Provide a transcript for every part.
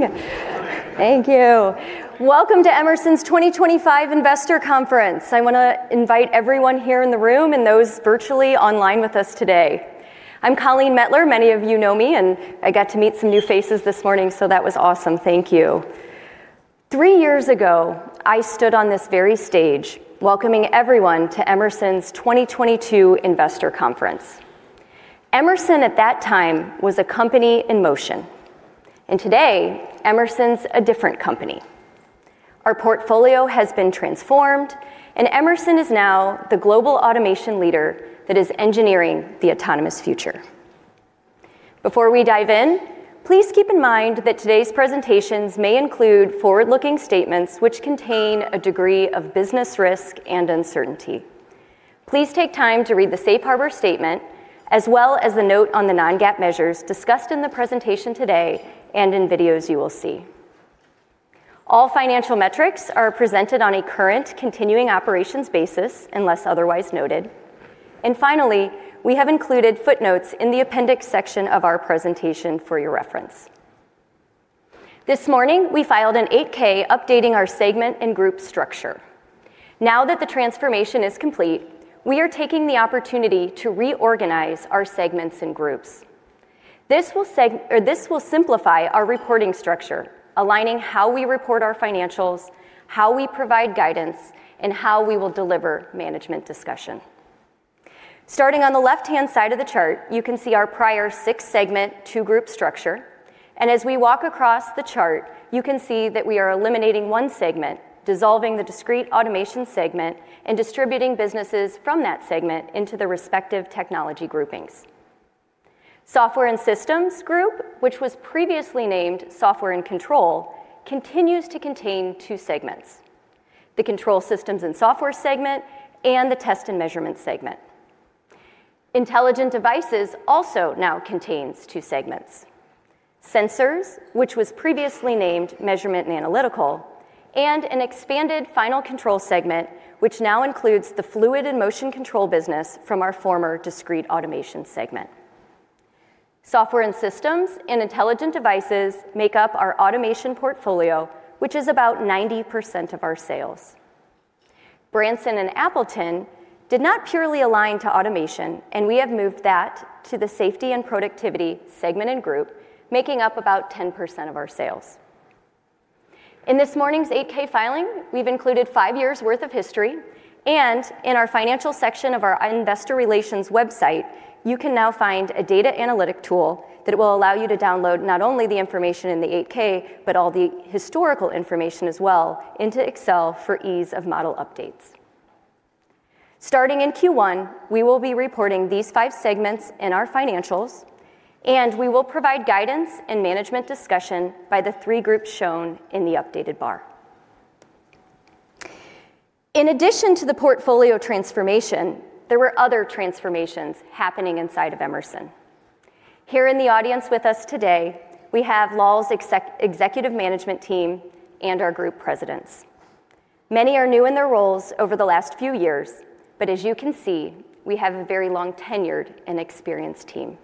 Morning. Good morning. Thank you. Welcome to Emerson's 2025 Investor Conference. I want to invite everyone here in the room and those virtually online with us today. I'm Colleen Mettler. Many of you know me, and I got to meet some new faces this morning, so that was awesome. Thank you. Three years ago, I stood on this very stage welcoming everyone to Emerson's 2022 Investor Conference. Emerson, at that time, was a company in motion, and today Emerson's a different company. Our portfolio has been transformed, and Emerson is now the global automation leader that is engineering the autonomous future. Before we dive in, please keep in mind that today's presentations may include forward-looking statements which contain a degree of business risk and uncertainty. Please take time to read the Safe Harbor Statement as well as the note on the non-GAAP measures discussed in the presentation today and in videos you will see. All financial metrics are presented on a current continuing operations basis unless otherwise noted. Finally, we have included footnotes in the appendix section of our presentation for your reference. This morning, we filed an 8-K updating our segment and group structure. Now that the transformation is complete, we are taking the opportunity to reorganize our segments and groups. This will simplify our reporting structure, aligning how we report our financials, how we provide guidance, and how we will deliver management discussion. Starting on the left-hand side of the chart, you can see our prior six-segment, two-group structure. As we walk across the chart, you can see that we are eliminating one segment, dissolving the discrete automation segment, and distributing businesses from that segment into the respective technology groupings. Software and Systems Group, which was previously named Software and Control, continues to contain two segments: the Control Systems and Software segment and the Test and Measurement segment. Intelligent Devices also now contains two segments: Sensors, which was previously named Measurement and Analytical, and an expanded Final Control segment, which now includes the Fluid and Motion Control business from our former discrete automation segment. Software and Systems and Intelligent Devices make up our automation portfolio, which is about 90% of our sales. Branson and Appleton did not purely align to automation, and we have moved that to the Safety and Productivity segment and group, making up about 10% of our sales. In this morning's 8-K filing, we've included five years' worth of history, and in our financial section of our Investor Relations website, you can now find a data analytic tool that will allow you to download not only the information in the 8-K, but all the historical information as well into Excel for ease of model updates. Starting in Q1, we will be reporting these five segments in our financials, and we will provide guidance and management discussion by the three groups shown in the updated bar. In addition to the portfolio transformation, there were other transformations happening inside of Emerson. Here in the audience with us today, we have Lal's executive management team and our group presidents. Many are new in their roles over the last few years, but as you can see, we have a very long-tenured and experienced team.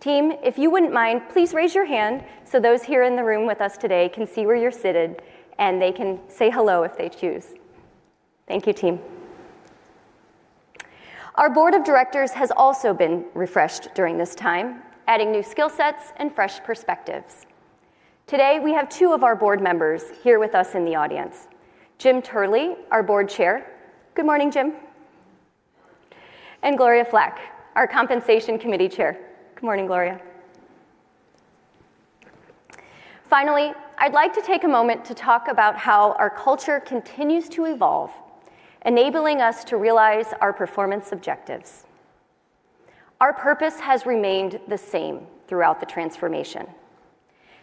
Team, if you wouldn't mind, please raise your hand so those here in the room with us today can see where you're seated, and they can say hello if they choose. Thank you, team. Our board of directors has also been refreshed during this time, adding new skill sets and fresh perspectives. Today, we have two of our board members here with us in the audience: Jim Turley, our board chair. Good morning, Jim. Gloria Flack, our Compensation Committee Chair. Good morning, Gloria. Finally, I'd like to take a moment to talk about how our culture continues to evolve, enabling us to realize our performance objectives. Our purpose has remained the same throughout the transformation,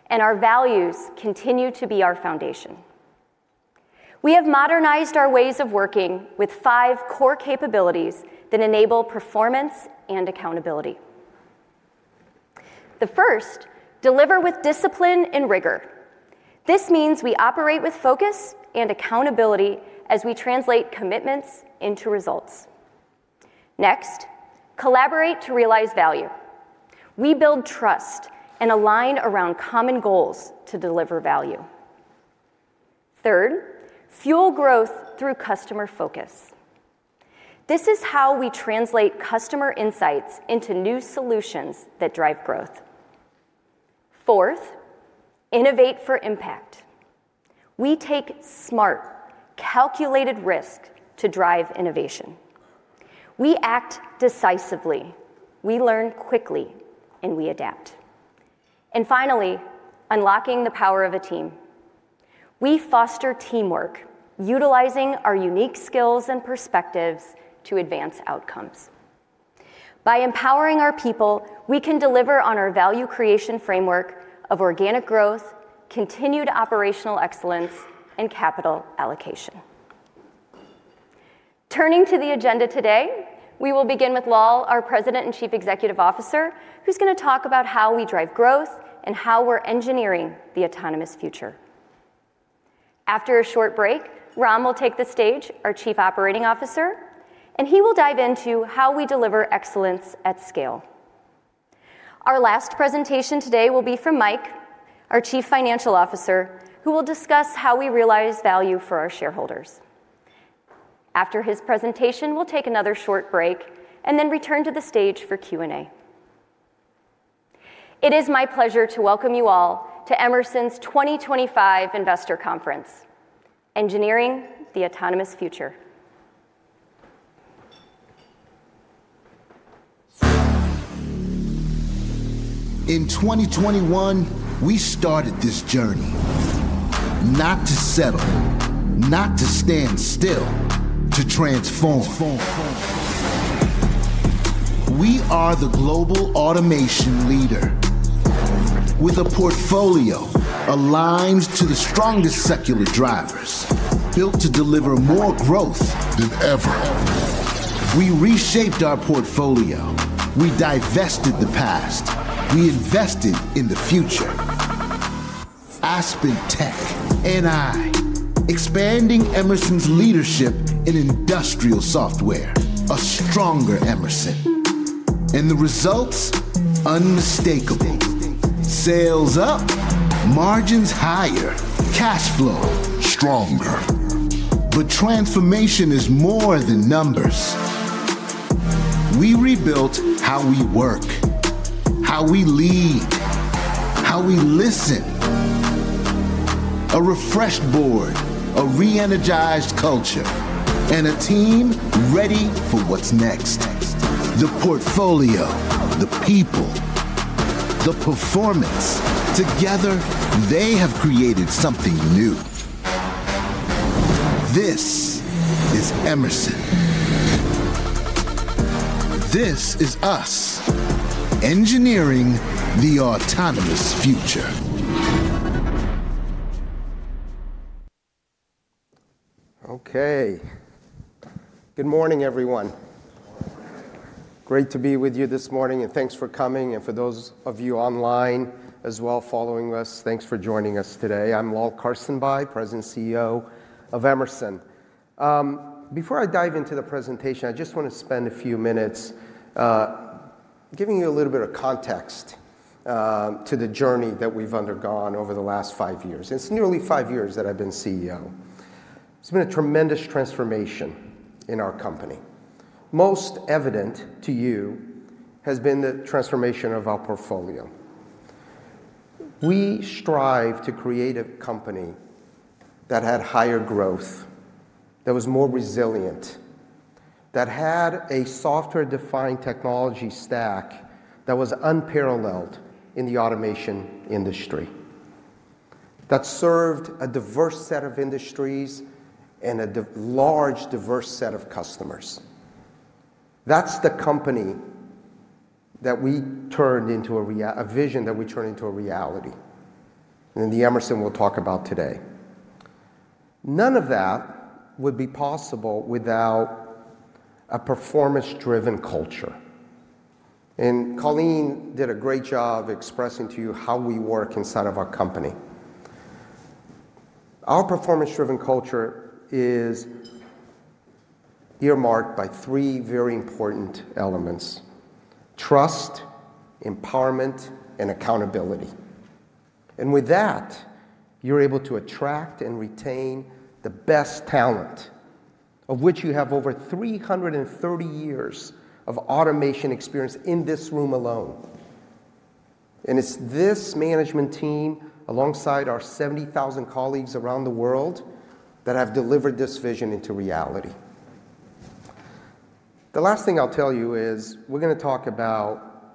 and our values continue to be our foundation. We have modernized our ways of working with five core capabilities that enable performance and accountability. The first, deliver with discipline and rigor. This means we operate with focus and accountability as we translate commitments into results. Next, collaborate to realize value. We build trust and align around common goals to deliver value. Third, fuel growth through customer focus. This is how we translate customer insights into new solutions that drive growth. Fourth, innovate for impact. We take smart, calculated risk to drive innovation. We act decisively. We learn quickly, and we adapt. Finally, unlocking the power of a team. We foster teamwork, utilizing our unique skills and perspectives to advance outcomes. By empowering our people, we can deliver on our value creation framework of organic growth, continued operational excellence, and capital allocation. Turning to the agenda today, we will begin with Lal, our President and Chief Executive Officer, who's going to talk about how we drive growth and how we're engineering the autonomous future. After a short break, Ram will take the stage, our Chief Operating Officer, and he will dive into how we deliver excellence at scale. Our last presentation today will be from Mike, our Chief Financial Officer, who will discuss how we realize value for our shareholders. After his presentation, we'll take another short break and then return to the stage for Q&A. It is my pleasure to welcome you all to Emerson's 2025 Investor Conference, Engineering the Autonomous Future. In 2021, we started this journey not to settle, not to stand still, to transform. We are the global automation leader with a portfolio aligned to the strongest secular drivers, built to deliver more growth than ever. We reshaped our portfolio. We divested the past. We invested in the future. AspenTech and NI expanding Emerson's leadership in industrial software, a stronger Emerson. The results? Unmistakable. Sales up, margins higher, cash flow stronger. Transformation is more than numbers. We rebuilt how we work, how we lead, how we listen. A refreshed board, a re-energized culture, and a team ready for what's next. The portfolio, the people, the performance. Together, they have created something new. This is Emerson. This is us engineering the autonomous future. Okay. Good morning, everyone. Great to be with you this morning, and thanks for coming. For those of you online as well following us, thanks for joining us today. I'm Lal Karsanbhai, President and CEO of Emerson. Before I dive into the presentation, I just want to spend a few minutes giving you a little bit of context to the journey that we've undergone over the last five years. It's nearly five years that I've been CEO. It's been a tremendous transformation in our company. Most evident to you has been the transformation of our portfolio. We strive to create a company that had higher growth, that was more resilient, that had a software-defined technology stack that was unparalleled in the automation industry, that served a diverse set of industries and a large, diverse set of customers. That's the company that we turned into a vision that we turned into a reality and that Emerson will talk about today. None of that would be possible without a performance-driven culture. Colleen did a great job expressing to you how we work inside of our company. Our performance-driven culture is earmarked by three very important elements: trust, empowerment, and accountability. With that, you're able to attract and retain the best talent, of which you have over 330 years of automation experience in this room alone. It's this management team alongside our 70,000 colleagues around the world that have delivered this vision into reality. The last thing I'll tell you is we're going to talk about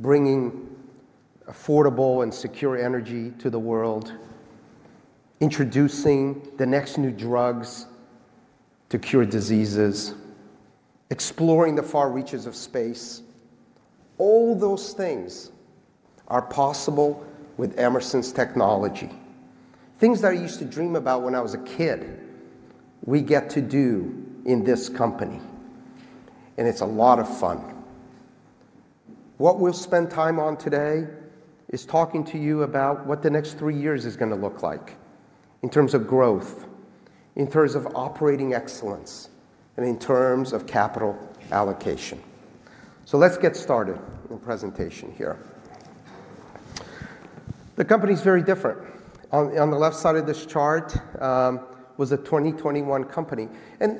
bringing affordable and secure energy to the world, introducing the next new drugs to cure diseases, exploring the far reaches of space. All those things are possible with Emerson's technology. Things that I used to dream about when I was a kid, we get to do in this company. And it's a lot of fun. What we'll spend time on today is talking to you about what the next three years is going to look like in terms of growth, in terms of operating excellence, and in terms of capital allocation. Let's get started with the presentation here. The company's very different. On the left side of this chart was a 2021 company.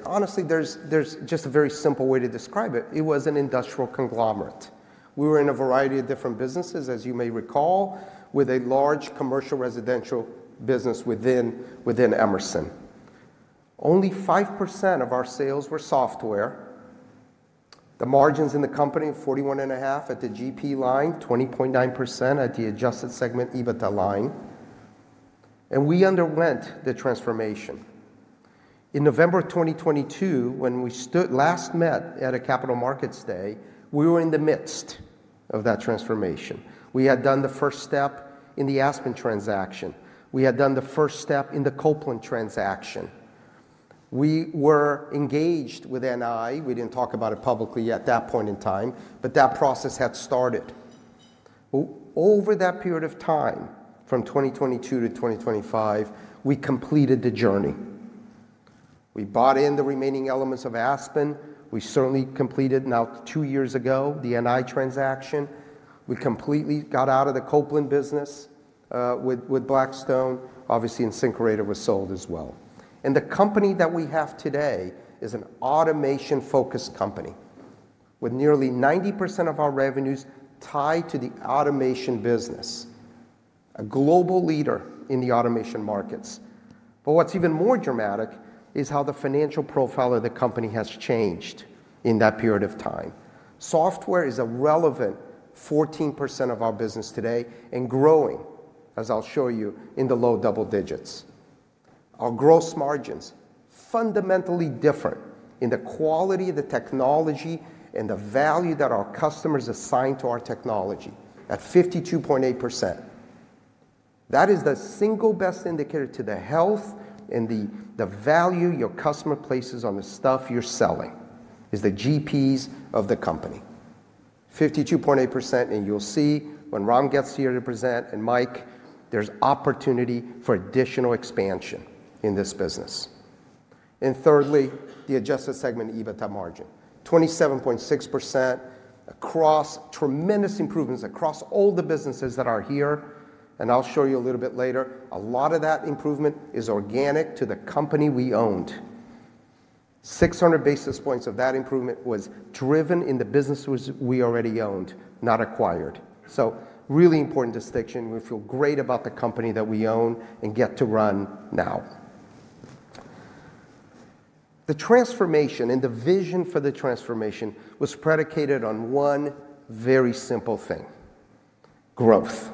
Honestly, there's just a very simple way to describe it. It was an industrial conglomerate. We were in a variety of different businesses, as you may recall, with a large commercial residential business within Emerson. Only 5% of our sales were software. The margins in the company of 41.5% at the GP line, 20.9% at the adjusted segment EBITDA line. We underwent the transformation. In November 2022, when we last met at a Capital Markets Day, we were in the midst of that transformation. We had done the first step in the AspenTech transaction. We had done the first step in the Copeland transaction. We were engaged with NI. We did not talk about it publicly at that point in time, but that process had started. Over that period of time, from 2022 to 2025, we completed the journey. We bought in the remaining elements of AspenTech. We certainly completed now two years ago the NI transaction. We completely got out of the Copeland business with Blackstone, obviously, and Sincreator was sold as well. The company that we have today is an automation-focused company with nearly 90% of our revenues tied to the automation business, a global leader in the automation markets. What is even more dramatic is how the financial profile of the company has changed in that period of time. Software is a relevant 14% of our business today and growing, as I'll show you, in the low double digits. Our gross margins are fundamentally different in the quality of the technology and the value that our customers assign to our technology at 52.8%. That is the single best indicator to the health and the value your customer places on the stuff you're selling is the GPs of the company. 52.8%. You'll see when Ram gets here to present and Mike, there's opportunity for additional expansion in this business. Thirdly, the adjusted segment EBITDA margin, 27.6% across tremendous improvements across all the businesses that are here. I'll show you a little bit later. A lot of that improvement is organic to the company we owned. 600 basis points of that improvement was driven in the businesses we already owned, not acquired. Really important distinction. We feel great about the company that we own and get to run now. The transformation and the vision for the transformation was predicated on one very simple thing: growth.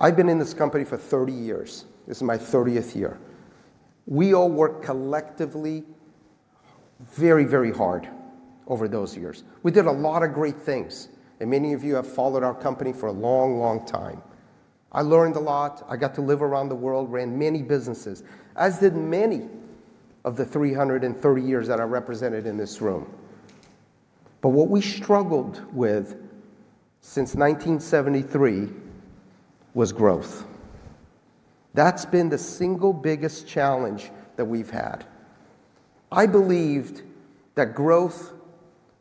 I've been in this company for 30 years. This is my 30th year. We all worked collectively very, very hard over those years. We did a lot of great things. Many of you have followed our company for a long, long time. I learned a lot. I got to live around the world, ran many businesses, as did many of the 330 years that I represented in this room. What we struggled with since 1973 was growth. That's been the single biggest challenge that we've had. I believed that growth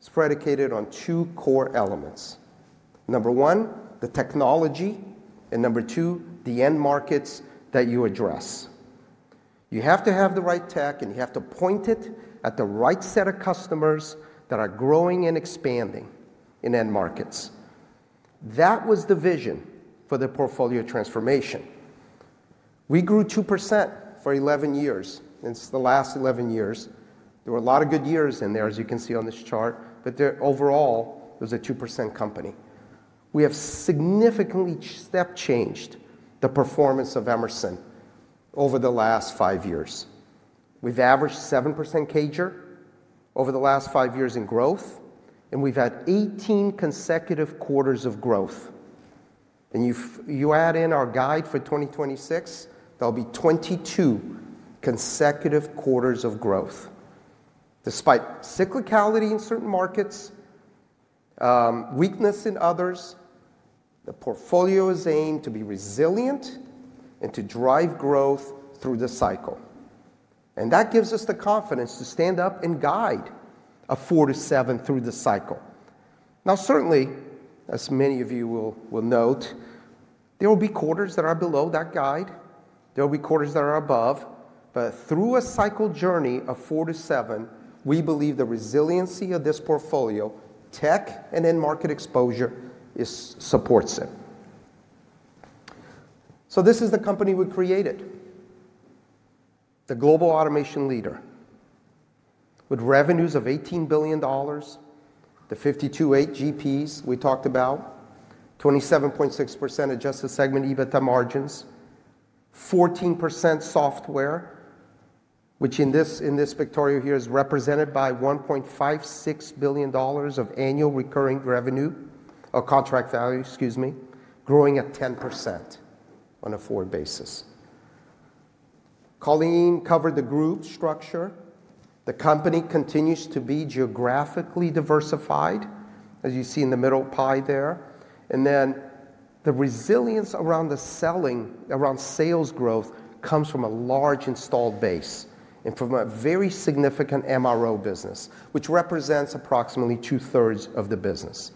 is predicated on two core elements. Number one, the technology, and number two, the end markets that you address. You have to have the right tech, and you have to point it at the right set of customers that are growing and expanding in end markets. That was the vision for the portfolio transformation. We grew 2% for 11 years. It is the last 11 years. There were a lot of good years in there, as you can see on this chart, but overall, it was a 2% company. We have significantly step-changed the performance of Emerson over the last five years. We have averaged 7% CAGR over the last five years in growth, and we have had 18 consecutive quarters of growth. You add in our guide for 2026, there will be 22 consecutive quarters of growth. Despite cyclicality in certain markets, weakness in others, the portfolio is aimed to be resilient and to drive growth through the cycle. That gives us the confidence to stand up and guide a 4-7 through the cycle. Now, certainly, as many of you will note, there will be quarters that are below that guide. There will be quarters that are above. Through a cycle journey of 4-7, we believe the resiliency of this portfolio, tech and end market exposure supports it. This is the company we created, the global automation leader with revenues of $18 billion, the 52.8 GPs we talked about, 27.6% adjusted segment EBITDA margins, 14% software, which in this picture here is represented by $1.56 billion of annual recurring revenue, a contract value, excuse me, growing at 10% on a 4 basis. Colleen covered the group structure. The company continues to be geographically diversified, as you see in the middle pie there. The resilience around the selling, around sales growth, comes from a large installed base and from a very significant MRO business, which represents approximately two-thirds of the business.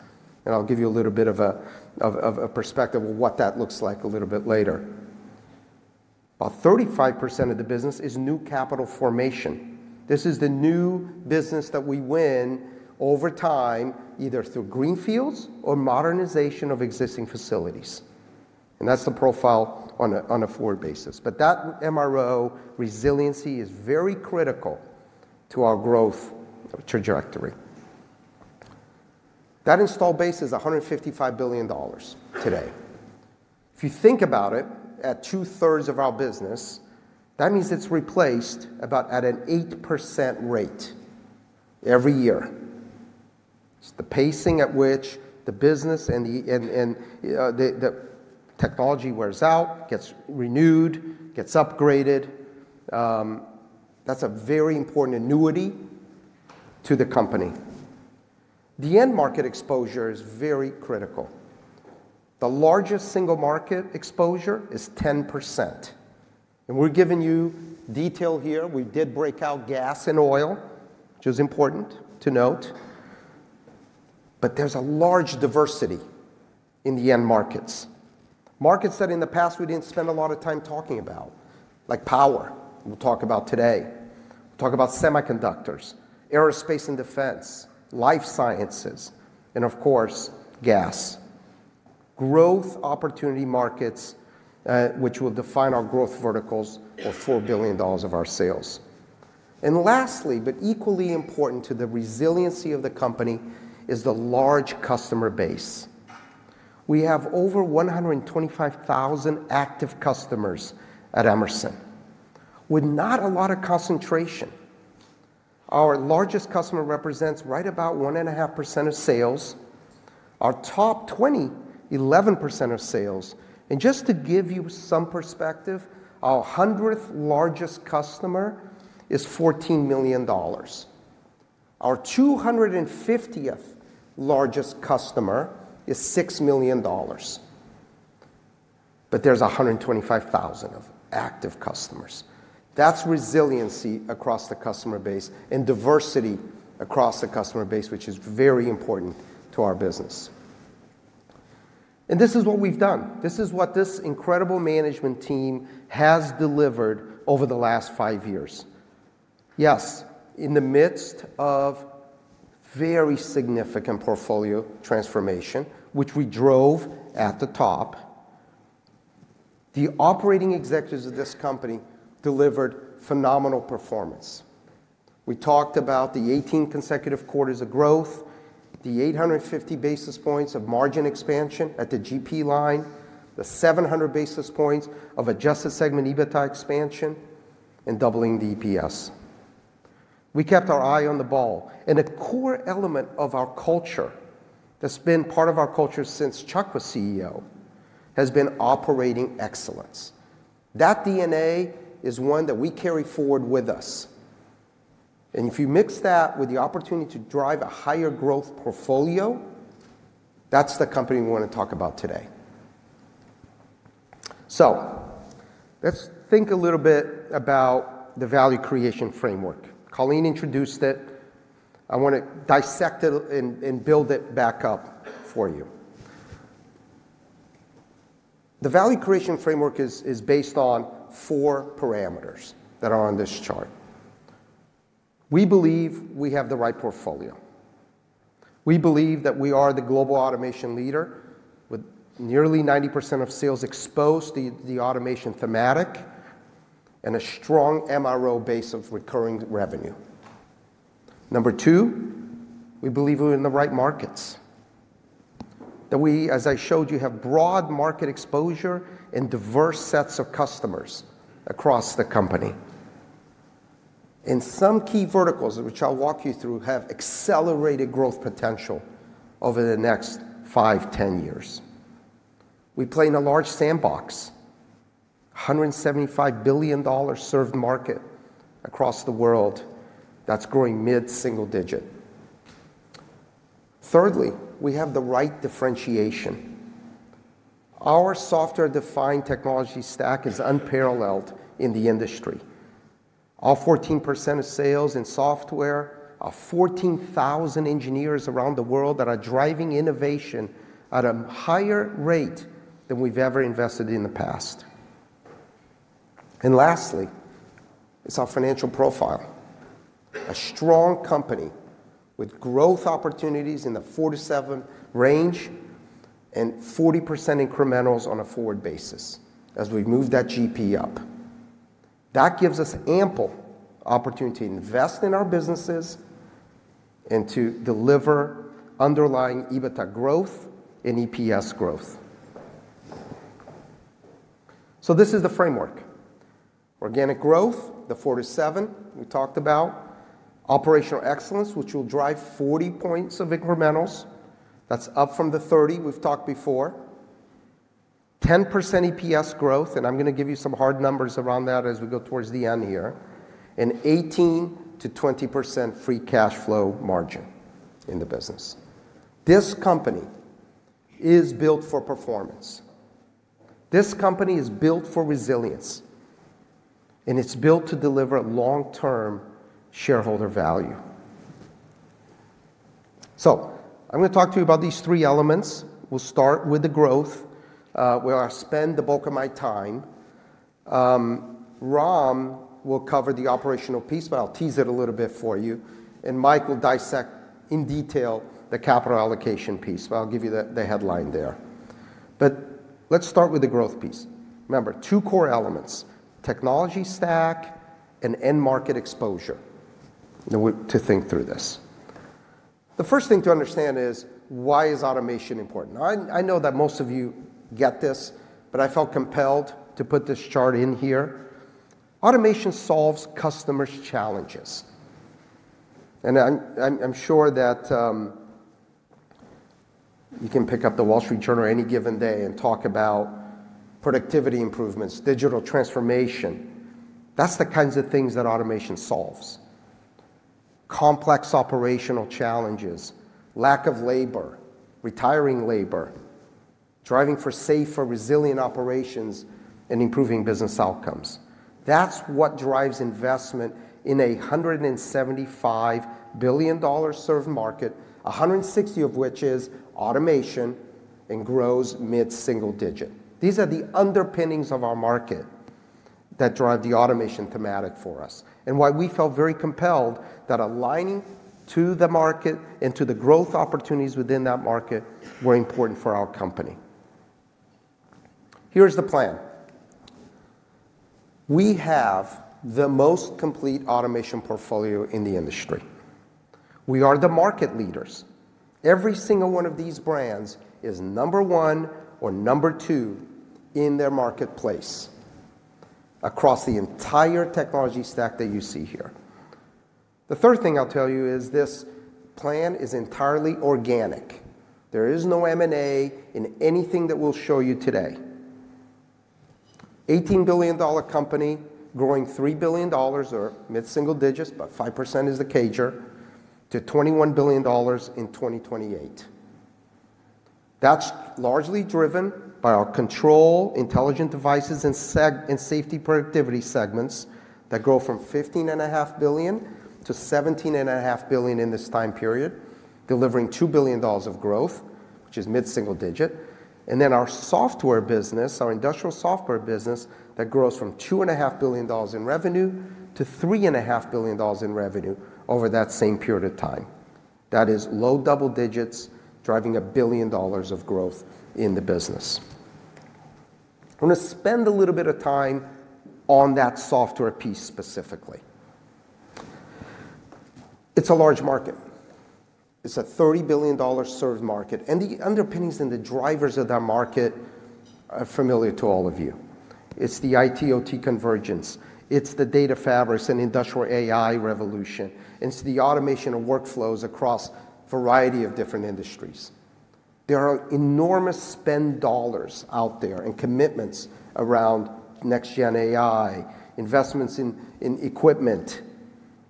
I'll give you a little bit of a perspective of what that looks like a little bit later. About 35% of the business is new capital formation. This is the new business that we win over time, either through greenfields or modernization of existing facilities. That's the profile on a 4 basis. That MRO resiliency is very critical to our growth trajectory. That installed base is $155 billion today. If you think about it, at two-thirds of our business, that means it's replaced about at an 8% rate every year. It's the pacing at which the business and the technology wears out, gets renewed, gets upgraded. That's a very important annuity to the company. The end market exposure is very critical. The largest single market exposure is 10%. We're giving you detail here. We did break out gas and oil, which is important to note. There's a large diversity in the end markets. Markets that in the past we didn't spend a lot of time talking about, like power, we'll talk about today. We'll talk about semiconductors, aerospace and defense, life sciences, and of course, gas. Growth opportunity markets, which will define our growth verticals, are $4 billion of our sales. Lastly, but equally important to the resiliency of the company is the large customer base. We have over 125,000 active customers at Emerson with not a lot of concentration. Our largest customer represents right about 1.5% of sales. Our top 20, 11% of sales. Just to give you some perspective, our 100th largest customer is $14 million. Our 250th largest customer is $6 million. There are 125,000 active customers. That is resiliency across the customer base and diversity across the customer base, which is very important to our business. This is what we have done. This is what this incredible management team has delivered over the last five years. Yes, in the midst of very significant portfolio transformation, which we drove at the top, the operating executives of this company delivered phenomenal performance. We talked about the 18 consecutive quarters of growth, the 850 basis points of margin expansion at the GP line, the 700 basis points of adjusted segment EBITDA expansion, and doubling the EPS. We kept our eye on the ball. A core element of our culture that's been part of our culture since Chuck was CEO has been operating excellence. That DNA is one that we carry forward with us. If you mix that with the opportunity to drive a higher growth portfolio, that's the company we want to talk about today. Let's think a little bit about the value creation framework. Colleen introduced it. I want to dissect it and build it back up for you. The value creation framework is based on four parameters that are on this chart. We believe we have the right portfolio. We believe that we are the global automation leader with nearly 90% of sales exposed to the automation thematic and a strong MRO base of recurring revenue. Number two, we believe we're in the right markets. That we, as I showed you, have broad market exposure and diverse sets of customers across the company. Some key verticals, which I'll walk you through, have accelerated growth potential over the next five, ten years. We play in a large sandbox, $175 billion served market across the world that's growing mid-single digit. Thirdly, we have the right differentiation. Our software-defined technology stack is unparalleled in the industry. All 14% of sales in software are 14,000 engineers around the world that are driving innovation at a higher rate than we've ever invested in the past. Lastly, it's our financial profile. A strong company with growth opportunities in the four-seven range and 40% incrementals on a four basis as we move that GP up. That gives us ample opportunity to invest in our businesses and to deliver underlying EBITDA growth and EPS growth. This is the framework. Organic growth, the four to seven we talked about. Operational excellence, which will drive 40 points of incrementals. That's up from the 30 we talked before. 10% EPS growth. I'm going to give you some hard numbers around that as we go towards the end here. 18%-20% free cash flow margin in the business. This company is built for performance. This company is built for resilience. It's built to deliver long-term shareholder value. I'm going to talk to you about these three elements. We'll start with the growth where I spend the bulk of my time. Ram will cover the operational piece, but I'll tease it a little bit for you. Mike will dissect in detail the capital allocation piece, but I'll give you the headline there. Let's start with the growth piece. Remember, two core elements, technology stack and end market exposure to think through this. The first thing to understand is why is automation important? I know that most of you get this, but I felt compelled to put this chart in here. Automation solves customers' challenges. I'm sure that you can pick up the Wall Street Journal any given day and talk about productivity improvements, digital transformation. That's the kinds of things that automation solves. Complex operational challenges, lack of labor, retiring labor, driving for safer, resilient operations, and improving business outcomes. That's what drives investment in a $175 billion serve market, $160 billion of which is automation and grows mid-single digit. These are the underpinnings of our market that drive the automation thematic for us and why we felt very compelled that aligning to the market and to the growth opportunities within that market were important for our company. Here's the plan. We have the most complete automation portfolio in the industry. We are the market leaders. Every single one of these brands is number one or number two in their marketplace across the entire technology stack that you see here. The third thing I'll tell you is this plan is entirely organic. There is no M&A in anything that we'll show you today. $18 billion company, growing $3 billion or mid-single digits, but 5% is the CAGR to $21 billion in 2028. That's largely driven by our control, intelligent devices, and safety productivity segments that grow from $15.5 billion to $17.5 billion in this time period, delivering $2 billion of growth, which is mid-single digit. Then our software business, our industrial software business that grows from $2.5 billion in revenue to $3.5 billion in revenue over that same period of time. That is low double digits, driving a billion dollars of growth in the business. I'm going to spend a little bit of time on that software piece specifically. It's a large market. It's a $30 billion serve market. The underpinnings and the drivers of that market are familiar to all of you. It's the IT/OT convergence. It's the data fabrics and industrial AI revolution. It's the automation of workflows across a variety of different industries. There are enormous spend dollars out there and commitments around next-gen AI, investments in equipment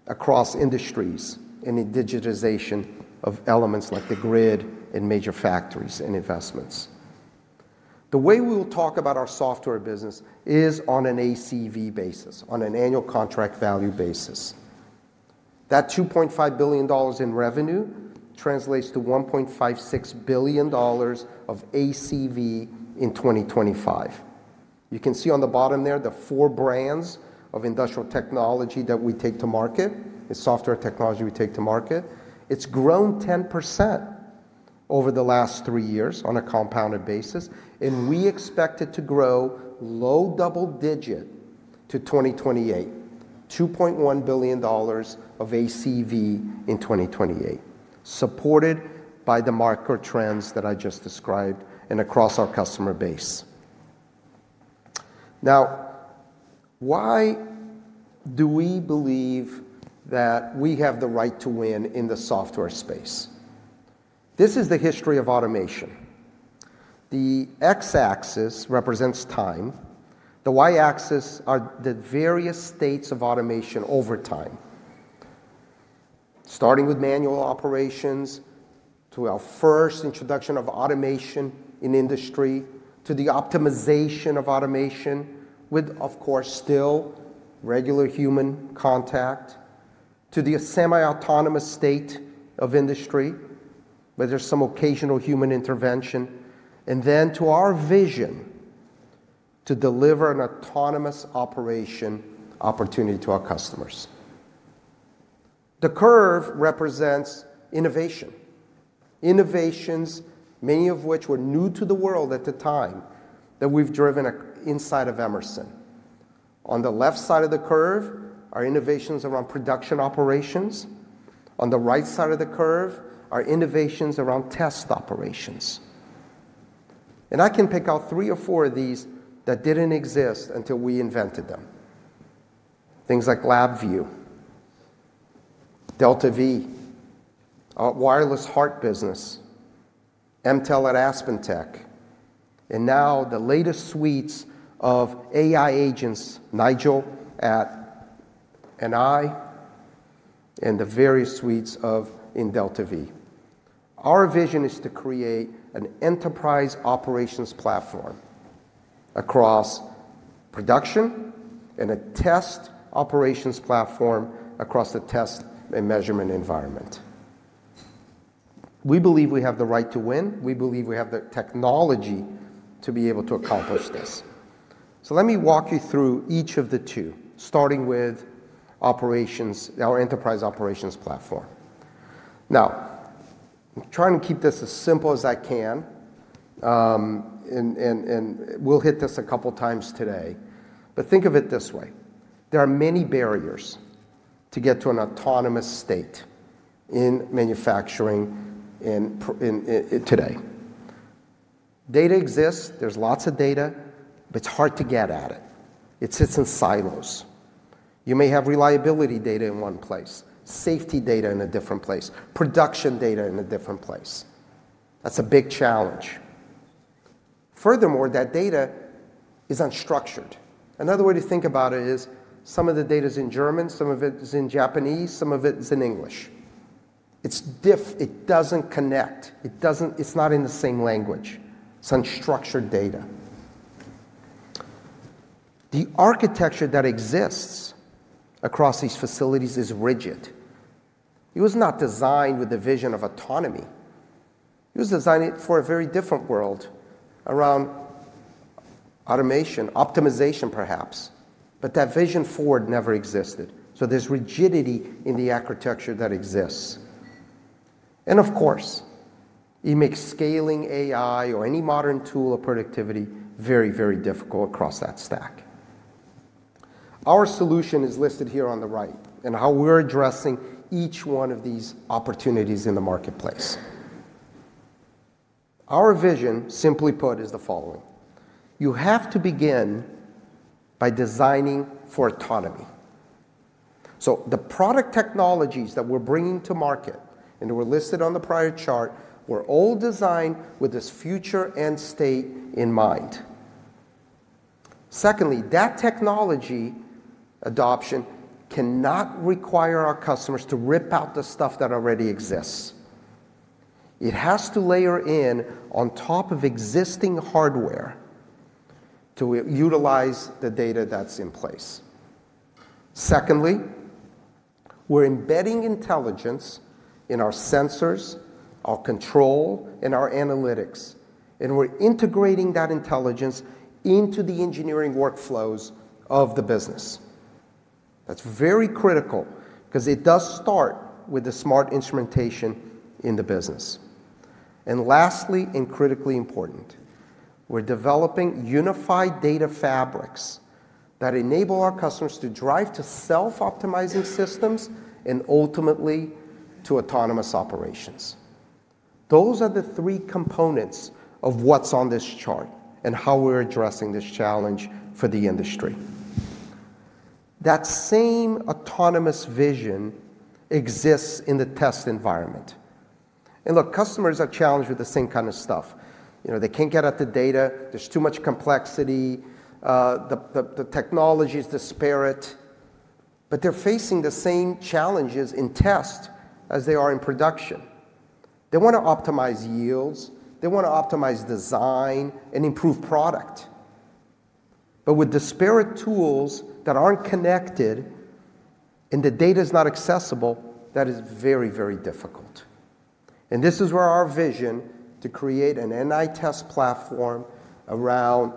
across industries, and digitization of elements like the grid and major factories and investments. The way we will talk about our software business is on an ACV basis, on an annual contract value basis. That $2.5 billion in revenue translates to $1.56 billion of ACV in 2025. You can see on the bottom there the four brands of industrial technology that we take to market and software technology we take to market. It's grown 10% over the last three years on a compounded basis. We expect it to grow low double digit to 2028, $2.1 billion of ACV in 2028, supported by the market trends that I just described and across our customer base. Now, why do we believe that we have the right to win in the software space? This is the history of automation. The X-axis represents time. The Y-axis are the various states of automation over time, starting with manual operations to our first introduction of automation in industry, to the optimization of automation with, of course, still regular human contact, to the semi-autonomous state of industry where there's some occasional human intervention, and then to our vision to deliver an autonomous operation opportunity to our customers. The curve represents innovation. Innovations, many of which were new to the world at the time that we've driven inside of Emerson. On the left side of the curve, our innovations around production operations. On the right side of the curve, our innovations around test operations. I can pick out three or four of these that didn't exist until we invented them. Things like LabVIEW, DeltaV, our wireless heart business, MTEL at AspenTech, and now the latest suites of AI agents, Nigel at NI, and the various suites in DeltaV. Our vision is to create an enterprise operations platform across production and a test operations platform across the test and measurement environment. We believe we have the right to win. We believe we have the technology to be able to accomplish this. Let me walk you through each of the two, starting with operations, our enterprise operations platform. Now, I'm trying to keep this as simple as I can, and we'll hit this a couple of times today. Think of it this way. There are many barriers to get to an autonomous state in manufacturing today. Data exists. There's lots of data, but it's hard to get at it. It sits in silos. You may have reliability data in one place, safety data in a different place, production data in a different place. That's a big challenge. Furthermore, that data is unstructured. Another way to think about it is some of the data is in German, some of it is in Japanese, some of it is in English. It doesn't connect. It's not in the same language. It's unstructured data. The architecture that exists across these facilities is rigid. It was not designed with a vision of autonomy. It was designed for a very different world around automation, optimization, perhaps. That vision forward never existed. There is rigidity in the architecture that exists. Of course, it makes scaling AI or any modern tool of productivity very, very difficult across that stack. Our solution is listed here on the right and how we're addressing each one of these opportunities in the marketplace. Our vision, simply put, is the following. You have to begin by designing for autonomy. The product technologies that we're bringing to market and that were listed on the prior chart were all designed with this future end state in mind. Secondly, that technology adoption cannot require our customers to rip out the stuff that already exists. It has to layer in on top of existing hardware to utilize the data that's in place. We're embedding intelligence in our sensors, our control, and our analytics. We're integrating that intelligence into the engineering workflows of the business. That's very critical because it does start with the smart instrumentation in the business. Lastly, and critically important, we're developing unified data fabrics that enable our customers to drive to self-optimizing systems and ultimately to autonomous operations. Those are the three components of what's on this chart and how we're addressing this challenge for the industry. That same autonomous vision exists in the test environment. Look, customers are challenged with the same kind of stuff. They can't get at the data. There's too much complexity. The technology is disparate, but they're facing the same challenges in test as they are in production. They want to optimize yields. They want to optimize design and improve product. With disparate tools that aren't connected and the data is not accessible, that is very, very difficult. This is where our vision to create an NI Test Platform around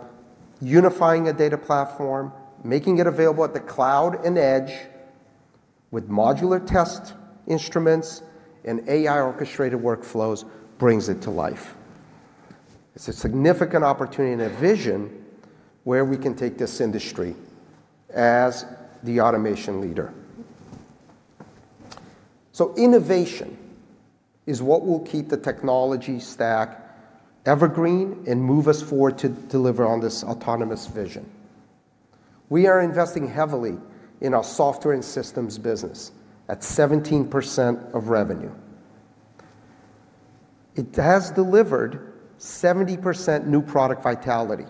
unifying a data platform, making it available at the cloud and edge with modular test instruments and AI orchestrated workflows brings it to life. It's a significant opportunity and a vision where we can take this industry as the automation leader. Innovation is what will keep the technology stack evergreen and move us forward to deliver on this autonomous vision. We are investing heavily in our software and systems business at 17% of revenue. It has delivered 70% new product vitality.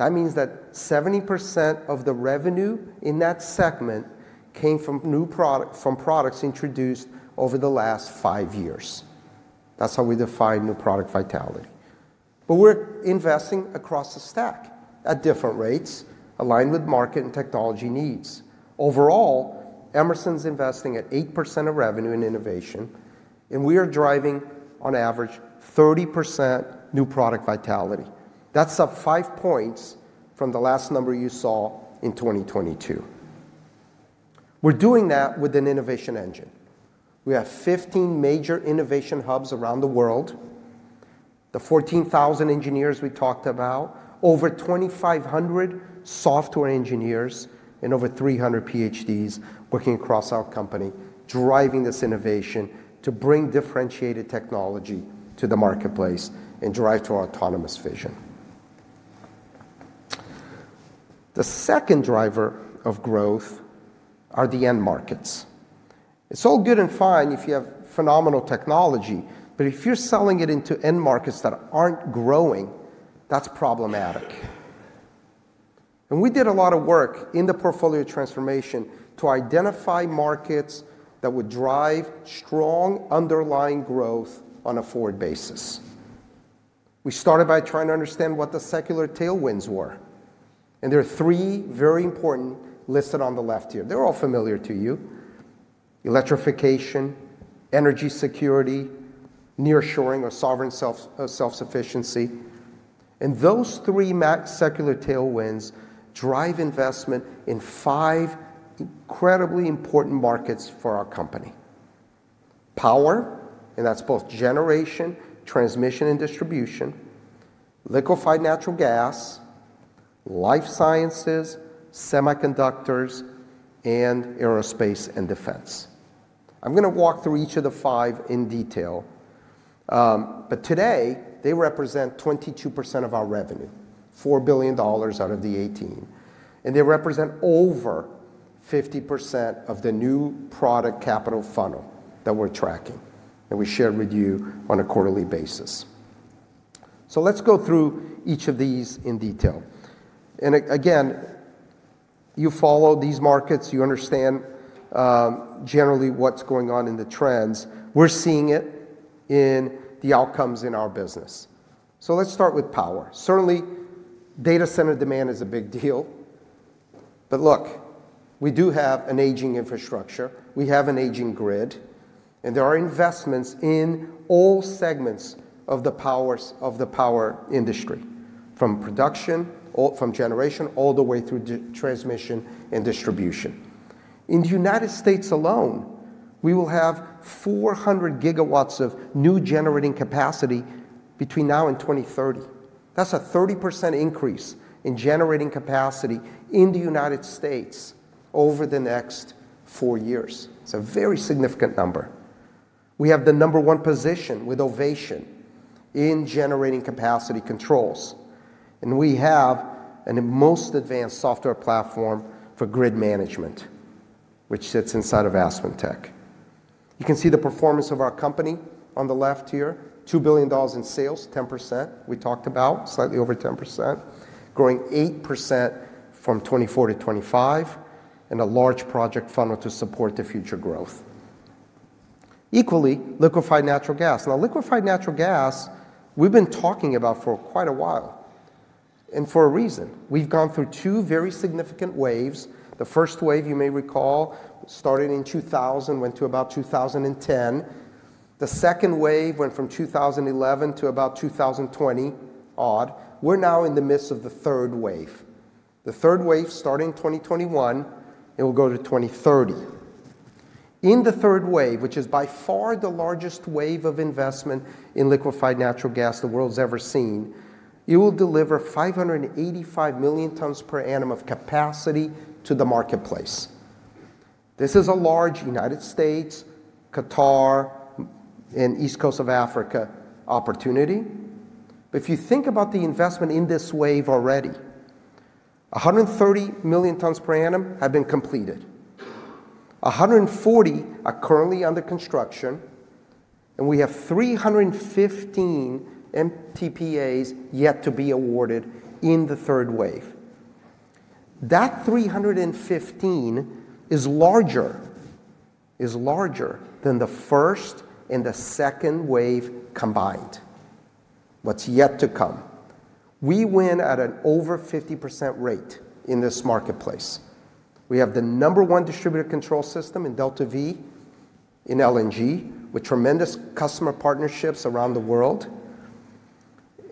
That means that 70% of the revenue in that segment came from products introduced over the last five years. That's how we define new product vitality. We are investing across the stack at different rates aligned with market and technology needs. Overall, Emerson's investing at 8% of revenue in innovation, and we are driving on average 30% new product vitality. That's up five percentage points from the last number you saw in 2022. We are doing that with an innovation engine. We have 15 major innovation hubs around the world, the 14,000 engineers we talked about, over 2,500 software engineers, and over 300 PhDs working across our company, driving this innovation to bring differentiated technology to the marketplace and drive to our autonomous vision. The second driver of growth are the end markets. It's all good and fine if you have phenomenal technology, but if you're selling it into end markets that aren't growing, that's problematic. We did a lot of work in the portfolio transformation to identify markets that would drive strong underlying growth on a forward basis. We started by trying to understand what the secular tailwinds were. There are three very important listed on the left here. They're all familiar to you: electrification, energy security, nearshoring, or sovereign self-sufficiency. Those three secular tailwinds drive investment in five incredibly important markets for our company: power, and that's both generation, transmission, and distribution; liquefied natural gas; life sciences; semiconductors; and aerospace and defense. I'm going to walk through each of the five in detail. Today, they represent 22% of our revenue, $4 billion out of the 18. They represent over 50% of the new product capital funnel that we're tracking that we share with you on a quarterly basis. Let's go through each of these in detail. You follow these markets. You understand generally what's going on in the trends. We're seeing it in the outcomes in our business. Let's start with power. Certainly, data center demand is a big deal. Look, we do have an aging infrastructure. We have an aging grid. There are investments in all segments of the power industry, from production, from generation, all the way through to transmission and distribution. In the U.S. alone, we will have 400 gigawatts of new generating capacity between now and 2030. That is a 30% increase in generating capacity in the U.S. over the next four years. It is a very significant number. We have the number one position with Ovation in generating capacity controls. We have the most advanced software platform for grid management, which sits inside of AspenTech. You can see the performance of our company on the left here: $2 billion in sales, 10%. We talked about slightly over 10%, growing 8% from 2024 to 2025, and a large project funnel to support the future growth. Equally, liquefied natural gas. Now, liquefied natural gas, we have been talking about for quite a while. And for a reason. We've gone through two very significant waves. The first wave, you may recall, started in 2000, went to about 2010. The second wave went from 2011 to about 2020 odd. We're now in the midst of the third wave. The third wave started in 2021 and will go to 2030. In the third wave, which is by far the largest wave of investment in liquefied natural gas the world's ever seen, it will deliver 585 million tons per annum of capacity to the marketplace. This is a large United States, Qatar, and East Coast of Africa opportunity. If you think about the investment in this wave already, 130 million tons per annum have been completed. 140 are currently under construction, and we have 315 MTPAs yet to be awarded in the third wave. That 315 is larger than the first and the second wave combined. What's yet to come? We win at an over 50% rate in this marketplace. We have the number one distributor control system in DeltaV in LNG with tremendous customer partnerships around the world.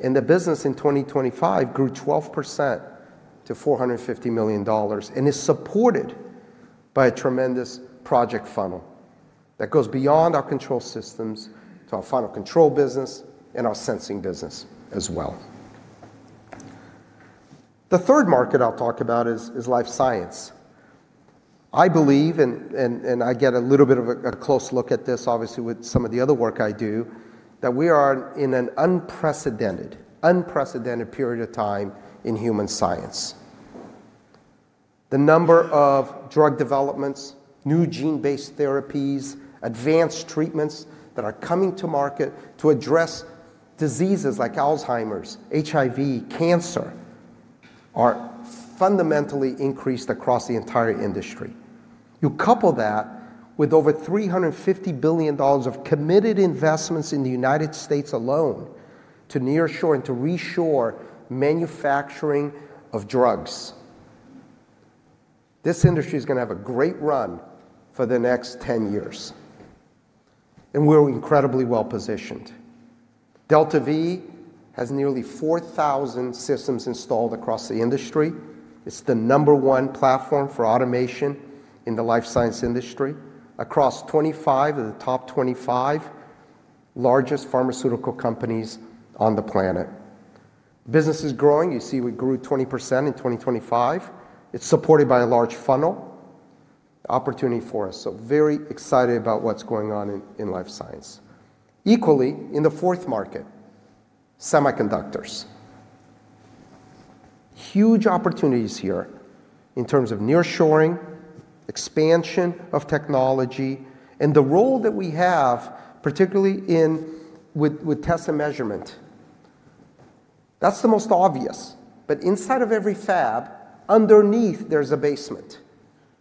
The business in 2025 grew 12% to $450 million and is supported by a tremendous project funnel that goes beyond our control systems to our final control business and our sensing business as well. The third market I'll talk about is life science. I believe, and I get a little bit of a close look at this, obviously, with some of the other work I do, that we are in an unprecedented, unprecedented period of time in human science. The number of drug developments, new gene-based therapies, advanced treatments that are coming to market to address diseases like Alzheimer's, HIV, cancer are fundamentally increased across the entire industry. You couple that with over $350 billion of committed investments in the United States alone to nearshore and to reshore manufacturing of drugs. This industry is going to have a great run for the next 10 years. We're incredibly well positioned. DeltaV has nearly 4,000 systems installed across the industry. It's the number one platform for automation in the life science industry across 25 of the top 25 largest pharmaceutical companies on the planet. Business is growing. You see we grew 20% in 2025. It's supported by a large funnel. Opportunity for us. Very excited about what's going on in life science. Equally, in the fourth market, semiconductors. Huge opportunities here in terms of nearshoring, expansion of technology, and the role that we have, particularly with test and measurement. That's the most obvious. Inside of every fab, underneath, there's a basement.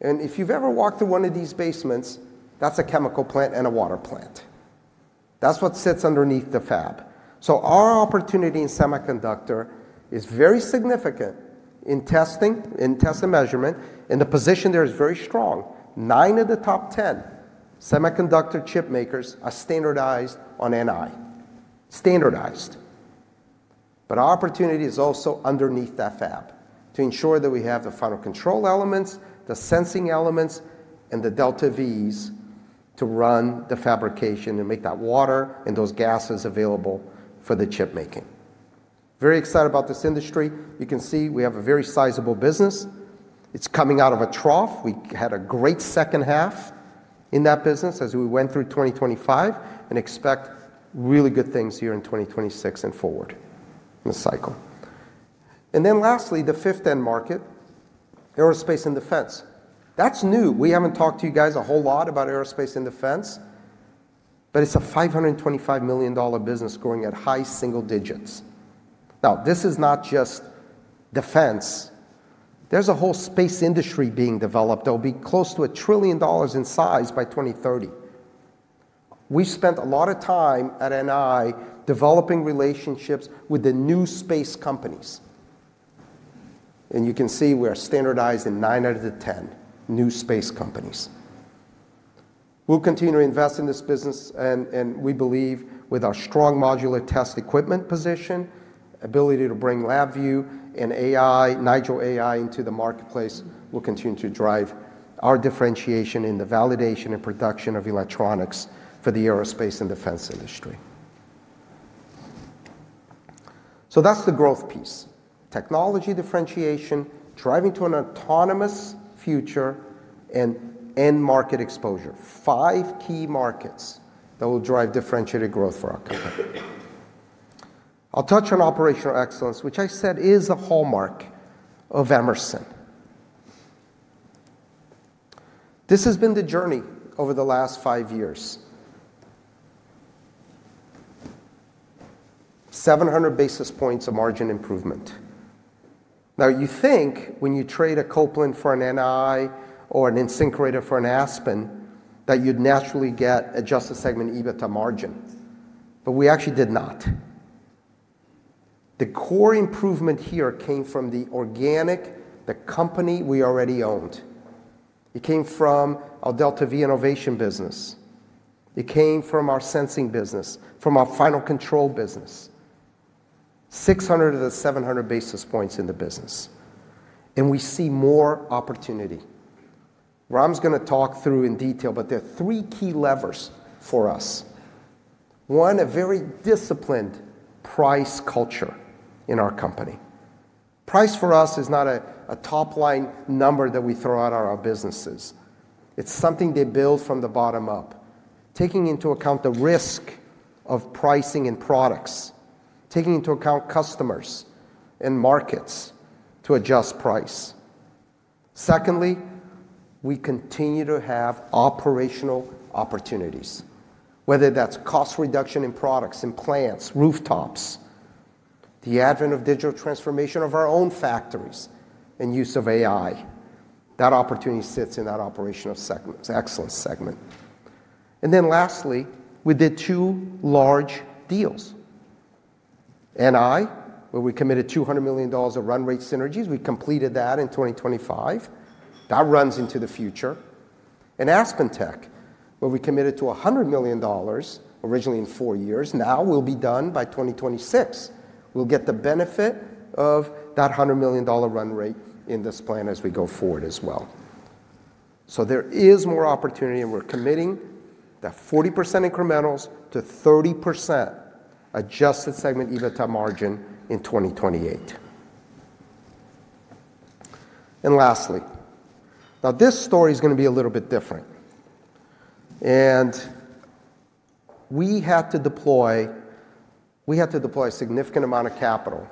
If you have ever walked through one of these basements, that is a chemical plant and a water plant. That is what sits underneath the fab. Our opportunity in semiconductor is very significant in testing and test and measurement. The position there is very strong. Nine of the top 10 semiconductor chip makers are standardized on NI. Standardized. Our opportunity is also underneath that fab to ensure that we have the final control elements, the sensing elements, and the DeltaVs to run the fabrication and make that water and those gases available for the chip making. Very excited about this industry. You can see we have a very sizable business. It is coming out of a trough. We had a great second half in that business as we went through 2025 and expect really good things here in 2026 and forward in the cycle. Lastly, the fifth end market, aerospace and defense. That's new. We haven't talked to you guys a whole lot about aerospace and defense, but it's a $525 million business growing at high single digits. Now, this is not just defense. There's a whole space industry being developed that will be close to a trillion dollars in size by 2030. We spent a lot of time at NI developing relationships with the new space companies. You can see we're standardized in nine out of the 10 new space companies. We'll continue to invest in this business. We believe with our strong modular test equipment position, ability to bring LabVIEW and Nitro AI into the marketplace will continue to drive our differentiation in the validation and production of electronics for the aerospace and defense industry. That's the growth piece: technology differentiation, driving to an autonomous future, and end market exposure. Five key markets that will drive differentiated growth for our company. I'll touch on operational excellence, which I said is a hallmark of Emerson. This has been the journey over the last five years: 700 basis points of margin improvement. Now, you think when you trade a Copeland for an NI or an NSYNC rater for an Aspen that you'd naturally get a just a segment EBITDA margin. But we actually did not. The core improvement here came from the organic, the company we already owned. It came from our DeltaV innovation business. It came from our sensing business, from our final control business: 600-700 basis points in the business. And we see more opportunity. Where I'm going to talk through in detail, but there are three key levers for us. One, a very disciplined price culture in our company. Price for us is not a top-line number that we throw out at our businesses. It's something they build from the bottom up, taking into account the risk of pricing and products, taking into account customers and markets to adjust price. Secondly, we continue to have operational opportunities, whether that's cost reduction in products, in plants, rooftops, the advent of digital transformation of our own factories, and use of AI. That opportunity sits in that operational excellence segment. Lastly, we did two large deals: NI, where we committed $200 million of run rate synergies. We completed that in 2025. That runs into the future. And AspenTech, where we committed to $100 million originally in four years. Now we'll be done by 2026. We'll get the benefit of that $100 million run rate in this plan as we go forward as well. There is more opportunity, and we're committing that 40% incrementals to 30% adjusted segment EBITDA margin in 2028. Lastly, now this story is going to be a little bit different. We had to deploy a significant amount of capital,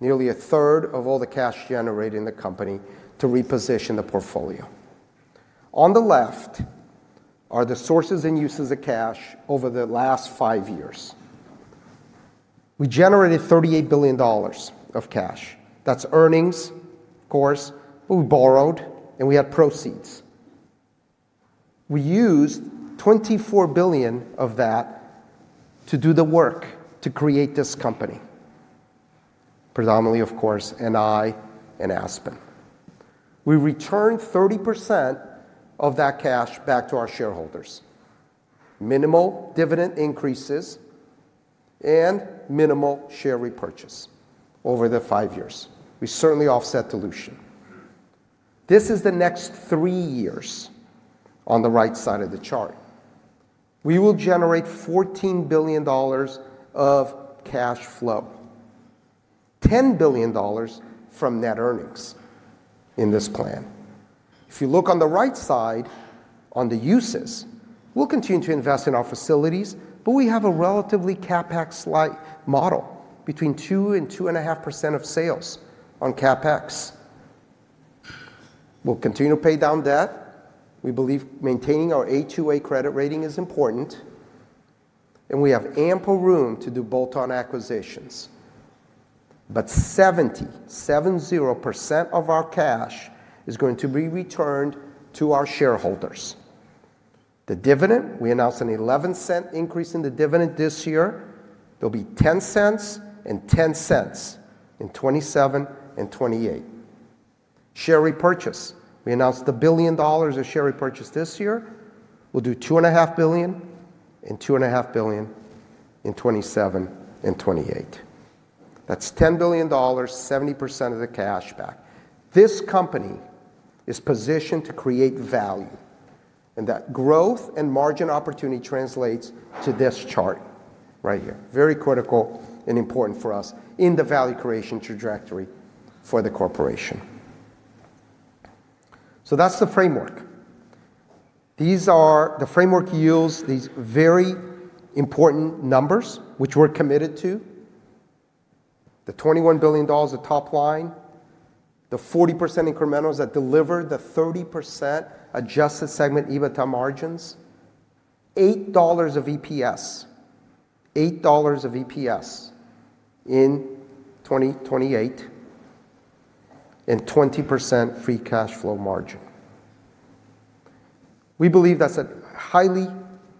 nearly a third of all the cash generated in the company, to reposition the portfolio. On the left are the sources and uses of cash over the last five years. We generated $38 billion of cash. That's earnings, of course, but we borrowed, and we had proceeds. We used $24 billion of that to do the work to create this company, predominantly, of course, NI and AspenTech. We returned 30% of that cash back to our shareholders: minimal dividend increases and minimal share repurchase over the five years. We certainly offset dilution. This is the next three years on the right side of the chart. We will generate $14 billion of cash flow, $10 billion from net earnings in this plan. If you look on the right side on the uses, we will continue to invest in our facilities, but we have a relatively CapEx light model between 2-2.5% of sales on CapEx. We will continue to pay down debt. We believe maintaining our A2A credit rating is important. We have ample room to do bolt-on acquisitions. 70% of our cash is going to be returned to our shareholders. The dividend, we announced an $0.11 increase in the dividend this year. There will be $0.10 and $0.10 in 2027 and 2028. Share repurchase, we announced $1 billion of share repurchase this year. We will do $2.5 billion and $2.5 billion in 2027 and 2028. That's $10 billion, 70% of the cash back. This company is positioned to create value. That growth and margin opportunity translates to this chart right here. Very critical and important for us in the value creation trajectory for the corporation. That is the framework. These are the framework yields these very important numbers, which we're committed to: the $21 billion of top line, the 40% incrementals that deliver the 30% adjusted segment EBITDA margins, $8 of EPS, $8 of EPS in 2028, and 20% free cash flow margin. We believe that's a highly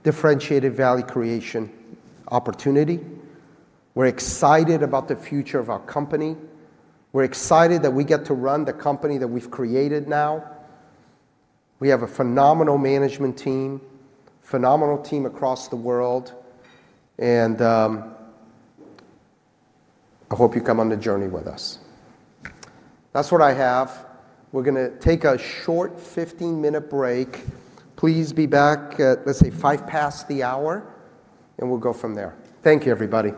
differentiated value creation opportunity. We're excited about the future of our company. We're excited that we get to run the company that we've created now. We have a phenomenal management team, phenomenal team across the world. I hope you come on the journey with us. That's what I have. We're going to take a short 15-minute break. Please be back at, let's say, 5 past the hour, and we'll go from there. Thank you, everybody.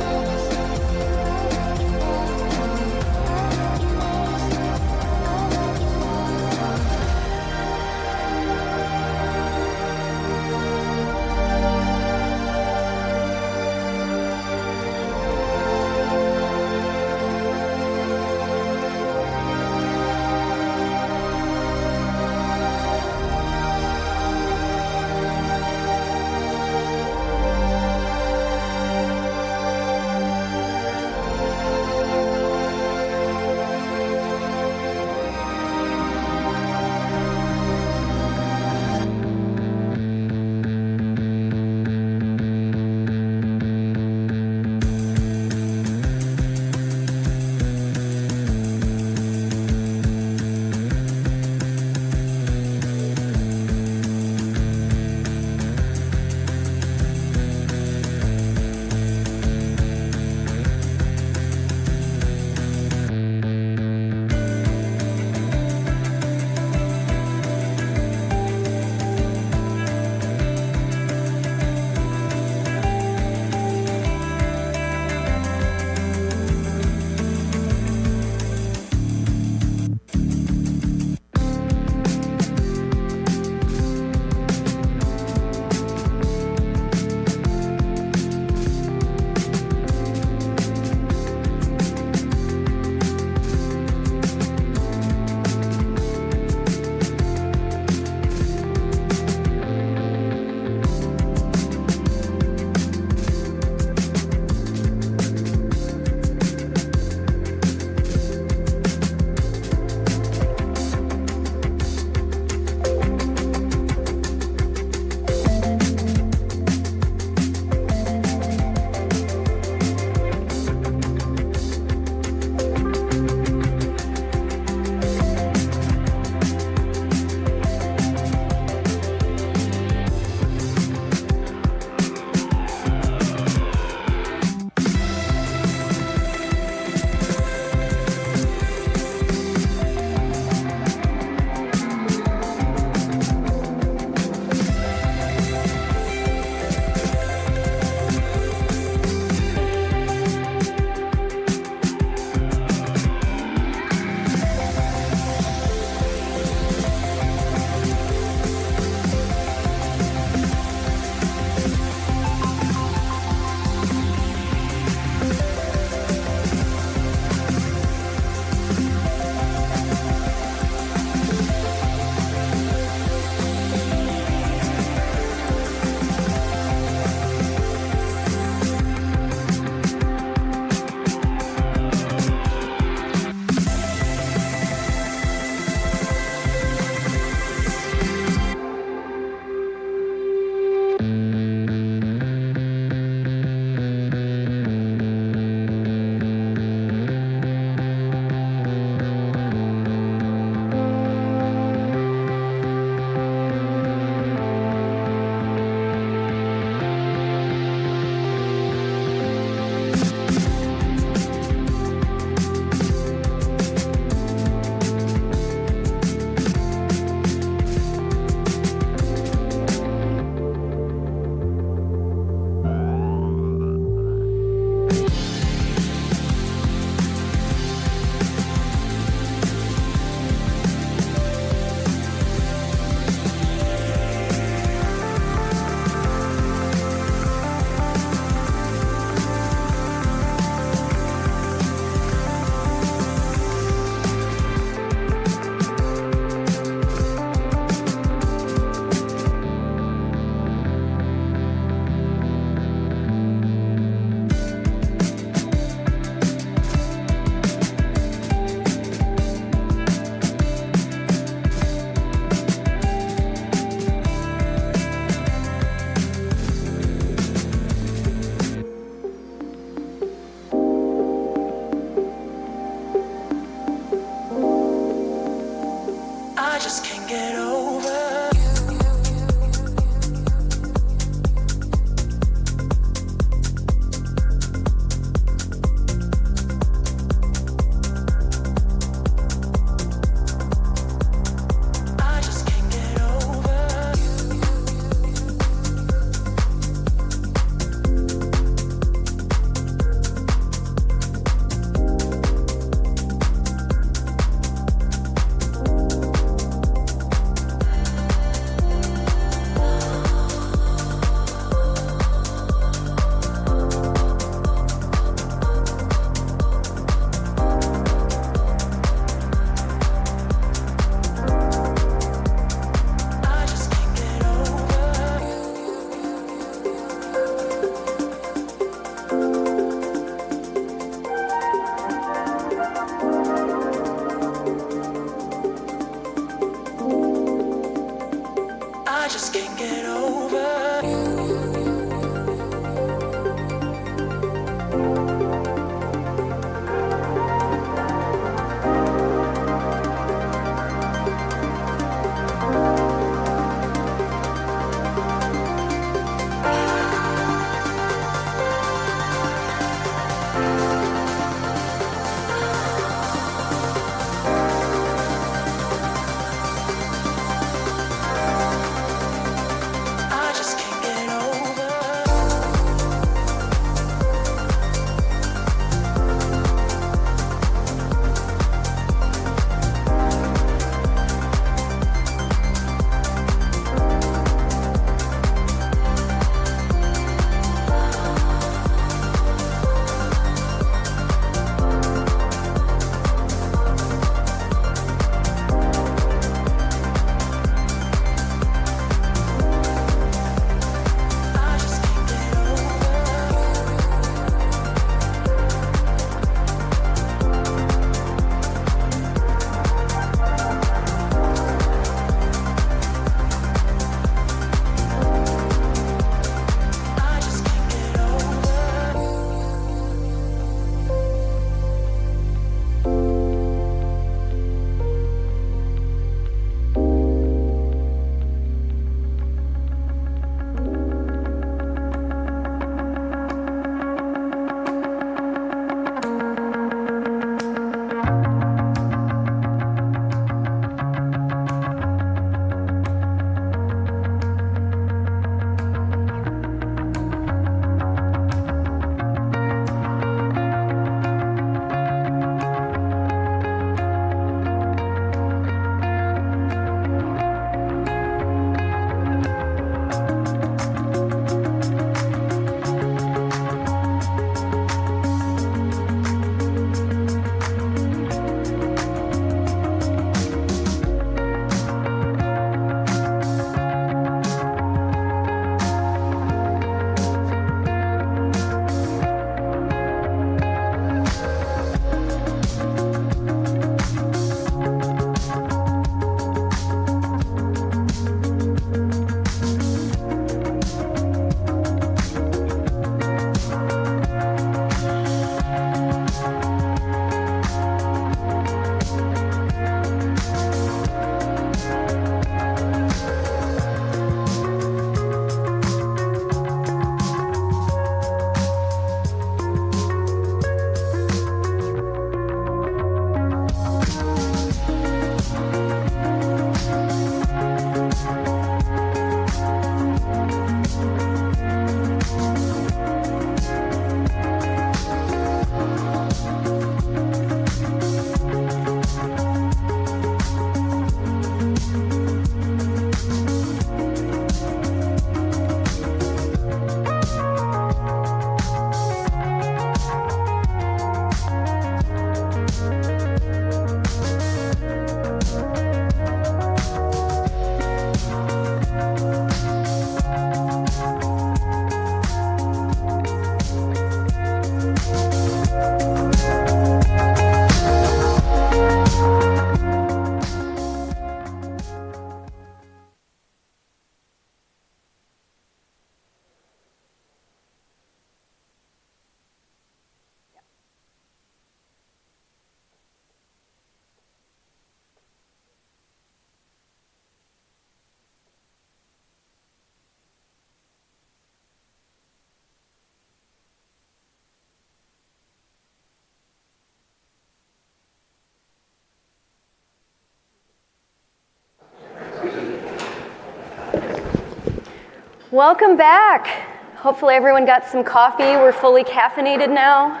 I just can't get over you. Welcome back. Hopefully, everyone got some coffee. We're fully caffeinated now.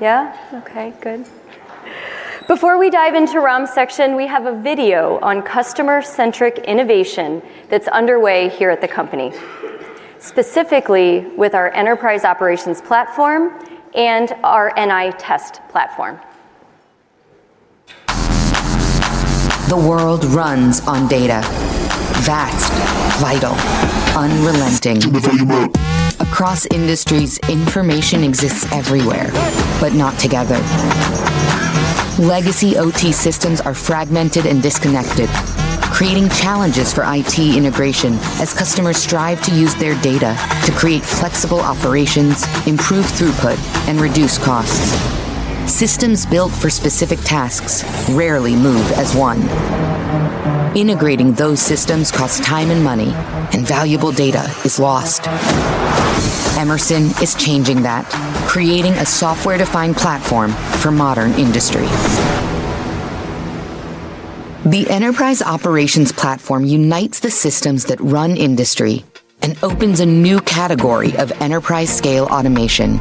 Yeah? Okay, good. Before we dive into Ram's section, we have a video on customer-centric innovation that's underway here at the company, specifically with our enterprise operations platform and our NI test platform. The world runs on data. That's vital, unrelenting. Across industries, information exists everywhere, but not together. Legacy OT systems are fragmented and disconnected, creating challenges for IT integration as customers strive to use their data to create flexible operations, improve throughput, and reduce costs. Systems built for specific tasks rarely move as one. Integrating those systems costs time and money, and valuable data is lost. Emerson is changing that, creating a software-defined platform for modern industry. The enterprise operations platform unites the systems that run industry and opens a new category of enterprise-scale automation.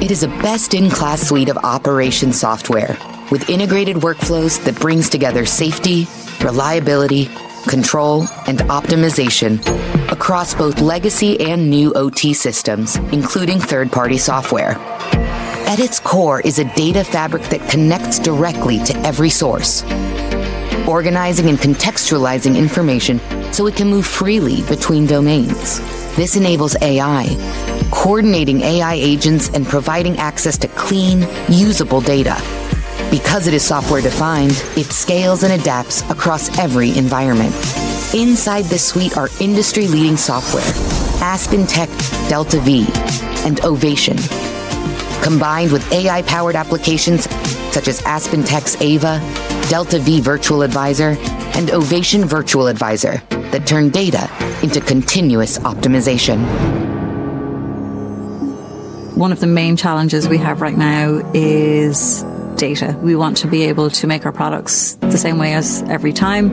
It is a best-in-class suite of operations software with integrated workflows that brings together safety, reliability, control, and optimization across both legacy and new OT systems, including third-party software. At its core is a data fabric that connects directly to every source, organizing and contextualizing information so it can move freely between domains. This enables AI, coordinating AI agents and providing access to clean, usable data. Because it is software-defined, it scales and adapts across every environment. Inside the suite are industry-leading software, AspenTech, DeltaV, and Ovation, combined with AI-powered applications such as AspenTech's EVA, DeltaV Virtual Advisor, and Ovation Virtual Advisor that turn data into continuous optimization. One of the main challenges we have right now is data. We want to be able to make our products the same way as every time,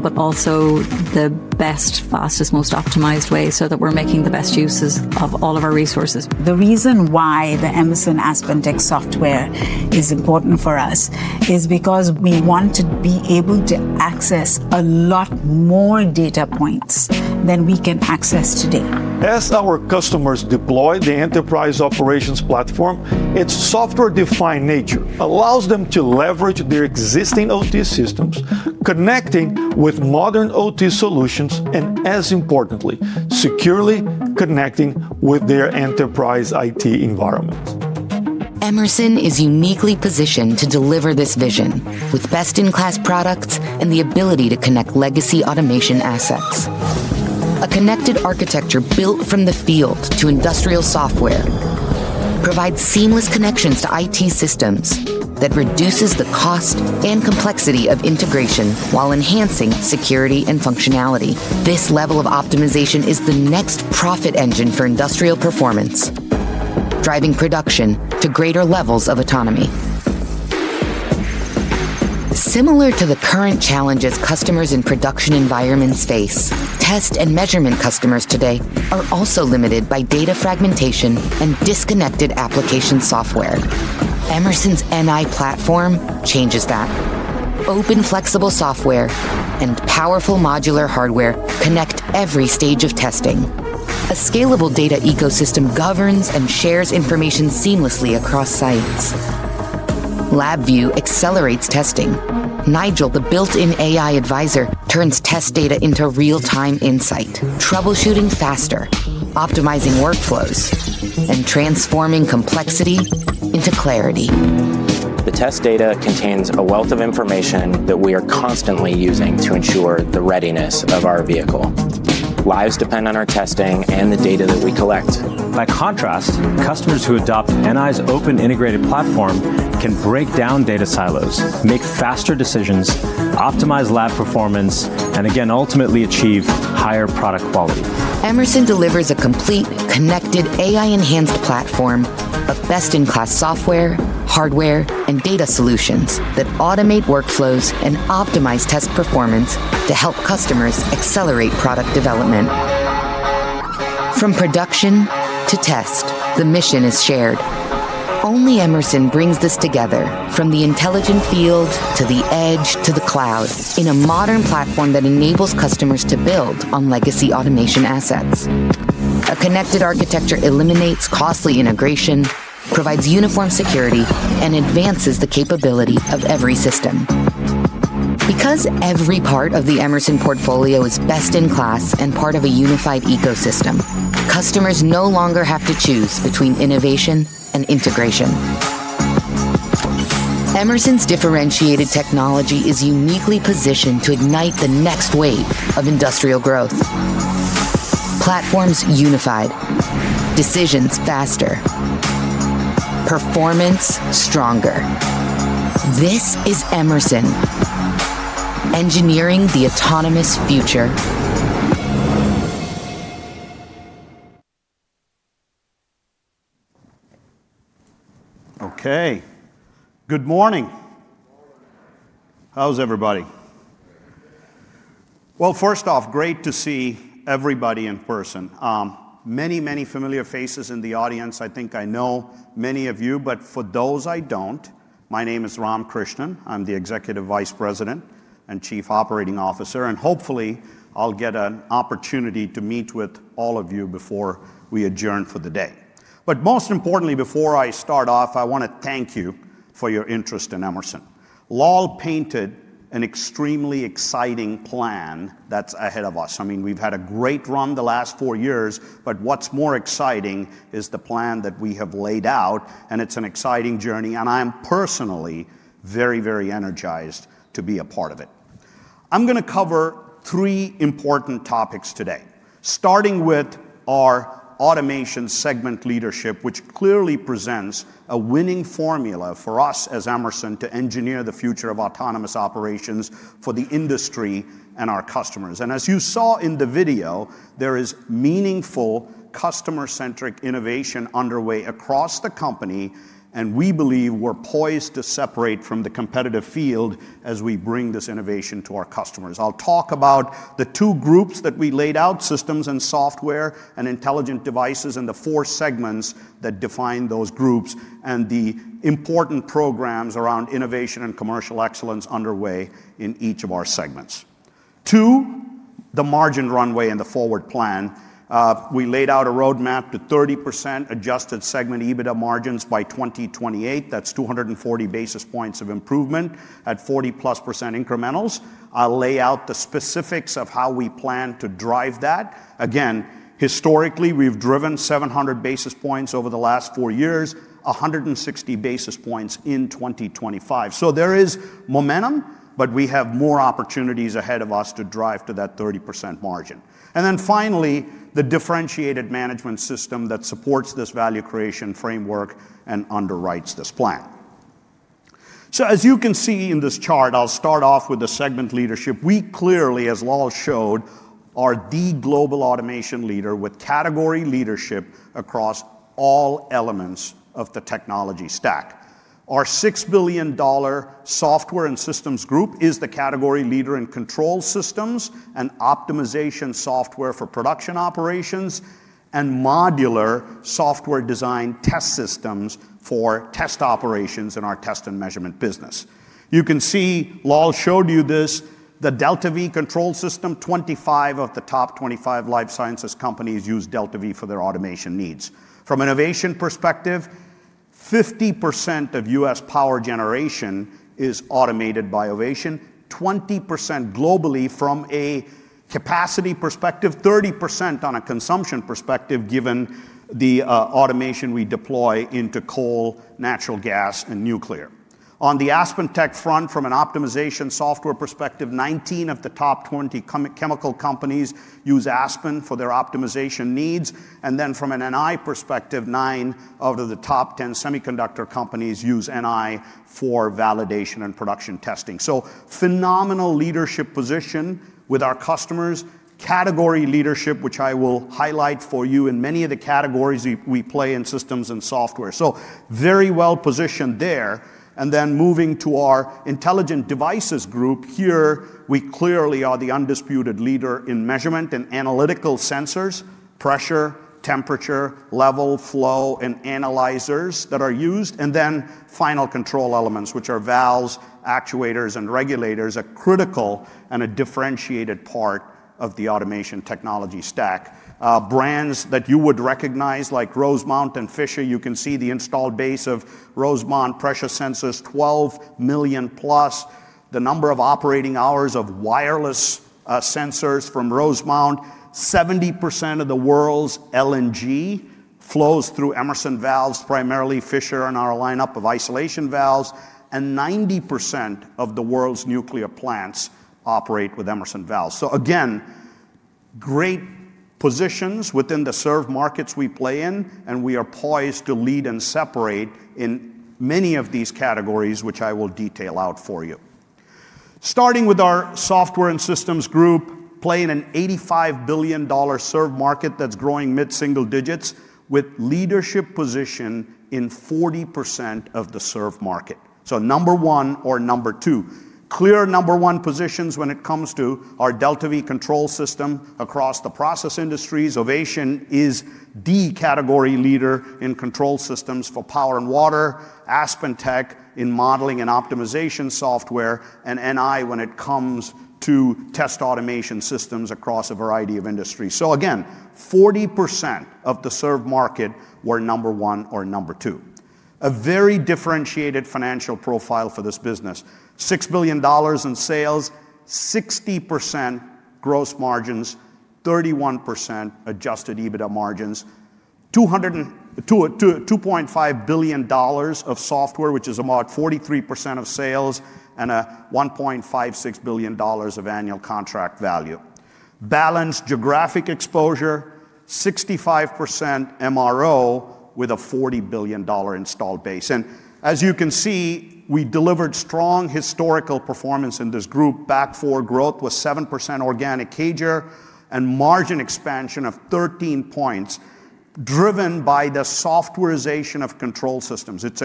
but also the best, fastest, most optimized way so that we're making the best uses of all of our resources. The reason why the Emerson AspenTech software is important for us is because we want to be able to access a lot more data points than we can access today. As our customers deploy the enterprise operations platform, its software-defined nature allows them to leverage their existing OT systems, connecting with modern OT solutions, and, as importantly, securely connecting with their enterprise IT environment. Emerson is uniquely positioned to deliver this vision with best-in-class products and the ability to connect legacy automation assets. A connected architecture built from the field to industrial software provides seamless connections to IT systems that reduces the cost and complexity of integration while enhancing security and functionality. This level of optimization is the next profit engine for industrial performance, driving production to greater levels of autonomy. Similar to the current challenges customers in production environments face, test and measurement customers today are also limited by data fragmentation and disconnected application software. Emerson's NI platform changes that. Open flexible software and powerful modular hardware connect every stage of testing. A scalable data ecosystem governs and shares information seamlessly across sites. LabVIEW accelerates testing. Nigel, the built-in AI advisor, turns test data into real-time insight, troubleshooting faster, optimizing workflows, and transforming complexity into clarity. The test data contains a wealth of information that we are constantly using to ensure the readiness of our vehicle. Lives depend on our testing and the data that we collect. By contrast, customers who adopt NI's open integrated platform can break down data silos, make faster decisions, optimize lab performance, and again, ultimately achieve higher product quality. Emerson delivers a complete, connected, AI-enhanced platform of best-in-class software, hardware, and data solutions that automate workflows and optimize test performance to help customers accelerate product development. From production to test, the mission is shared. Only Emerson brings this together from the intelligent field to the edge to the cloud in a modern platform that enables customers to build on legacy automation assets. A connected architecture eliminates costly integration, provides uniform security, and advances the capability of every system. Because every part of the Emerson portfolio is best-in-class and part of a unified ecosystem, customers no longer have to choose between innovation and integration. Emerson's differentiated technology is uniquely positioned to ignite the next wave of industrial growth. Platforms unified, decisions faster, performance stronger. This is Emerson, engineering the autonomous future. Okay. Good morning. How's everybody? First off, great to see everybody in person. Many, many familiar faces in the audience. I think I know many of you, but for those I don't, my name is Ram Krishnan. I'm the Executive Vice President and Chief Operating Officer, and hopefully I'll get an opportunity to meet with all of you before we adjourn for the day. Most importantly, before I start off, I want to thank you for your interest in Emerson. Lal painted an extremely exciting plan that's ahead of us. I mean, we've had a great run the last four years, but what's more exciting is the plan that we have laid out, and it's an exciting journey, and I'm personally very, very energized to be a part of it. I'm going to cover three important topics today, starting with our automation segment leadership, which clearly presents a winning formula for us as Emerson to engineer the future of autonomous operations for the industry and our customers. As you saw in the video, there is meaningful customer-centric innovation underway across the company, and we believe we're poised to separate from the competitive field as we bring this innovation to our customers. I'll talk about the two groups that we laid out: systems and software and intelligent devices, and the four segments that define those groups and the important programs around innovation and commercial excellence underway in each of our segments. Two, the margin runway and the forward plan. We laid out a roadmap to 30% adjusted segment EBITDA margins by 2028. That's 240 basis points of improvement at 40-plus percent incrementals. I'll lay out the specifics of how we plan to drive that. Again, historically, we've driven 700 basis points over the last four years, 160 basis points in 2025. There is momentum, but we have more opportunities ahead of us to drive to that 30% margin. Finally, the differentiated management system that supports this value creation framework and underwrites this plan. As you can see in this chart, I'll start off with the segment leadership. We clearly, as Lal showed, are the global automation leader with category leadership across all elements of the technology stack. Our $6 billion software and systems group is the category leader in control systems and optimization software for production operations and modular software design test systems for test operations in our test and measurement business. You can see Lal showed you this, the DeltaV control system. 25 of the top 25 life sciences companies use DeltaV for their automation needs. From an innovation perspective, 50% of U.S. power generation is automated by Ovation, 20% globally from a capacity perspective, 30% on a consumption perspective given the automation we deploy into coal, natural gas, and nuclear. On the AspenTech front, from an optimization software perspective, 19 of the top 20 chemical companies use Aspen for their optimization needs. From an NI perspective, nine out of the top 10 semiconductor companies use NI for validation and production testing. Phenomenal leadership position with our customers, category leadership, which I will highlight for you in many of the categories we play in systems and software. Very well positioned there. Moving to our intelligent devices group here, we clearly are the undisputed leader in measurement and analytical sensors: pressure, temperature, level, flow, and analyzers that are used. Final control elements, which are valves, actuators, and regulators, a critical and a differentiated part of the automation technology stack. Brands that you would recognize like Rosemount and Fisher, you can see the installed base of Rosemount pressure sensors, 12 million plus. The number of operating hours of wireless sensors from Rosemount, 70% of the world's LNG flows through Emerson valves, primarily Fisher and our lineup of isolation valves, and 90% of the world's nuclear plants operate with Emerson valves. Again, great positions within the serve markets we play in, and we are poised to lead and separate in many of these categories, which I will detail out for you. Starting with our software and systems group, playing an $85 billion serve market that's growing mid-single digits with leadership position in 40% of the serve market. Number one or number two, clear number one positions when it comes to our DeltaV control system across the process industries. Ovation is the category leader in control systems for power and water, AspenTech in modeling and optimization software, and NI when it comes to test automation systems across a variety of industries. Again, 40% of the serve market, we are number one or number two. A very differentiated financial profile for this business: $6 billion in sales, 60% gross margins, 31% adjusted EBITDA margins, $2.5 billion of software, which is about 43% of sales, and $1.56 billion of annual contract value. Balanced geographic exposure, 65% MRO with a $40 billion installed base. As you can see, we delivered strong historical performance in this group. Back forward growth was 7% organic CAGR and margin expansion of 13 percentage points driven by the softwarization of control systems. It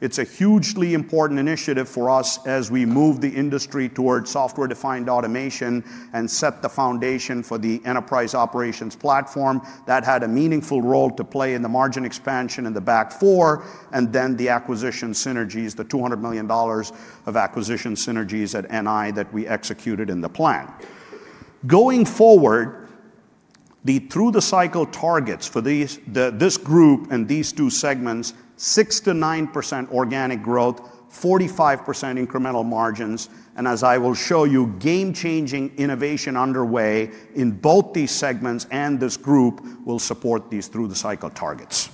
is a hugely important initiative for us as we move the industry towards software-defined automation and set the foundation for the enterprise operations platform. That had a meaningful role to play in the margin expansion in the back four, and then the acquisition synergies, the $200 million of acquisition synergies at NI that we executed in the plan. Going forward, the through-the-cycle targets for this group and these two segments, 6-9% organic growth, 45% incremental margins, and as I will show you, game-changing innovation underway in both these segments and this group will support these through-the-cycle targets.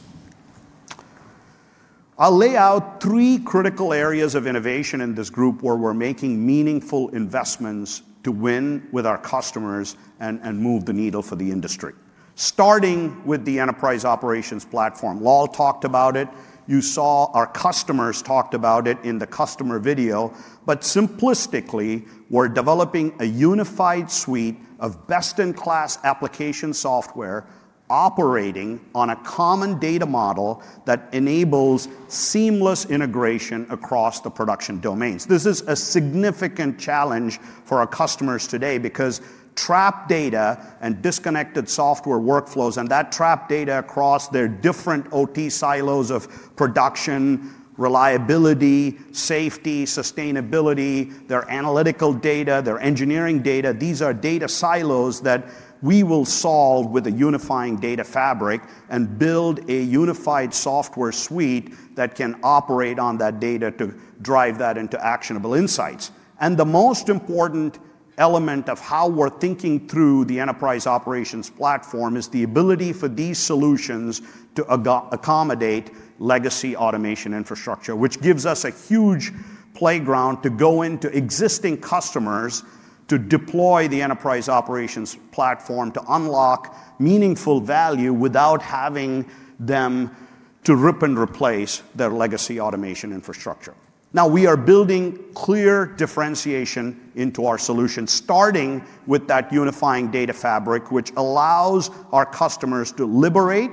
I'll lay out three critical areas of innovation in this group where we're making meaningful investments to win with our customers and move the needle for the industry. Starting with the enterprise operations platform, Lal talked about it. You saw our customers talked about it in the customer video, but simplistically, we're developing a unified suite of best-in-class application software operating on a common data model that enables seamless integration across the production domains. This is a significant challenge for our customers today because trapped data and disconnected software workflows and that trapped data across their different OT silos of production, reliability, safety, sustainability, their analytical data, their engineering data, these are data silos that we will solve with a unifying data fabric and build a unified software suite that can operate on that data to drive that into actionable insights. The most important element of how we're thinking through the enterprise operations platform is the ability for these solutions to accommodate legacy automation infrastructure, which gives us a huge playground to go into existing customers to deploy the enterprise operations platform to unlock meaningful value without having them to rip and replace their legacy automation infrastructure. Now, we are building clear differentiation into our solution, starting with that unifying data fabric, which allows our customers to liberate,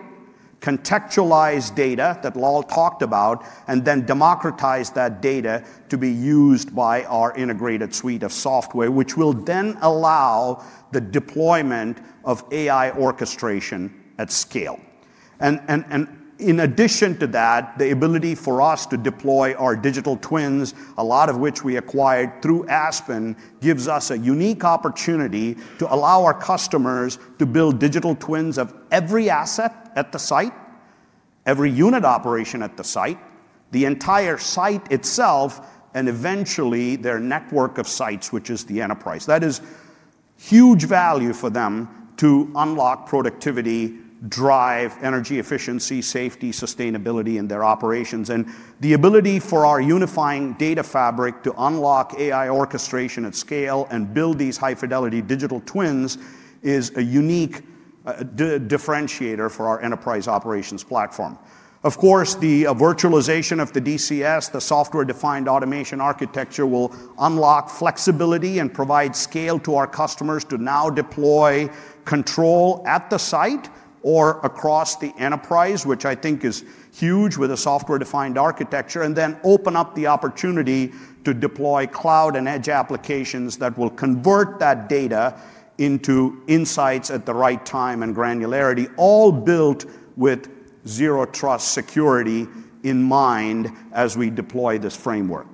contextualize data that Lal talked about, and then democratize that data to be used by our integrated suite of software, which will then allow the deployment of AI orchestration at scale. In addition to that, the ability for us to deploy our digital twins, a lot of which we acquired through AspenTech, gives us a unique opportunity to allow our customers to build digital twins of every asset at the site, every unit operation at the site, the entire site itself, and eventually their network of sites, which is the enterprise. That is huge value for them to unlock productivity, drive energy efficiency, safety, sustainability in their operations. The ability for our unifying data fabric to unlock AI orchestration at scale and build these high-fidelity digital twins is a unique differentiator for our enterprise operations platform. Of course, the virtualization of the DCS, the software-defined automation architecture, will unlock flexibility and provide scale to our customers to now deploy control at the site or across the enterprise, which I think is huge with a software-defined architecture, and then open up the opportunity to deploy cloud and edge applications that will convert that data into insights at the right time and granularity, all built with zero trust security in mind as we deploy this framework.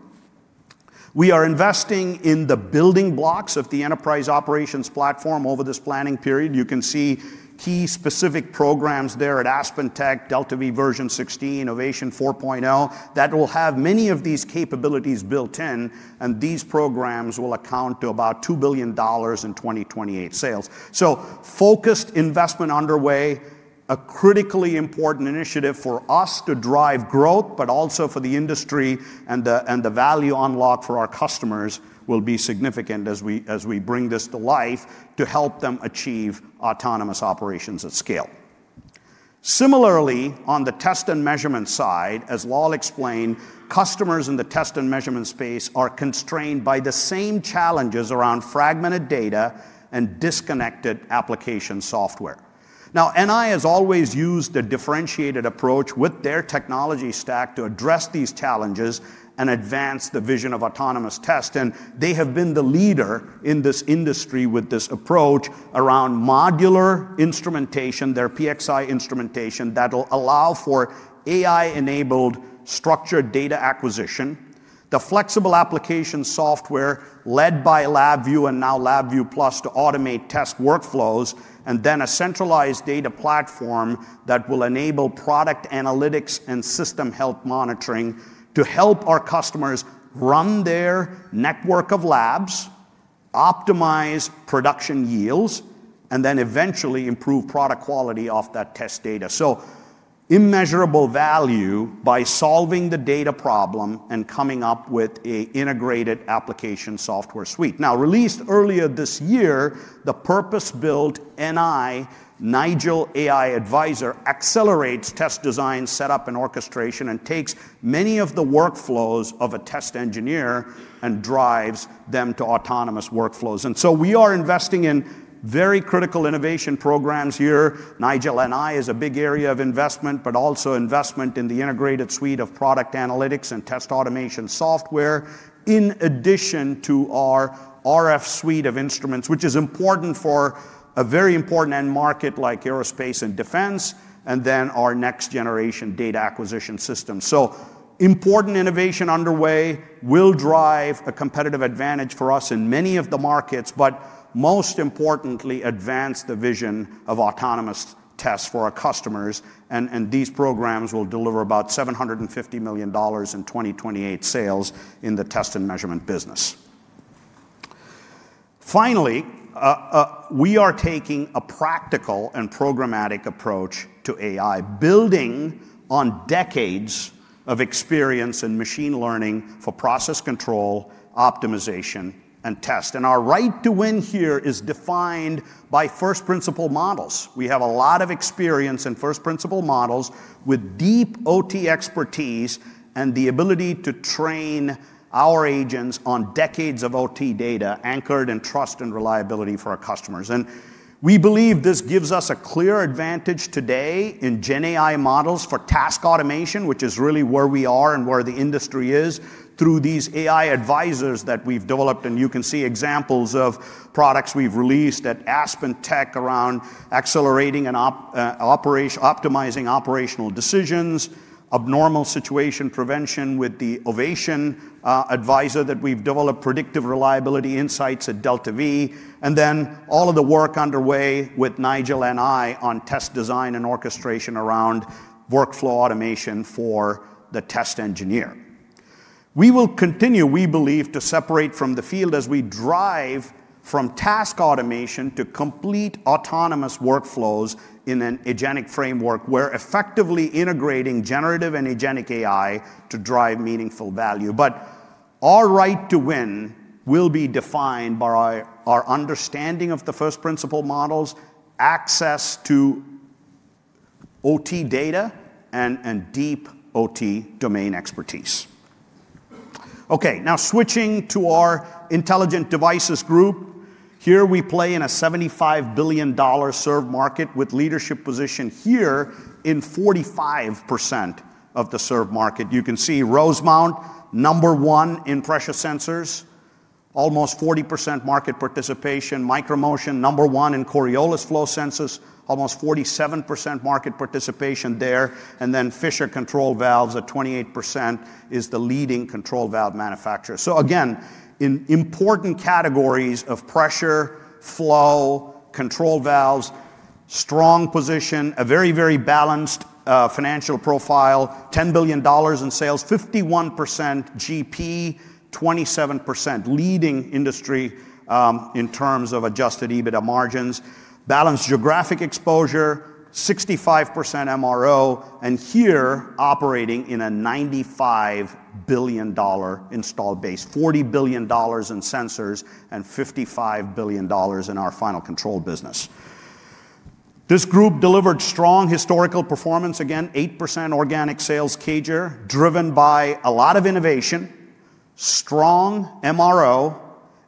We are investing in the building blocks of the enterprise operations platform over this planning period. You can see key specific programs there at AspenTech, DeltaV version 16, Ovation 4.0 that will have many of these capabilities built in, and these programs will account to about $2 billion in 2028 sales. Focused investment underway, a critically important initiative for us to drive growth, but also for the industry and the value unlocked for our customers will be significant as we bring this to life to help them achieve autonomous operations at scale. Similarly, on the test and measurement side, as Lal explained, customers in the test and measurement space are constrained by the same challenges around fragmented data and disconnected application software. Now, NI has always used the differentiated approach with their technology stack to address these challenges and advance the vision of autonomous test. They have been the leader in this industry with this approach around modular instrumentation, their PXI instrumentation that will allow for AI-enabled structured data acquisition, the flexible application software led by LabVIEW and now LabVIEW Plus to automate test workflows, and then a centralized data platform that will enable product analytics and system health monitoring to help our customers run their network of labs, optimize production yields, and eventually improve product quality off that test data. Immeasurable value by solving the data problem and coming up with an integrated application software suite. Released earlier this year, the purpose-built NI Nigel AI Advisor accelerates test design, setup, and orchestration and takes many of the workflows of a test engineer and drives them to autonomous workflows. We are investing in very critical innovation programs here. Nigel NI is a big area of investment, but also investment in the integrated suite of product analytics and test automation software in addition to our RF suite of instruments, which is important for a very important end market like aerospace and defense, and then our next generation data acquisition system. Important innovation underway will drive a competitive advantage for us in many of the markets, but most importantly, advance the vision of autonomous tests for our customers. These programs will deliver about $750 million in 2028 sales in the test and measurement business. Finally, we are taking a practical and programmatic approach to AI, building on decades of experience in machine learning for process control, optimization, and test. Our right to win here is defined by first principle models. We have a lot of experience in first principle models with deep OT expertise and the ability to train our agents on decades of OT data anchored in trust and reliability for our customers. We believe this gives us a clear advantage today in GenAI models for task automation, which is really where we are and where the industry is through these AI advisors that we've developed. You can see examples of products we've released at AspenTech around accelerating and optimizing operational decisions, abnormal situation prevention with the Ovation advisor that we've developed, predictive reliability insights at DeltaV, and then all of the work underway with Nigel NI on test design and orchestration around workflow automation for the test engineer. We will continue, we believe, to separate from the field as we drive from task automation to complete autonomous workflows in an agentic framework. We're effectively integrating generative and agentic AI to drive meaningful value. Our right to win will be defined by our understanding of the first principle models, access to OT data, and deep OT domain expertise. Okay, now switching to our intelligent devices group. Here we play in a $75 billion serve market with leadership position here in 45% of the serve market. You can see Rosemount, number one in pressure sensors, almost 40% market participation. MicroMotion, number one in Coriolis flow sensors, almost 47% market participation there. Fisher control valves at 28% is the leading control valve manufacturer. Again, important categories of pressure, flow, control valves, strong position, a very, very balanced financial profile, $10 billion in sales, 51% GP, 27% leading industry in terms of adjusted EBITDA margins, balanced geographic exposure, 65% MRO, and here operating in a $95 billion installed base, $40 billion in sensors and $55 billion in our final control business. This group delivered strong historical performance, again, 8% organic sales CAGR driven by a lot of innovation, strong MRO,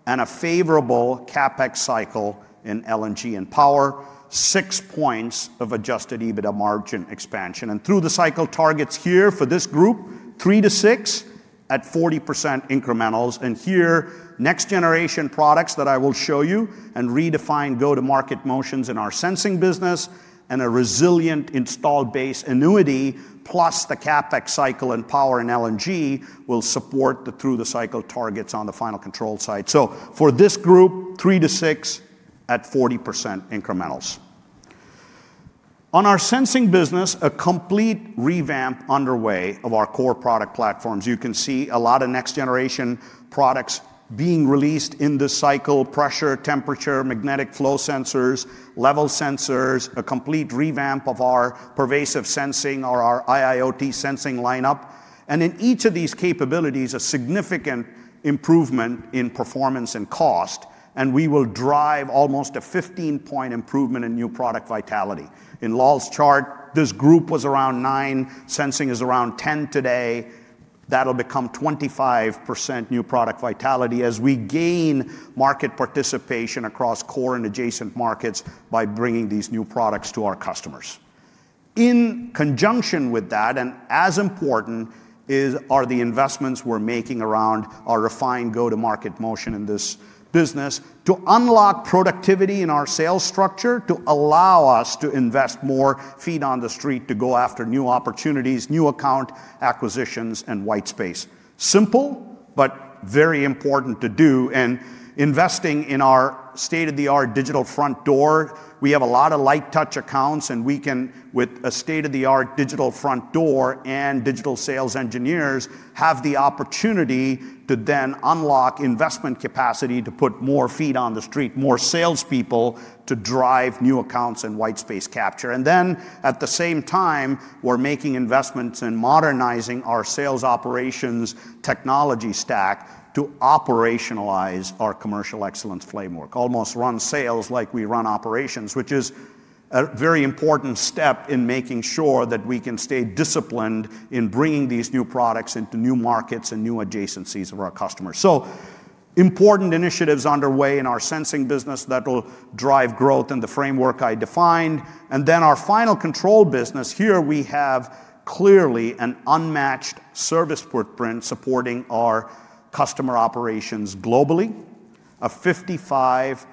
and a favorable CapEx cycle in LNG and power, six points of adjusted EBITDA margin expansion. Through the cycle targets here for this group, 3-6 at 40% incrementals. Here next generation products that I will show you and redefine go-to-market motions in our sensing business and a resilient installed base annuity plus the CapEx cycle and power in LNG will support the through-the-cycle targets on the final control side. For this group, three to six at 40% incrementals. On our sensing business, a complete revamp underway of our core product platforms. You can see a lot of next generation products being released in this cycle: pressure, temperature, magnetic flow sensors, level sensors, a complete revamp of our pervasive sensing or our IIoT sensing lineup. In each of these capabilities, a significant improvement in performance and cost. We will drive almost a 15-point improvement in new product vitality. In LAL's chart, this group was around nine, sensing is around 10 today. That will become 25% new product vitality as we gain market participation across core and adjacent markets by bringing these new products to our customers. In conjunction with that, and as important are the investments we're making around our refined go-to-market motion in this business to unlock productivity in our sales structure to allow us to invest more feet on the street to go after new opportunities, new account acquisitions, and white space. Simple, but very important to do. Investing in our state-of-the-art digital front door, we have a lot of light touch accounts, and we can, with a state-of-the-art digital front door and digital sales engineers, have the opportunity to then unlock investment capacity to put more feet on the street, more salespeople to drive new accounts and white space capture. At the same time, we're making investments in modernizing our sales operations technology stack to operationalize our commercial excellence framework, almost run sales like we run operations, which is a very important step in making sure that we can stay disciplined in bringing these new products into new markets and new adjacencies of our customers. Important initiatives are underway in our sensing business that will drive growth in the framework I defined. In our final control business, we have clearly an unmatched service footprint supporting our customer operations globally, a $55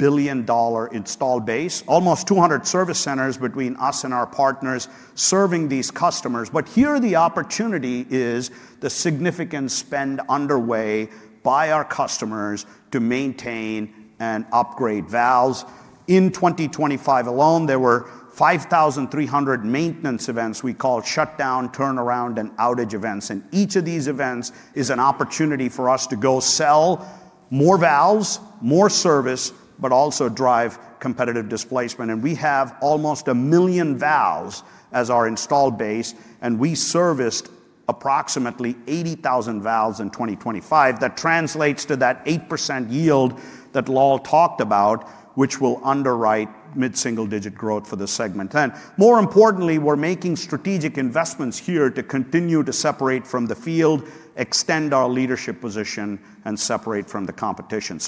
billion installed base, almost 200 service centers between us and our partners serving these customers. Here the opportunity is the significant spend underway by our customers to maintain and upgrade valves. In 2025 alone, there were 5,300 maintenance events we call shutdown, turnaround, and outage events. Each of these events is an opportunity for us to go sell more valves, more service, but also drive competitive displacement. We have almost a million valves as our installed base, and we serviced approximately 80,000 valves in 2025. That translates to that 8% yield that Lal talked about, which will underwrite mid-single digit growth for the segment. More importantly, we're making strategic investments here to continue to separate from the field, extend our leadership position, and separate from the competition.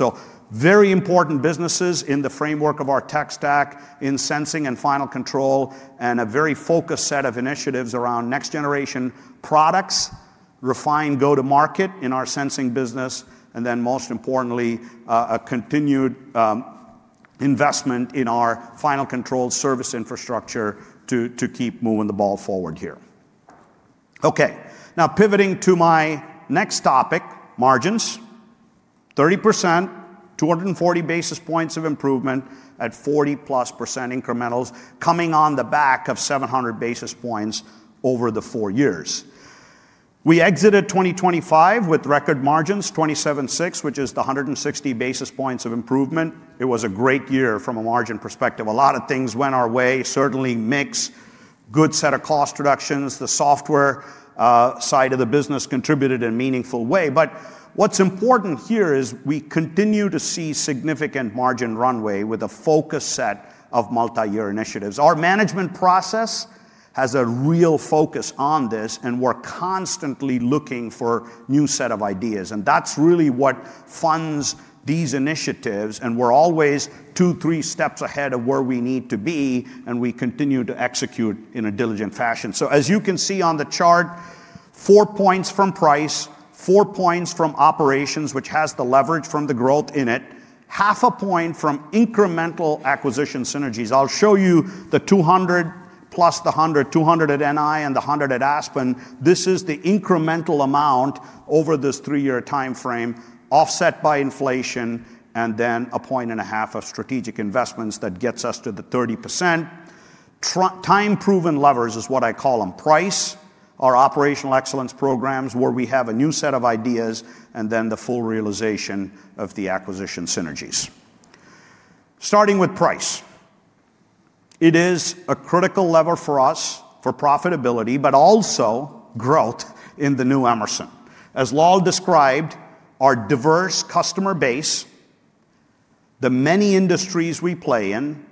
Very important businesses in the framework of our tech stack in sensing and final control, and a very focused set of initiatives around next generation products, refined go-to-market in our sensing business, and then most importantly, a continued investment in our final control service infrastructure to keep moving the ball forward here. Okay, now pivoting to my next topic, margins, 30%, 240 basis points of improvement at 40+% incrementals coming on the back of 700 basis points over the four years. We exited 2025 with record margins, 27.6%, which is the 160 basis points of improvement. It was a great year from a margin perspective. A lot of things went our way, certainly mix, good set of cost reductions. The software side of the business contributed in a meaningful way. What is important here is we continue to see significant margin runway with a focus set of multi-year initiatives. Our management process has a real focus on this, and we're constantly looking for a new set of ideas. That is really what funds these initiatives. We're always two, three steps ahead of where we need to be, and we continue to execute in a diligent fashion. As you can see on the chart, four points from price, four points from operations, which has the leverage from the growth in it, half a point from incremental acquisition synergies. I'll show you the 200 plus the 100, 200 at NI and the 100 at Aspen. This is the incremental amount over this three-year timeframe, offset by inflation, and then a point and a half of strategic investments that gets us to the 30%. Time-proven levers is what I call them. Price, our operational excellence programs where we have a new set of ideas, and then the full realization of the acquisition synergies. Starting with price, it is a critical lever for us for profitability, but also growth in the new Emerson. As Lal described, our diverse customer base, the many industries we play in,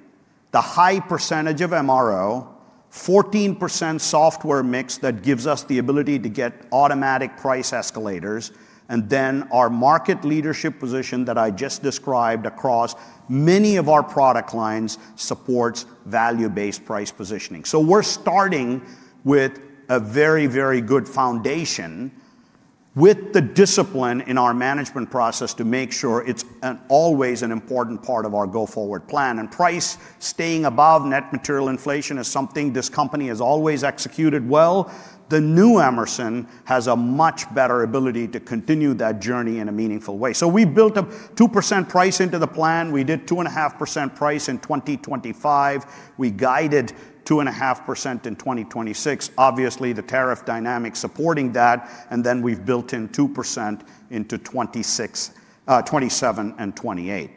the high percentage of MRO, 14% software mix that gives us the ability to get automatic price escalators, and then our market leadership position that I just described across many of our product lines supports value-based price positioning. We are starting with a very, very good foundation with the discipline in our management process to make sure it is always an important part of our go-forward plan. Price staying above net material inflation is something this company has always executed well. The new Emerson has a much better ability to continue that journey in a meaningful way. We built a 2% price into the plan. We did 2.5% price in 2025. We guided 2.5% in 2026. Obviously, the tariff dynamic supporting that. We have built in 2% into 2027 and 2028.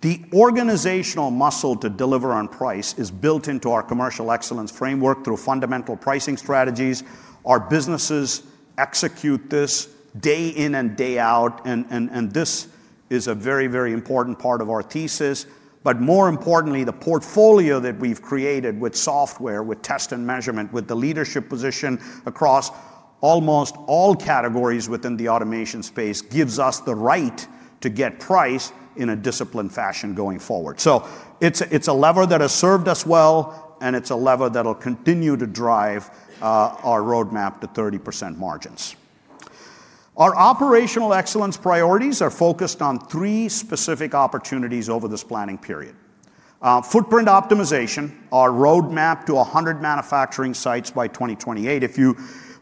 The organizational muscle to deliver on price is built into our commercial excellence framework through fundamental pricing strategies. Our businesses execute this day in and day out, and this is a very, very important part of our thesis. More importantly, the portfolio that we've created with software, with test and measurement, with the leadership position across almost all categories within the automation space gives us the right to get price in a disciplined fashion going forward. It is a lever that has served us well, and it is a lever that'll continue to drive our roadmap to 30% margins. Our operational excellence priorities are focused on three specific opportunities over this planning period. Footprint optimization, our roadmap to 100 manufacturing sites by 2028.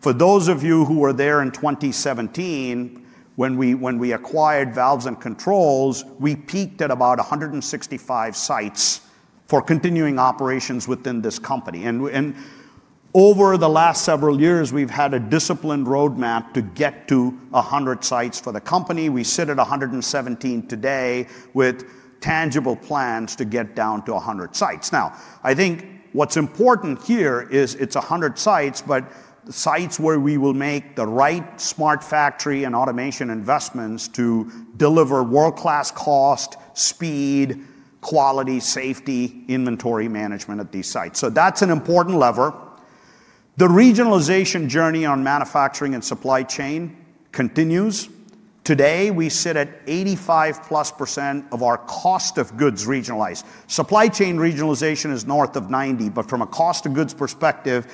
For those of you who were there in 2017, when we acquired valves and controls, we peaked at about 165 sites for continuing operations within this company. Over the last several years, we've had a disciplined roadmap to get to 100 sites for the company. We sit at 117 today with tangible plans to get down to 100 sites. I think what's important here is it's 100 sites, but sites where we will make the right smart factory and automation investments to deliver world-class cost, speed, quality, safety, inventory management at these sites. That's an important lever. The regionalization journey on manufacturing and supply chain continues. Today, we sit at 85% plus of our cost of goods regionalized. Supply chain regionalization is north of 90%, but from a cost of goods perspective,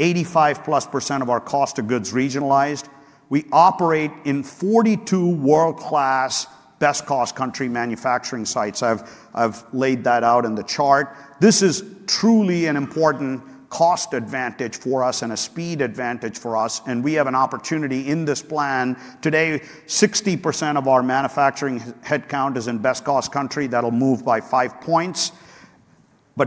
85% plus of our cost of goods regionalized. We operate in 42 world-class best cost country manufacturing sites. I've laid that out in the chart. This is truly an important cost advantage for us and a speed advantage for us. We have an opportunity in this plan. Today, 60% of our manufacturing headcount is in best cost country. That'll move by five points.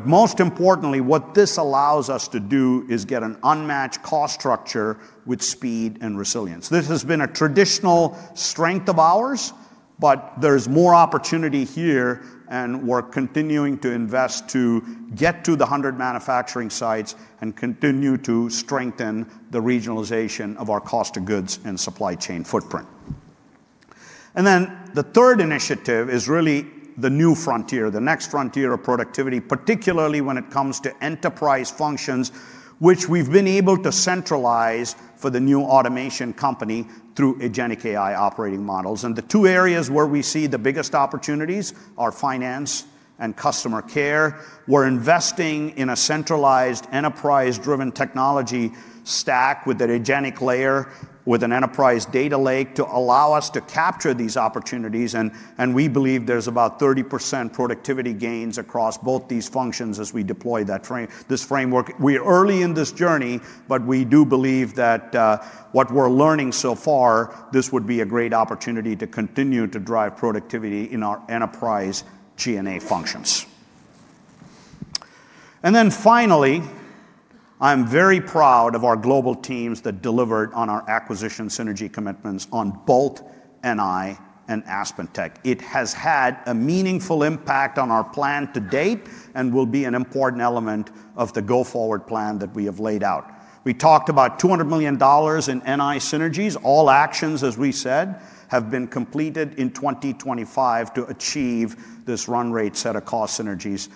Most importantly, what this allows us to do is get an unmatched cost structure with speed and resilience. This has been a traditional strength of ours, but there's more opportunity here, and we're continuing to invest to get to the 100 manufacturing sites and continue to strengthen the regionalization of our cost of goods and supply chain footprint. The third initiative is really the new frontier, the next frontier of productivity, particularly when it comes to enterprise functions, which we've been able to centralize for the new automation company through agentic AI operating models. The two areas where we see the biggest opportunities are finance and customer care. We're investing in a centralized enterprise-driven technology stack with an agentic layer, with an enterprise data lake to allow us to capture these opportunities. We believe there's about 30% productivity gains across both these functions as we deploy this framework. We're early in this journey, but we do believe that what we're learning so far, this would be a great opportunity to continue to drive productivity in our enterprise G&A functions. Finally, I'm very proud of our global teams that delivered on our acquisition synergy commitments on both NI and AspenTech. It has had a meaningful impact on our plan to date and will be an important element of the go-forward plan that we have laid out. We talked about $200 million in NI synergies. All actions, as we said, have been completed in 2025 to achieve this run rate set of cost synergies.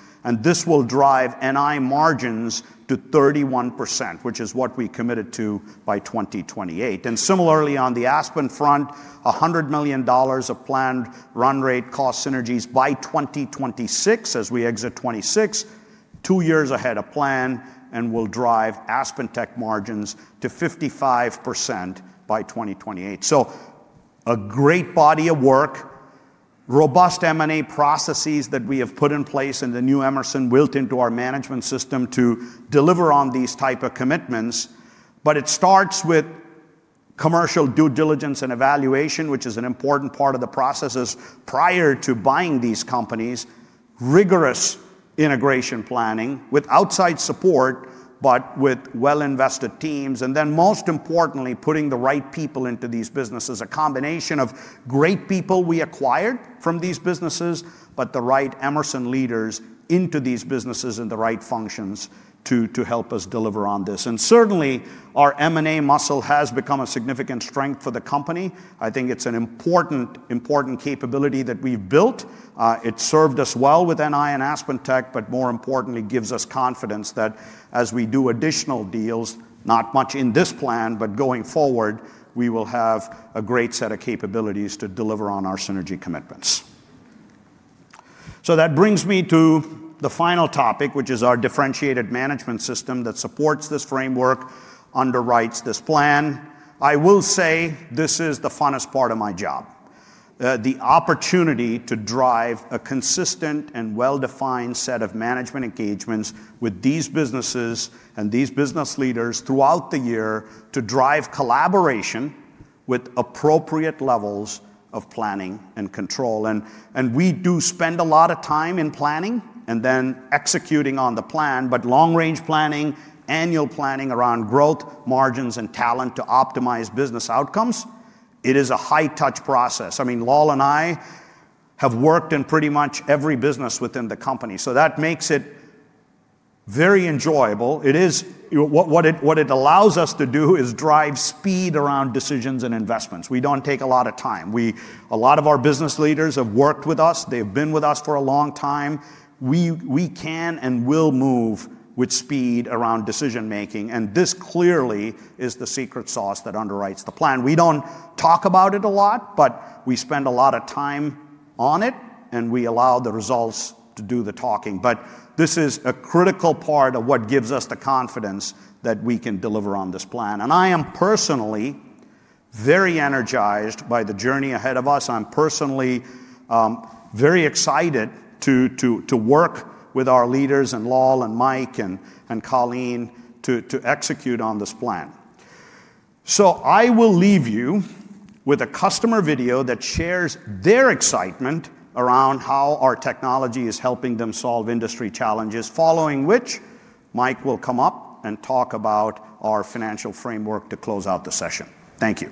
This will drive NI margins to 31%, which is what we committed to by 2028. Similarly, on the Aspen front, $100 million of planned run rate cost synergies by 2026 as we exit 2026, two years ahead of plan, and will drive AspenTech margins to 55% by 2028. A great body of work, robust M&A processes that we have put in place in the new Emerson, built into our management system to deliver on these types of commitments. It starts with commercial due diligence and evaluation, which is an important part of the processes prior to buying these companies, rigorous integration planning with outside support, but with well-invested teams. Most importantly, putting the right people into these businesses, a combination of great people we acquired from these businesses, but the right Emerson leaders into these businesses and the right functions to help us deliver on this. Certainly, our M&A muscle has become a significant strength for the company. I think it's an important capability that we've built. It's served us well with NI and AspenTech, but more importantly, gives us confidence that as we do additional deals, not much in this plan, but going forward, we will have a great set of capabilities to deliver on our synergy commitments. That brings me to the final topic, which is our differentiated management system that supports this framework, underwrites this plan. I will say this is the funnest part of my job, the opportunity to drive a consistent and well-defined set of management engagements with these businesses and these business leaders throughout the year to drive collaboration with appropriate levels of planning and control. We do spend a lot of time in planning and then executing on the plan, but long-range planning, annual planning around growth, margins, and talent to optimize business outcomes, it is a high-touch process. I mean, Lal and I have worked in pretty much every business within the company. That makes it very enjoyable. What it allows us to do is drive speed around decisions and investments. We do not take a lot of time. A lot of our business leaders have worked with us. They have been with us for a long time. We can and will move with speed around decision-making. This clearly is the secret sauce that underwrites the plan. We do not talk about it a lot, but we spend a lot of time on it, and we allow the results to do the talking. This is a critical part of what gives us the confidence that we can deliver on this plan. I am personally very energized by the journey ahead of us. I am personally very excited to work with our leaders and Lal and Mike and Colleen to execute on this plan. I will leave you with a customer video that shares their excitement around how our technology is helping them solve industry challenges, following which Mike will come up and talk about our financial framework to close out the session. Thank you.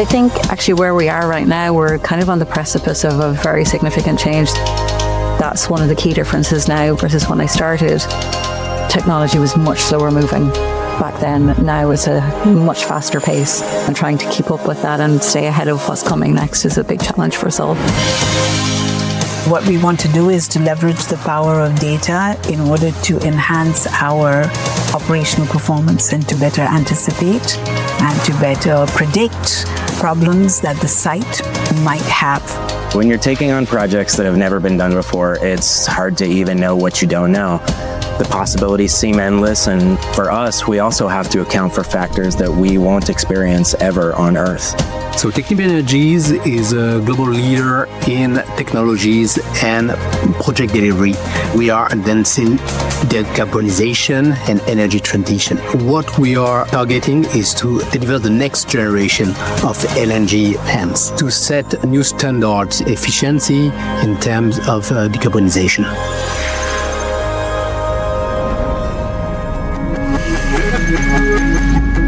I think actually where we are right now, we're kind of on the precipice of a very significant change. That's one of the key differences now versus when I started. Technology was much slower moving back then. Now it's a much faster pace. Trying to keep up with that and stay ahead of what's coming next is a big challenge for us all. What we want to do is to leverage the power of data in order to enhance our operational performance and to better anticipate and to better predict problems that the site might have. When you're taking on projects that have never been done before, it's hard to even know what you don't know. The possibilities seem endless. For us, we also have to account for factors that we won't experience ever on Earth. Technical Energies is a global leader in technologies and project delivery. We are advancing decarbonization and energy transition. What we are targeting is to deliver the next generation of LNG plants to set new standards of efficiency in terms of decarbonization.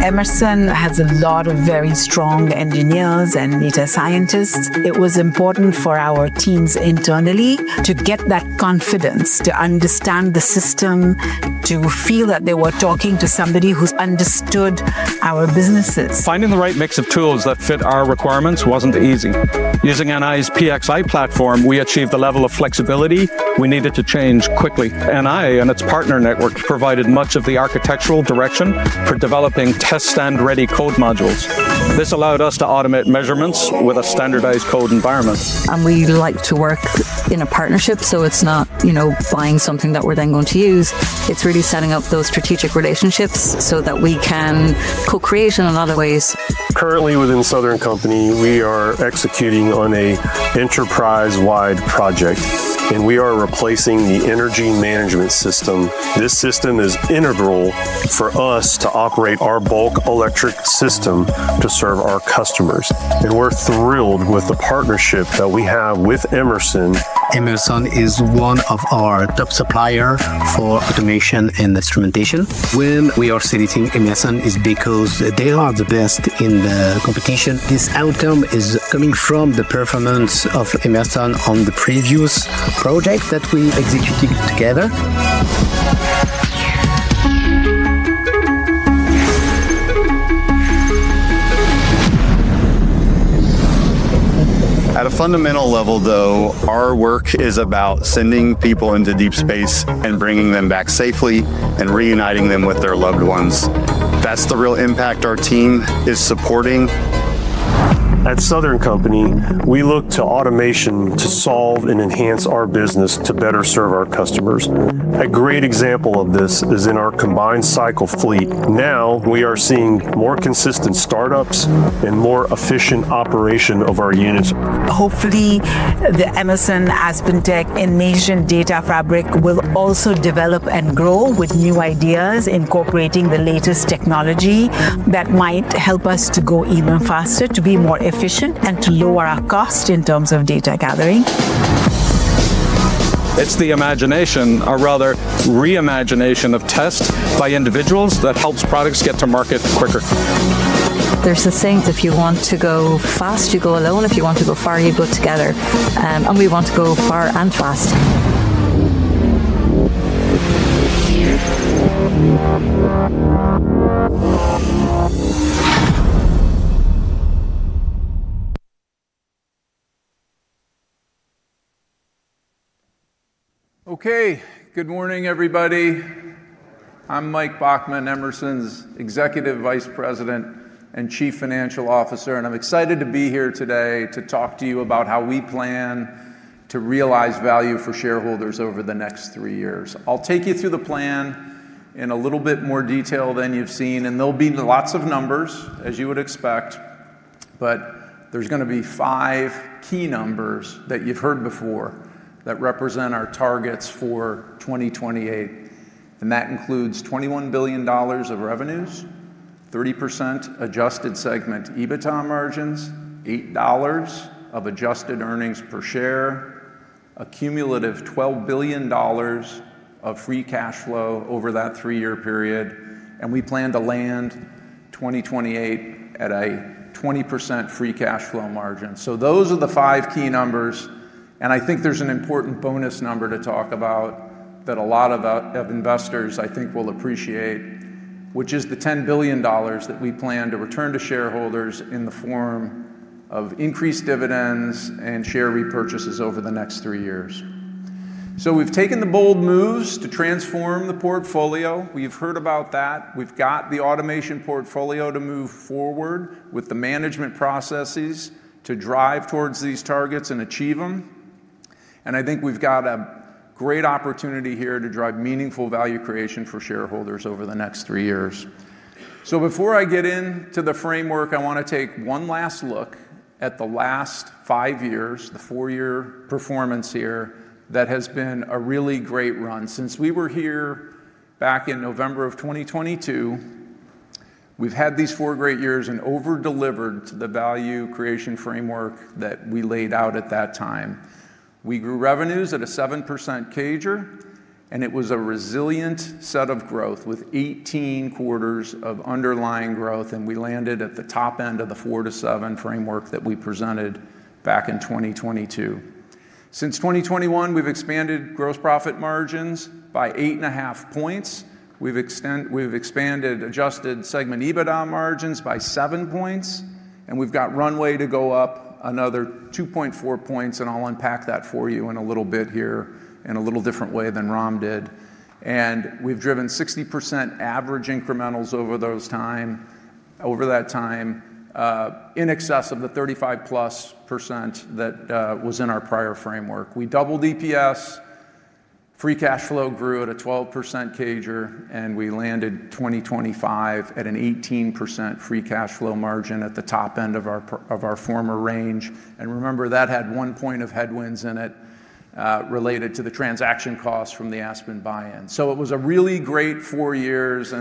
Emerson has a lot of very strong engineers and data scientists. It was important for our teams internally to get that confidence to understand the system, to feel that they were talking to somebody who understood our businesses. Finding the right mix of tools that fit our requirements wasn't easy. Using NI's PXI platform, we achieved the level of flexibility we needed to change quickly. NI and its partner network provided much of the architectural direction for developing test and ready code modules. This allowed us to automate measurements with a standardized code environment. We like to work in a partnership, so it's not buying something that we're then going to use. It's really setting up those strategic relationships so that we can co-create in other ways. Currently, within Southern Company, we are executing on an enterprise-wide project, and we are replacing the energy management system. This system is integral for us to operate our bulk electric system to serve our customers. We are thrilled with the partnership that we have with Emerson. Emerson is one of our top suppliers for automation and instrumentation. When we are selecting Emerson it is because they are the best in the competition. This outcome is coming from the performance of Emerson on the previous project that we executed together. At a fundamental level, though, our work is about sending people into deep space and bringing them back safely and reuniting them with their loved ones. That's the real impact our team is supporting. At Southern Company, we look to automation to solve and enhance our business to better serve our customers. A great example of this is in our combined cycle fleet. Now we are seeing more consistent startups and more efficient operation of our units. Hopefully, the Emerson AspenTech Innovation Data Fabric will also develop and grow with new ideas, incorporating the latest technology that might help us to go even faster, to be more efficient, and to lower our cost in terms of data gathering. It's the imagination, or rather reimagination, of test by individuals that helps products get to market quicker. There's a saying, "If you want to go fast, you go alone. If you want to go far, you go together." We want to go far and fast. Okay. Good morning, everybody. I'm Mike Bachmann, Emerson's Executive Vice President and Chief Financial Officer. I'm excited to be here today to talk to you about how we plan to realize value for shareholders over the next three years. I'll take you through the plan in a little bit more detail than you've seen. There'll be lots of numbers, as you would expect. There's going to be five key numbers that you've heard before that represent our targets for 2028. That includes $21 billion of revenues, 30% adjusted segment EBITDA margins, $8 of adjusted earnings per share, a cumulative $12 billion of free cash flow over that three-year period. We plan to land 2028 at a 20% free cash flow margin. Those are the five key numbers. I think there's an important bonus number to talk about that a lot of investors, I think, will appreciate, which is the $10 billion that we plan to return to shareholders in the form of increased dividends and share repurchases over the next three years. We have taken the bold moves to transform the portfolio. We have heard about that. We have got the automation portfolio to move forward with the management processes to drive towards these targets and achieve them. I think we have got a great opportunity here to drive meaningful value creation for shareholders over the next three years. Before I get into the framework, I want to take one last look at the last five years, the four-year performance here that has been a really great run. Since we were here back in November of 2022, we've had these four great years and overdelivered to the value creation framework that we laid out at that time. We grew revenues at a 7% CAGR, and it was a resilient set of growth with 18 quarters of underlying growth. We landed at the top end of the 4-7 framework that we presented back in 2022. Since 2021, we've expanded gross profit margins by 8.5 percentage points. We've expanded adjusted segment EBITDA margins by 7 percentage points. We've got runway to go up another 2.4 percentage points. I'll unpack that for you in a little bit here in a little different way than Ram did. We've driven 60% average incrementals over that time in excess of the 35-plus % that was in our prior framework. We doubled EPS. Free cash flow grew at a 12% CAGR, and we landed 2025 at an 18% free cash flow margin at the top end of our former range. Remember, that had one point of headwinds in it related to the transaction costs from the AspenTech buy-in. It was a really great four years.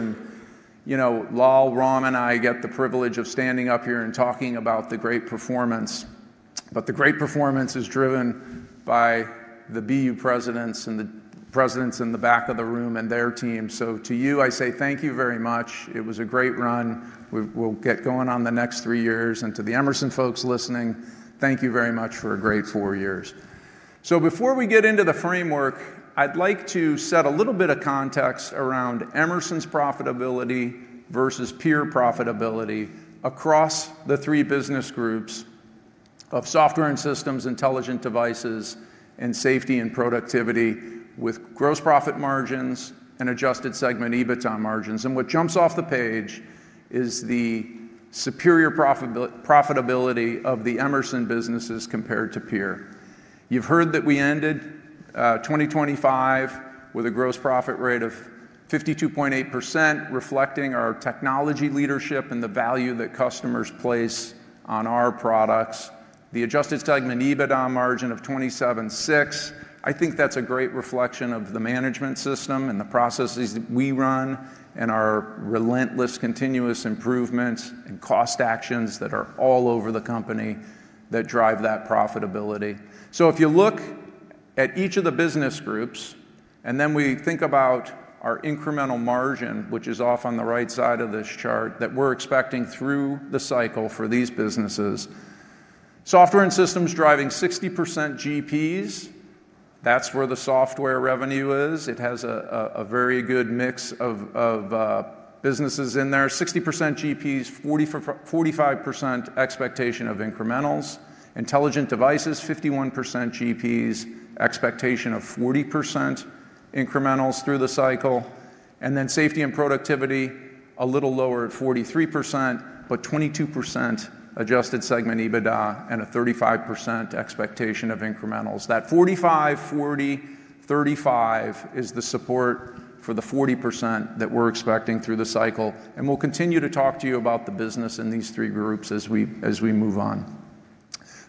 Lal, Ram, and I get the privilege of standing up here and talking about the great performance. The great performance is driven by the BU presidents and the presidents in the back of the room and their team. To you, I say thank you very much. It was a great run. We'll get going on the next three years. To the Emerson folks listening, thank you very much for a great four years. Before we get into the framework, I'd like to set a little bit of context around Emerson's profitability versus peer profitability across the three business groups of software and systems, intelligent devices, and safety and productivity with gross profit margins and adjusted segment EBITDA margins. What jumps off the page is the superior profitability of the Emerson businesses compared to peer. You've heard that we ended 2025 with a gross profit rate of 52.8%, reflecting our technology leadership and the value that customers place on our products. The adjusted segment EBITDA margin of 27.6%, I think that's a great reflection of the management system and the processes that we run and our relentless continuous improvements and cost actions that are all over the company that drive that profitability. If you look at each of the business groups, and then we think about our incremental margin, which is off on the right side of this chart that we're expecting through the cycle for these businesses, software and systems driving 60% GPs. That's where the software revenue is. It has a very good mix of businesses in there. 60% GPs, 45% expectation of incrementals. Intelligent devices, 51% GPs, expectation of 40% incrementals through the cycle. Safety and productivity, a little lower at 43%, but 22% adjusted segment EBITDA and a 35% expectation of incrementals. That 45, 40, 35 is the support for the 40% that we're expecting through the cycle. We'll continue to talk to you about the business in these three groups as we move on.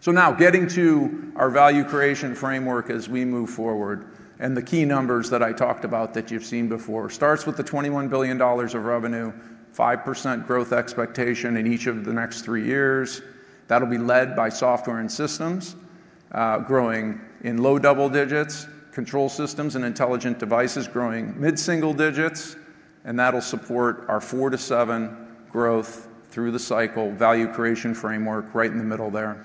Now getting to our value creation framework as we move forward. The key numbers that I talked about that you've seen before starts with the $21 billion of revenue, 5% growth expectation in each of the next three years. That'll be led by software and systems growing in low double digits, control systems and intelligent devices growing mid-single digits. That'll support our 4-7% growth through the cycle value creation framework right in the middle there.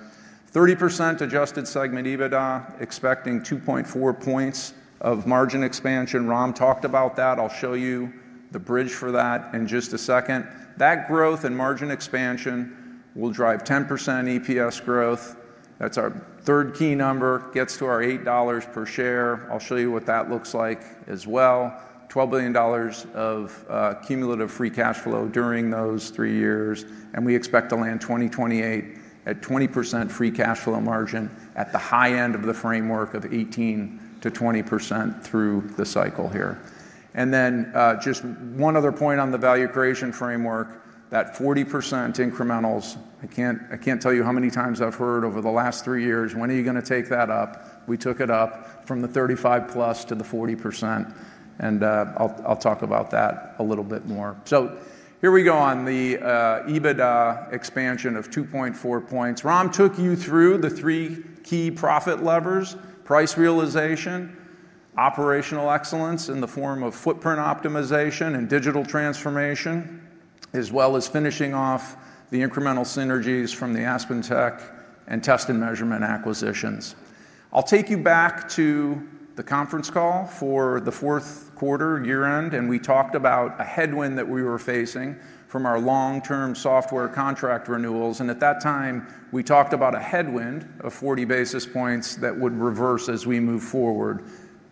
30% adjusted segment EBITDA, expecting 2.4 percentage points of margin expansion. Ram talked about that. I'll show you the bridge for that in just a second. That growth and margin expansion will drive 10% EPS growth. That's our third key number. Gets to our $8 per share. I'll show you what that looks like as well. $12 billion of cumulative free cash flow during those three years. We expect to land 2028 at 20% free cash flow margin at the high end of the framework of 18-20% through the cycle here. Just one other point on the value creation framework, that 40% incrementals. I can't tell you how many times I've heard over the last three years, "When are you going to take that up?" We took it up from the 35-plus to the 40%. I'll talk about that a little bit more. Here we go on the EBITDA expansion of 2.4 percentage points. Ram took you through the three key profit levers: price realization, operational excellence in the form of footprint optimization and digital transformation, as well as finishing off the incremental synergies from the AspenTech and test and measurement acquisitions. I'll take you back to the conference call for the fourth quarter year-end. We talked about a headwind that we were facing from our long-term software contract renewals. At that time, we talked about a headwind of 40 basis points that would reverse as we move forward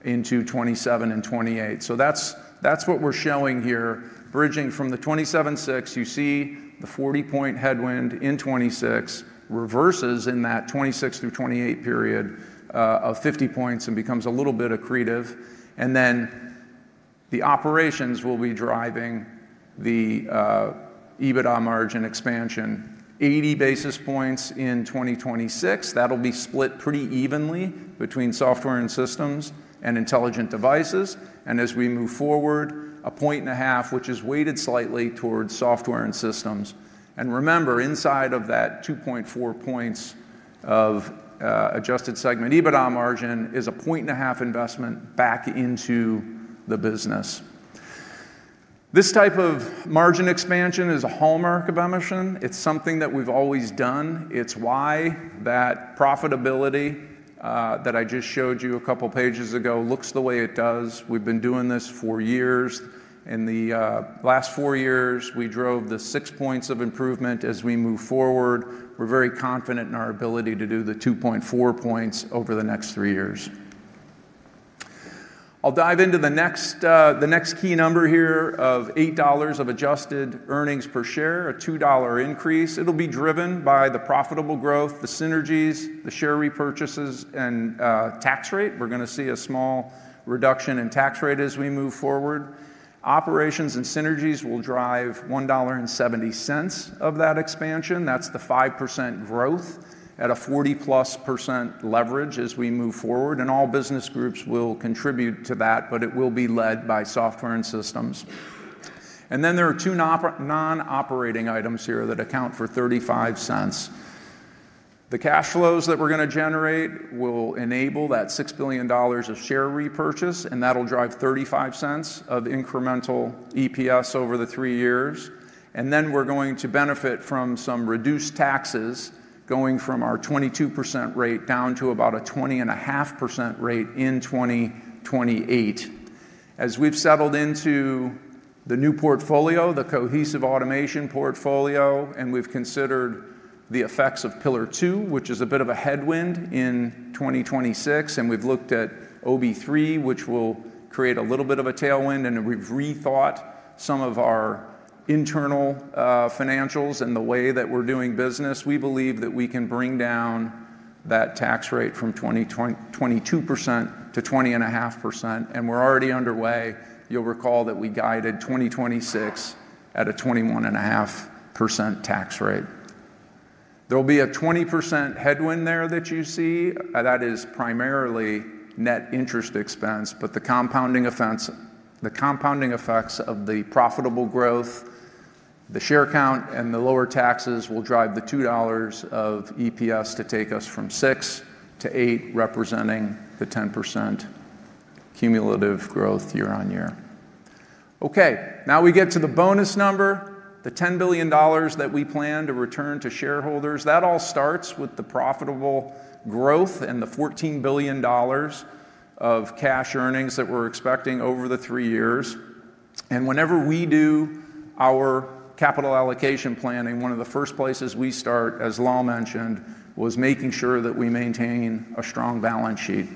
into 2027 and 2028. That is what we are showing here. Bridging from the 2027-2026, you see the 40-point headwind in 2026 reverses in that 2026 through 2028 period of 50 points and becomes a little bit accretive. The operations will be driving the EBITDA margin expansion, 80 basis points in 2026. That will be split pretty evenly between software and systems and intelligent devices. As we move forward, a point and a half, which is weighted slightly towards software and systems. Remember, inside of that 2.4 points of adjusted segment EBITDA margin is a point and a half investment back into the business. This type of margin expansion is a hallmark of Emerson. It's something that we've always done. It's why that profitability that I just showed you a couple of pages ago looks the way it does. We've been doing this for years. In the last four years, we drove the six points of improvement as we move forward. We're very confident in our ability to do the 2.4 points over the next three years. I'll dive into the next key number here of $8 of adjusted earnings per share, a $2 increase. It'll be driven by the profitable growth, the synergies, the share repurchases, and tax rate. We're going to see a small reduction in tax rate as we move forward. Operations and synergies will drive $1.70 of that expansion. That's the 5% growth at a 40-plus % leverage as we move forward. All business groups will contribute to that, but it will be led by software and systems. There are two non-operating items here that account for $0.35. The cash flows that we're going to generate will enable that $6 billion of share repurchase. That will drive $0.35 of incremental EPS over the three years. We're going to benefit from some reduced taxes going from our 22% rate down to about a 20.5% rate in 2028. As we've settled into the new portfolio, the Cohesive Automation portfolio, and we've considered the effects of Pillar Two, which is a bit of a headwind in 2026. We've looked at OB Three, which will create a little bit of a tailwind. We've rethought some of our internal financials and the way that we're doing business. We believe that we can bring down that tax rate from 22% to 20.5%. We're already underway. You'll recall that we guided 2026 at a 21.5% tax rate. There'll be a 20% headwind there that you see. That is primarily net interest expense. The compounding effects of the profitable growth, the share count, and the lower taxes will drive the $2 of EPS to take us from 6 to 8, representing the 10% cumulative growth year-on-year. Okay. Now we get to the bonus number, the $10 billion that we plan to return to shareholders. That all starts with the profitable growth and the $14 billion of cash earnings that we're expecting over the three years. Whenever we do our capital allocation planning, one of the first places we start, as Lal mentioned, was making sure that we maintain a strong balance sheet.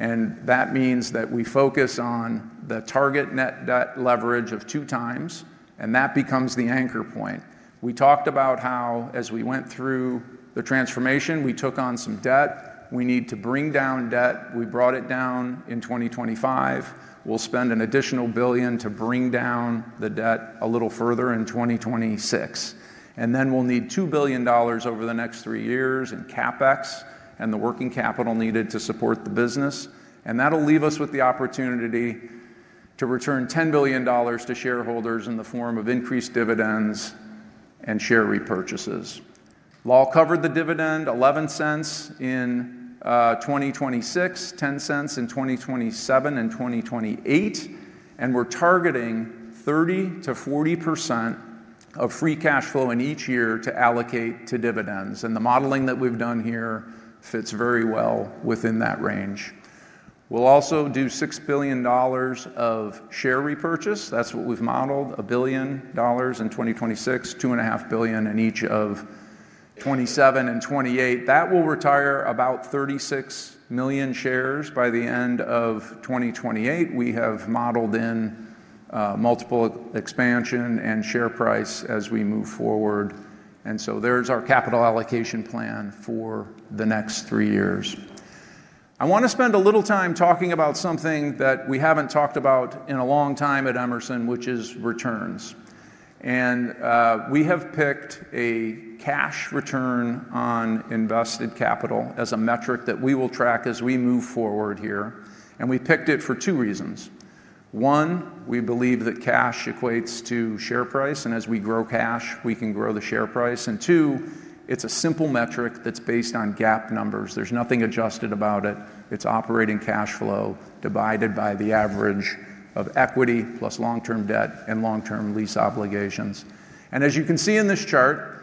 That means that we focus on the target net debt leverage of two times. That becomes the anchor point. We talked about how, as we went through the transformation, we took on some debt. We need to bring down debt. We brought it down in 2025. We'll spend an additional $1 billion to bring down the debt a little further in 2026. We will need $2 billion over the next three years in CapEx and the working capital needed to support the business. That will leave us with the opportunity to return $10 billion to shareholders in the form of increased dividends and share repurchases. Lal covered the dividend, $0.11 in 2026, $0.10 in 2027, and 2028. We are targeting 30%-40% of free cash flow in each year to allocate to dividends. The modeling that we've done here fits very well within that range. We will also do $6 billion of share repurchase. That's what we've modeled, $1 billion in 2026, $2.5 billion in each of 2027 and 2028. That will retire about 36 million shares by the end of 2028. We have modeled in multiple expansion and share price as we move forward. There is our capital allocation plan for the next three years. I want to spend a little time talking about something that we have not talked about in a long time at Emerson, which is returns. We have picked a cash return on invested capital as a metric that we will track as we move forward here. We picked it for two reasons. One, we believe that cash equates to share price. As we grow cash, we can grow the share price. It is a simple metric that is based on GAAP numbers. There is nothing adjusted about it. It is operating cash flow divided by the average of equity plus long-term debt and long-term lease obligations. As you can see in this chart,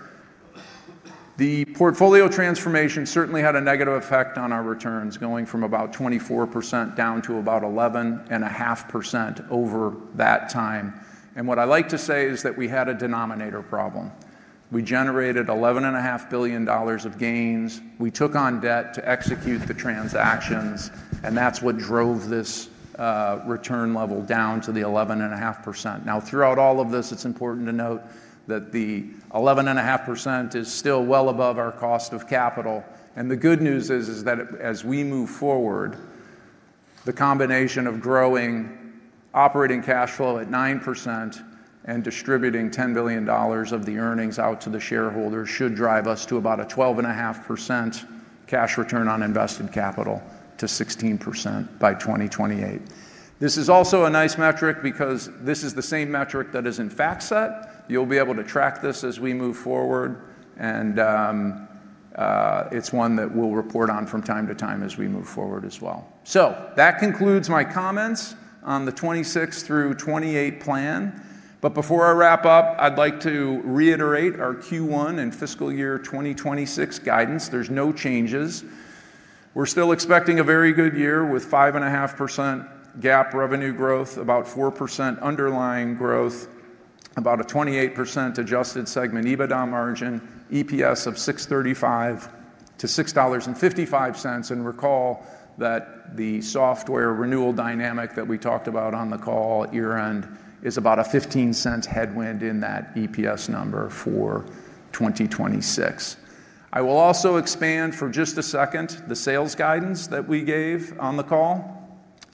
the portfolio transformation certainly had a negative effect on our returns, going from about 24% down to about 11.5% over that time. What I like to say is that we had a denominator problem. We generated $11.5 billion of gains. We took on debt to execute the transactions. That is what drove this return level down to the 11.5%. Throughout all of this, it is important to note that the 11.5% is still well above our cost of capital. The good news is that as we move forward, the combination of growing operating cash flow at 9% and distributing $10 billion of the earnings out to the shareholders should drive us to about a 12.5% cash return on invested capital to 16% by 2028. This is also a nice metric because this is the same metric that is in FactSet. You'll be able to track this as we move forward. It is one that we'll report on from time to time as we move forward as well. That concludes my comments on the '26 through '28 plan. Before I wrap up, I'd like to reiterate our Q1 and fiscal year 2026 guidance. There's no changes. We're still expecting a very good year with 5.5% GAAP revenue growth, about 4% underlying growth, about a 28% adjusted segment EBITDA margin, EPS of $6.35-$6.55. Recall that the software renewal dynamic that we talked about on the call year-end is about a 15-cent headwind in that EPS number for 2026. I will also expand for just a second the sales guidance that we gave on the call.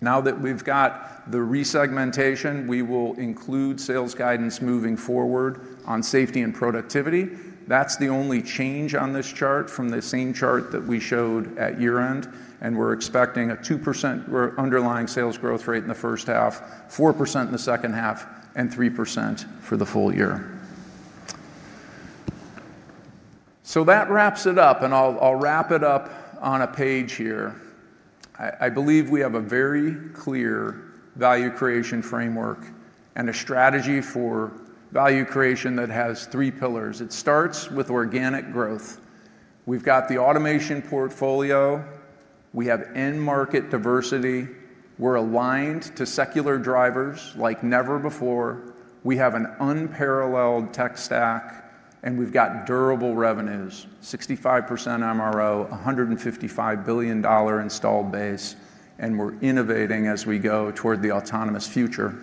Now that we've got the resegmentation, we will include sales guidance moving forward on safety and productivity. That's the only change on this chart from the same chart that we showed at year-end. We're expecting a 2% underlying sales growth rate in the first half, 4% in the second half, and 3% for the full year. That wraps it up. I'll wrap it up on a page here. I believe we have a very clear value creation framework and a strategy for value creation that has three pillars. It starts with organic growth. We've got the automation portfolio. We have end-market diversity. We're aligned to secular drivers like never before. We have an unparalleled tech stack. And we've got durable revenues, 65% MRO, $155 billion installed base. We're innovating as we go toward the autonomous future.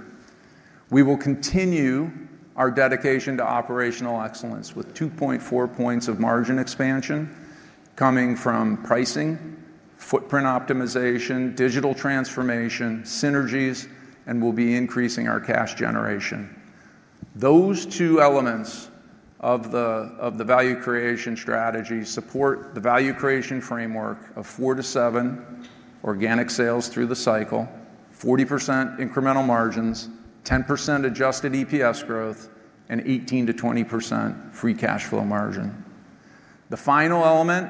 We will continue our dedication to operational excellence with 2.4 percentage points of margin expansion coming from pricing, footprint optimization, digital transformation, synergies, and we'll be increasing our cash generation. Those two elements of the value creation strategy support the value creation framework of 4-7% organic sales through the cycle, 40% incremental margins, 10% adjusted EPS growth, and 18-20% free cash flow margin. The final element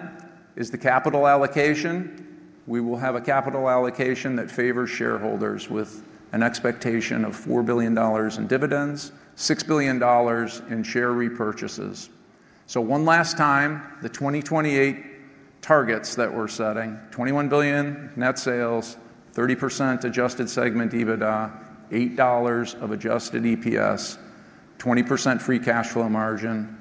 is the capital allocation. We will have a capital allocation that favors shareholders with an expectation of $4 billion in dividends, $6 billion in share repurchases. One last time, the 2028 targets that we're setting: $21 billion net sales, 30% adjusted segment EBITDA, $8 of adjusted EPS, 20% free cash flow margin,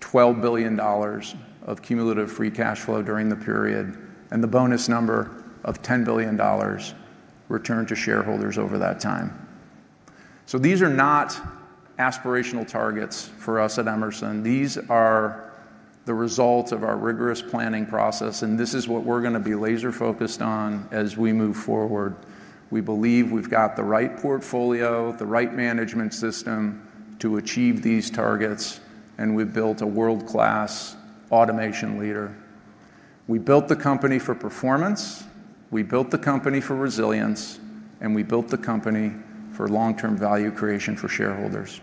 $12 billion of cumulative free cash flow during the period, and the bonus number of $10 billion returned to shareholders over that time. These are not aspirational targets for us at Emerson. These are the result of our rigorous planning process. This is what we're going to be laser-focused on as we move forward. We believe we've got the right portfolio, the right management system to achieve these targets. We've built a world-class automation leader. We built the company for performance. We built the company for resilience. We built the company for long-term value creation for shareholders.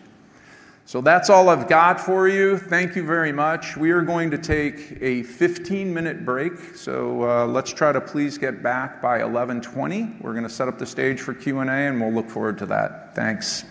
That's all I've got for you. Thank you very much. We are going to take a 15-minute break. Let's try to please get back by 11:20. We're going to set up the stage for Q&A, and we'll look forward to that. Thanks.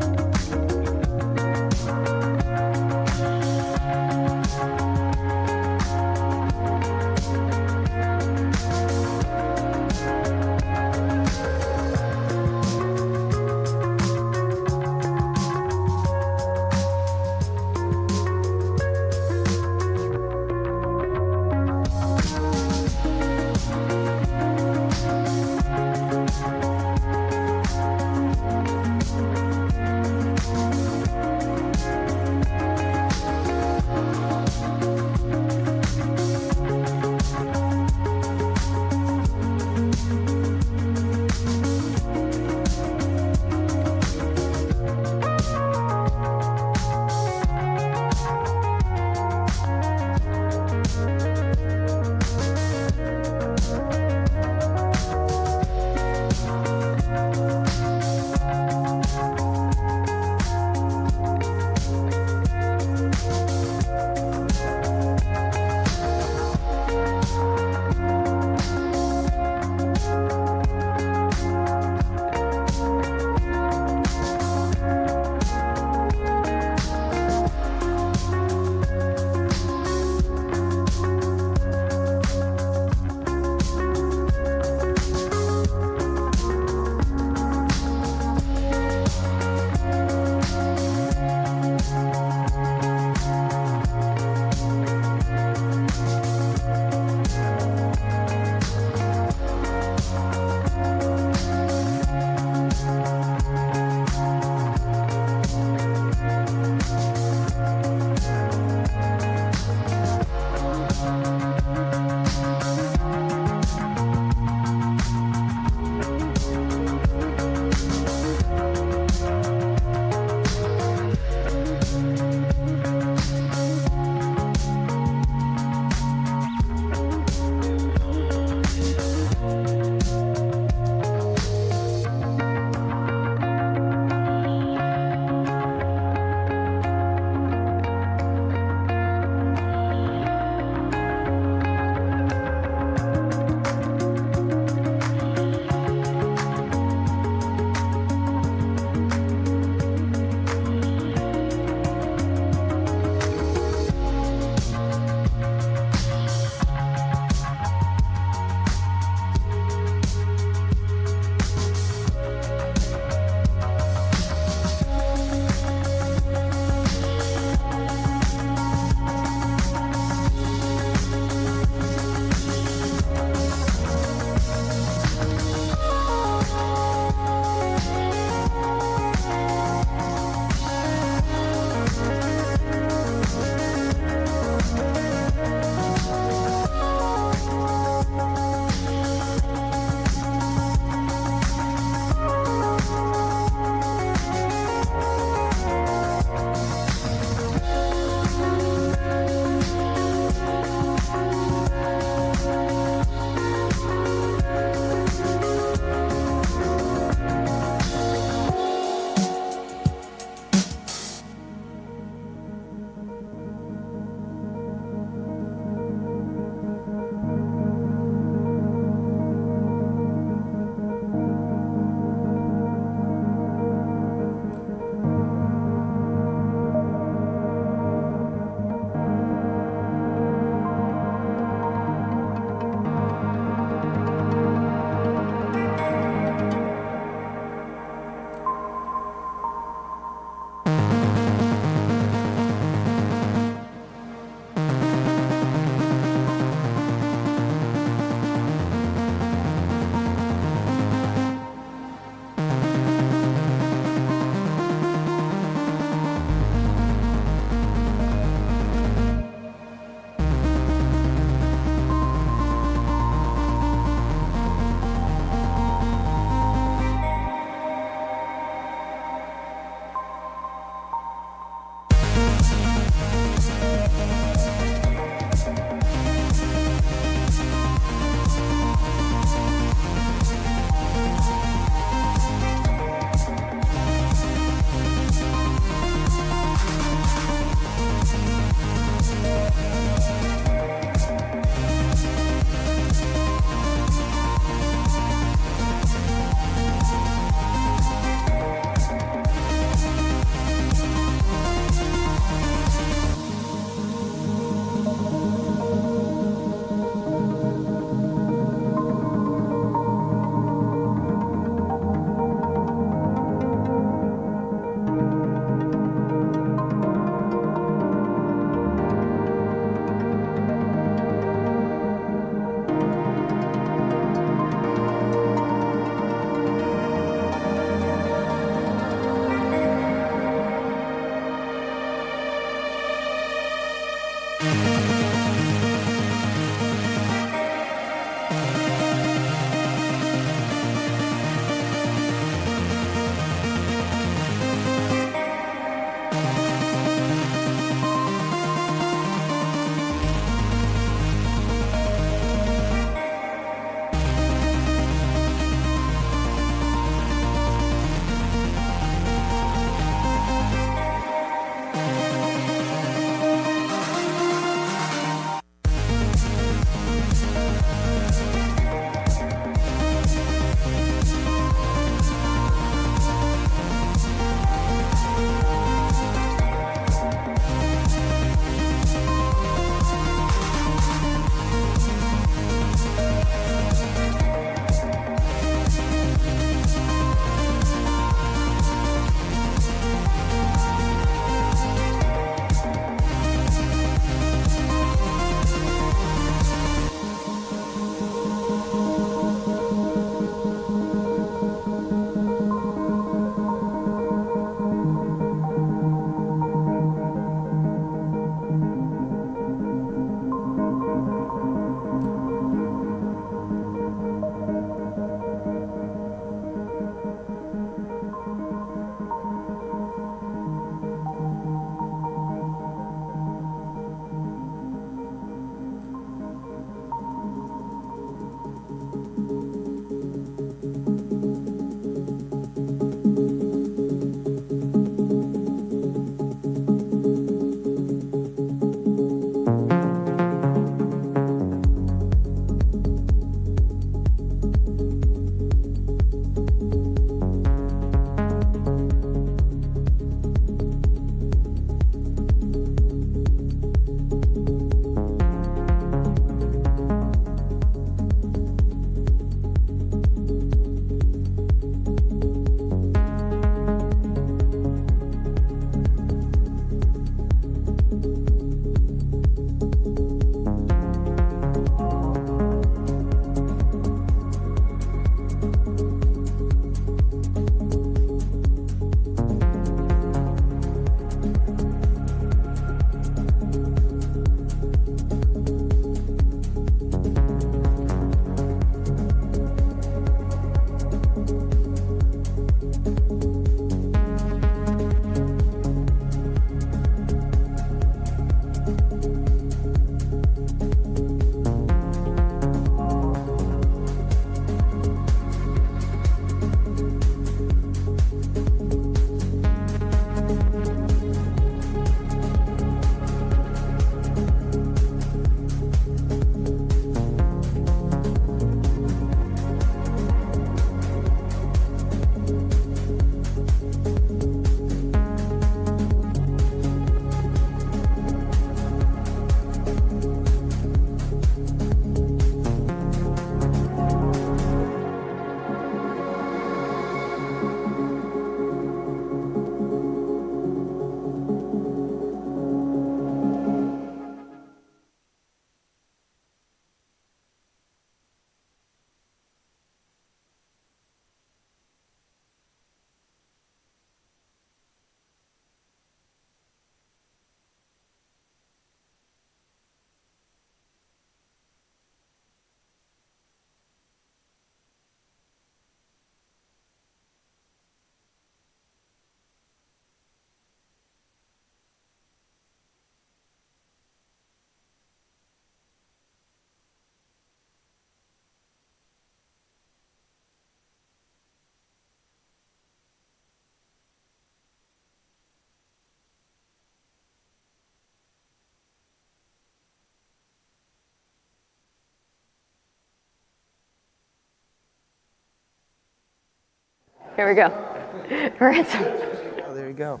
I just can't get over you. I just can't get over you. I just can't get over you. I just can't get over you. I just can't get over you. I just can't get over you. I just can't get over you. Here we go. We're at some. Oh, there you go.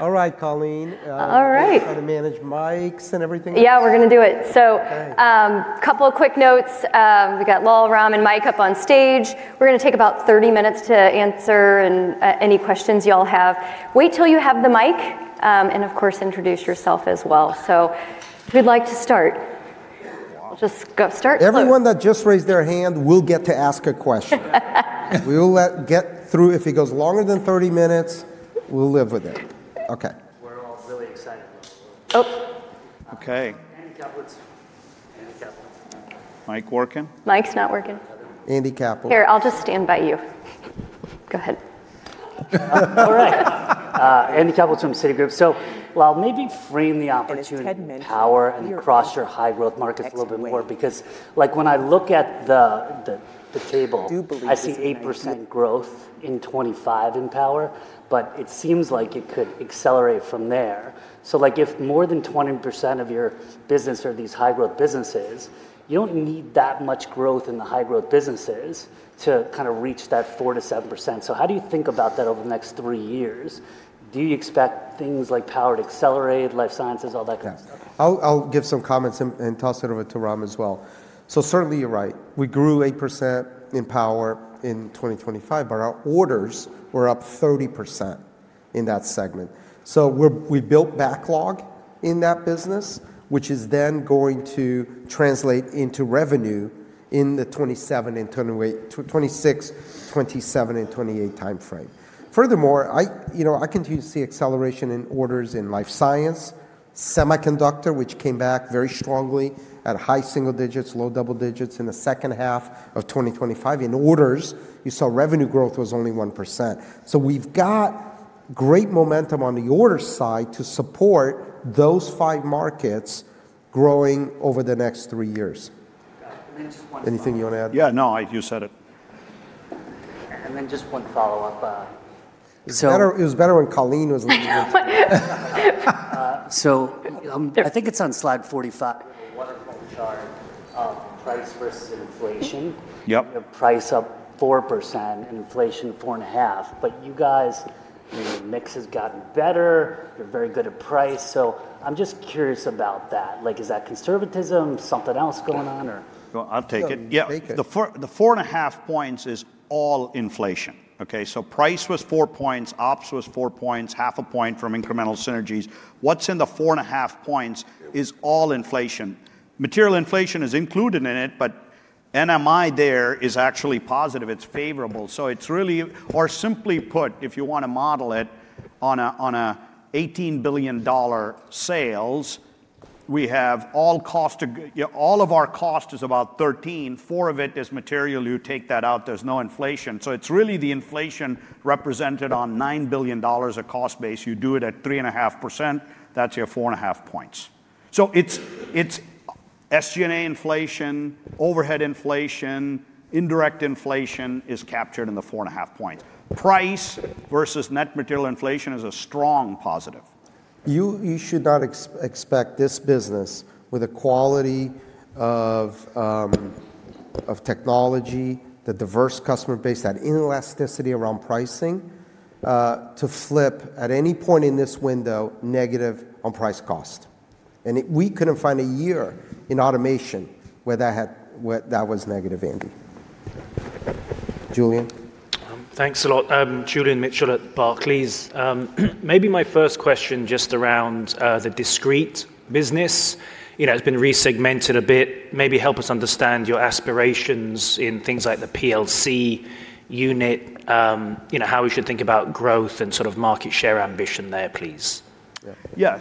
All right, Colleen. All right. How to manage mics and everything. Yeah, we're going to do it. A couple of quick notes. We got Lal, Ram, and Mike up on stage. We're going to take about 30 minutes to answer any questions y'all have. Wait till you have the mic, and of course, introduce yourself as well. Who'd like to start? I'll just go start. Everyone that just raised their hand will get to ask a question. We will get through. If it goes longer than 30 minutes, we'll live with it. Okay. We're all really excited. Oh. Okay. Andy Kaplan. Mike working? Mike's not working. Andy Kaplan. Here, I'll just stand by you. Go ahead. All right. Andy Kaplan from Citigroup. Lal, maybe frame the opportunity in power and across your high-growth markets a little bit more, because when I look at the table, I see 8% growth in 2025 in power, but it seems like it could accelerate from there. If more than 20% of your business are these high-growth businesses, you don't need that much growth in the high-growth businesses to kind of reach that 4%-7%. How do you think about that over the next three years? Do you expect things like power to accelerate, life sciences, all that kind of stuff? I'll give some comments and toss it over to Ram as well. Certainly, you're right. We grew 8% in power in 2025, but our orders were up 30% in that segment. We built backlog in that business, which is then going to translate into revenue in the 2026, 2027, and 2028 timeframe. Furthermore, I continue to see acceleration in orders in life science, semiconductor, which came back very strongly at high single digits, low double digits in the second half of 2025. In orders, you saw revenue growth was only 1%. We've got great momentum on the order side to support those five markets growing over the next three years. Anything you want to add? Yeah, no, you said it. Just one follow-up. It was better when Colleen was leading the—so, I think it's on slide 45. We have a waterfall chart of price versus inflation. You have price up 4%, inflation 4.5%. You guys, I mean, the mix has gotten better. You're very good at price. I'm just curious about that. Is that conservatism? Something else going on, or? I'll take it. Yeah. The 4.5 points is all inflation. Okay. Price was 4 points, ops was 4 points, half a point from incremental synergies. What's in the 4.5 points is all inflation. Material inflation is included in it, but NMI there is actually positive. It's favorable. Really, or simply put, if you want to model it on an $18 billion sales, we have all cost—all of our cost is about 13. Four of it is material. You take that out, there's no inflation. It's really the inflation represented on $9 billion of cost base. You do it at 3.5%, that's your 4.5 points. It's SG&A inflation, overhead inflation, indirect inflation is captured in the 4.5 points. Price versus net material inflation is a strong positive. You should not expect this business, with a quality of technology, the diverse customer base, that elasticity around pricing, to flip at any point in this window negative on price cost. We couldn't find a year in automation where that was negative, Andy. Julian. Thanks a lot. Julian Mitchell at Barclays. Maybe my first question just around the discrete business. It's been resegmented a bit. Maybe help us understand your aspirations in things like the PLC unit, how we should think about growth and sort of market share ambition there, please. Yeah.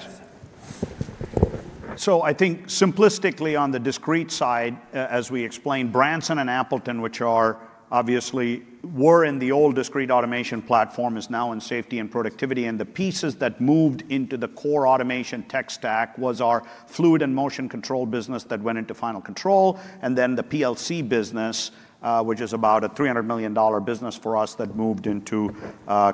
I think simplistically on the discrete side, as we explained, Branson and Appleton, which obviously were in the old discrete automation platform, is now in safety and productivity. The pieces that moved into the core automation tech stack was our fluid and motion control business that went into final control, and then the PLC business, which is about a $300 million business for us that moved into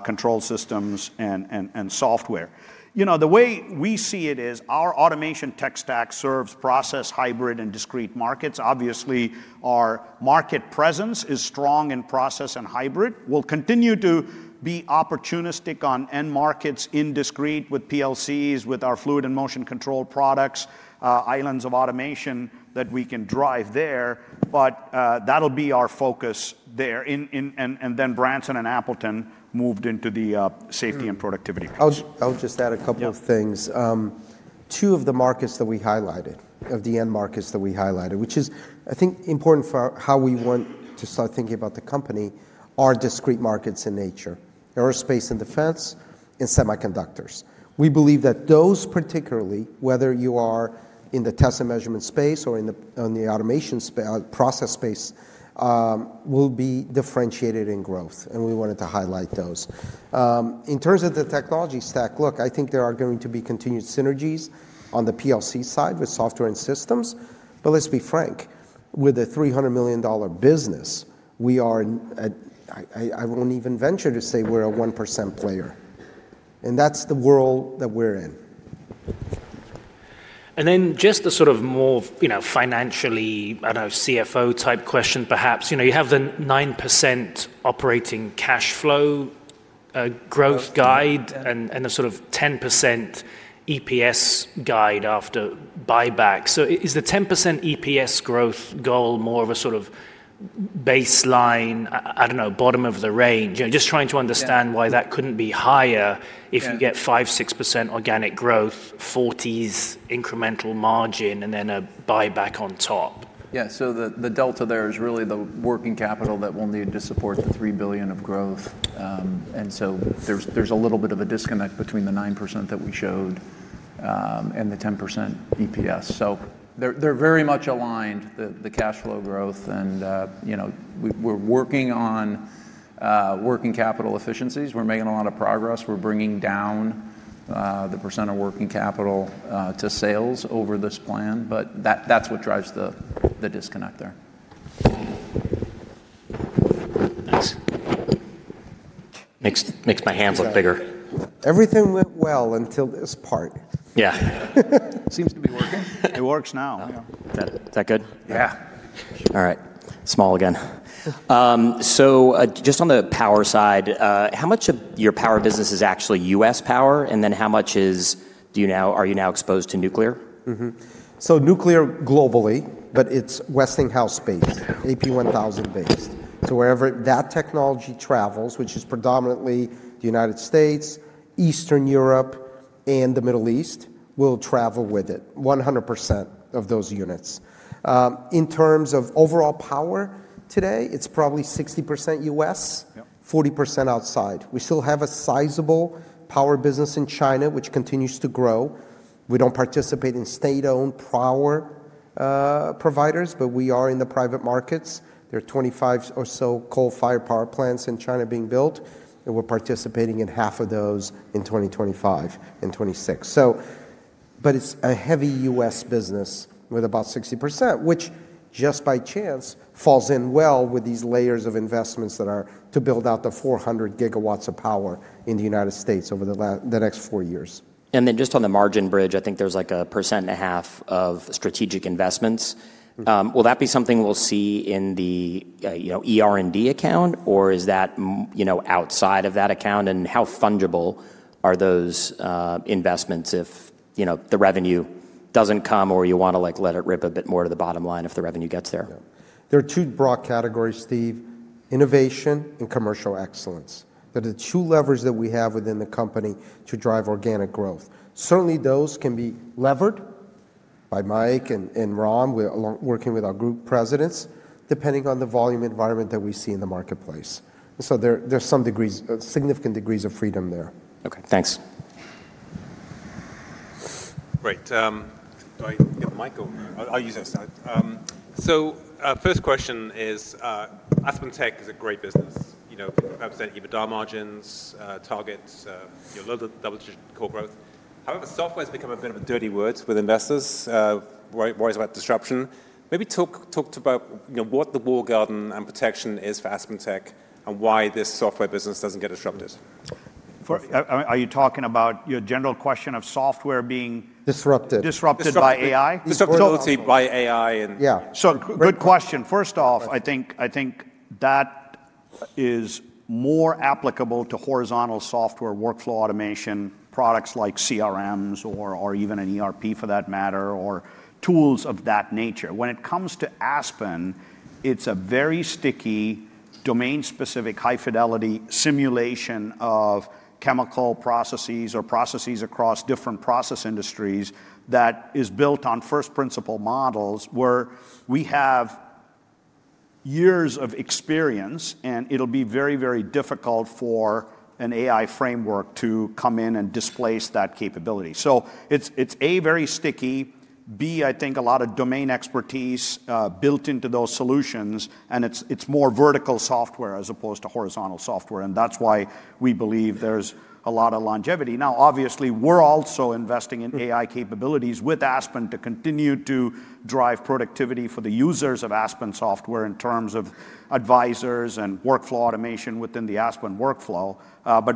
control systems and software. The way we see it is our automation tech stack serves process, hybrid, and discrete markets. Obviously, our market presence is strong in process and hybrid. We'll continue to be opportunistic on end markets in discrete with PLCs, with our fluid and motion control products, islands of automation that we can drive there, but that'll be our focus there. Branson and Appleton moved into the safety and productivity piece. I'll just add a couple of things. Two of the markets that we highlighted, of the end markets that we highlighted, which is, I think, important for how we want to start thinking about the company, are discrete markets in nature. Aerospace and defense and semiconductors. We believe that those particularly, whether you are in the test and measurement space or in the automation process space, will be differentiated in growth. We wanted to highlight those. In terms of the technology stack, look, I think there are going to be continued synergies on the PLC side with software and systems. Let's be frank, with a $300 million business, we are at—I won't even venture to say we're a 1% player. That's the world that we're in. Just the sort of more financially, I don't know, CFO-type question, perhaps. You have the 9% operating cash flow growth guide and a sort of 10% EPS guide after buyback. Is the 10% EPS growth goal more of a sort of baseline, I don't know, bottom of the range? Just trying to understand why that couldn't be higher if you get 5%, 6% organic growth, 40s incremental margin, and then a buyback on top. Yeah. The delta there is really the working capital that we'll need to support the $3 billion of growth. There is a little bit of a disconnect between the 9% that we showed and the 10% EPS. They are very much aligned, the cash flow growth. We're working on working capital efficiencies. We're making a lot of progress. We're bringing down the percent of working capital to sales over this plan, but that's what drives the disconnect there. Nice. Makes my hands look bigger. Everything went well until this part. Yeah. Seems to be working. It works now. Is that good? Yeah. All right. Small again. Just on the power side, how much of your power business is actually U.S. power, and then how much do you now—are you now exposed to nuclear? Nuclear globally, but it is Westinghouse-based, AP1000-based. Wherever that technology travels, which is predominantly the United States, Eastern Europe, and the Middle East, we will travel with it, 100% of those units. In terms of overall power today, it is probably 60% U.S., 40% outside. We still have a sizable power business in China, which continues to grow. We do not participate in state-owned power providers, but we are in the private markets. There are 25 or so coal-fired power plants in China being built, and we are participating in half of those in 2025 and 2026. It's a heavy US business with about 60%, which just by chance falls in well with these layers of investments that are to build out the 400 gigawatts of power in the United States over the next four years. Just on the margin bridge, I think there's like a percent and a half of strategic investments. Will that be something we'll see in the ER&D account, or is that outside of that account? How fungible are those investments if the revenue doesn't come, or you want to let it rip abit more to the bottom line if the revenue gets there? There are two broad categories, Steve, innovation and commercial excellence. They're the two levers that wehave within the company to drive organic growth. Certainly, those can be levered by Mike and Ram, working with our group presidents, depending on the volume environment that we see in the marketplace. There are some degrees, significant degrees of freedom there. Okay. Thanks. Great. I'll use that. First question is, AspenTech is a great business. You've got % EBITDA margins, targets, your double-digit core growth. However, software has become a bit of a dirty word with investors, worries about disruption. Maybe talk to about what the war garden and protection is for AspenTech and why this software business doesn't get disrupted. Are you talking about your general question of software being disrupted by AI? Disruptability by AI and yeah. Good question. First off, I think that is more applicable to horizontal software workflow automation products like CRMs or even an ERP for that matter, or tools of that nature. When it comes to Aspen, it's a very sticky domain-specific high-fidelity simulation of chemical processes or processes across different process industries that is built on first-principle models where we have years of experience, and it'll be very, very difficult for an AI framework to come in and displace that capability. It's A, very sticky, B, I think a lot of domain expertise built into those solutions, and it's more vertical software as opposed to horizontal software. That's why we believe there's a lot of longevity. Now, obviously, we're also investing in AI capabilities with Aspen to continue to drive productivity for the users of Aspen software in terms of advisors and workflow automation within the Aspen workflow.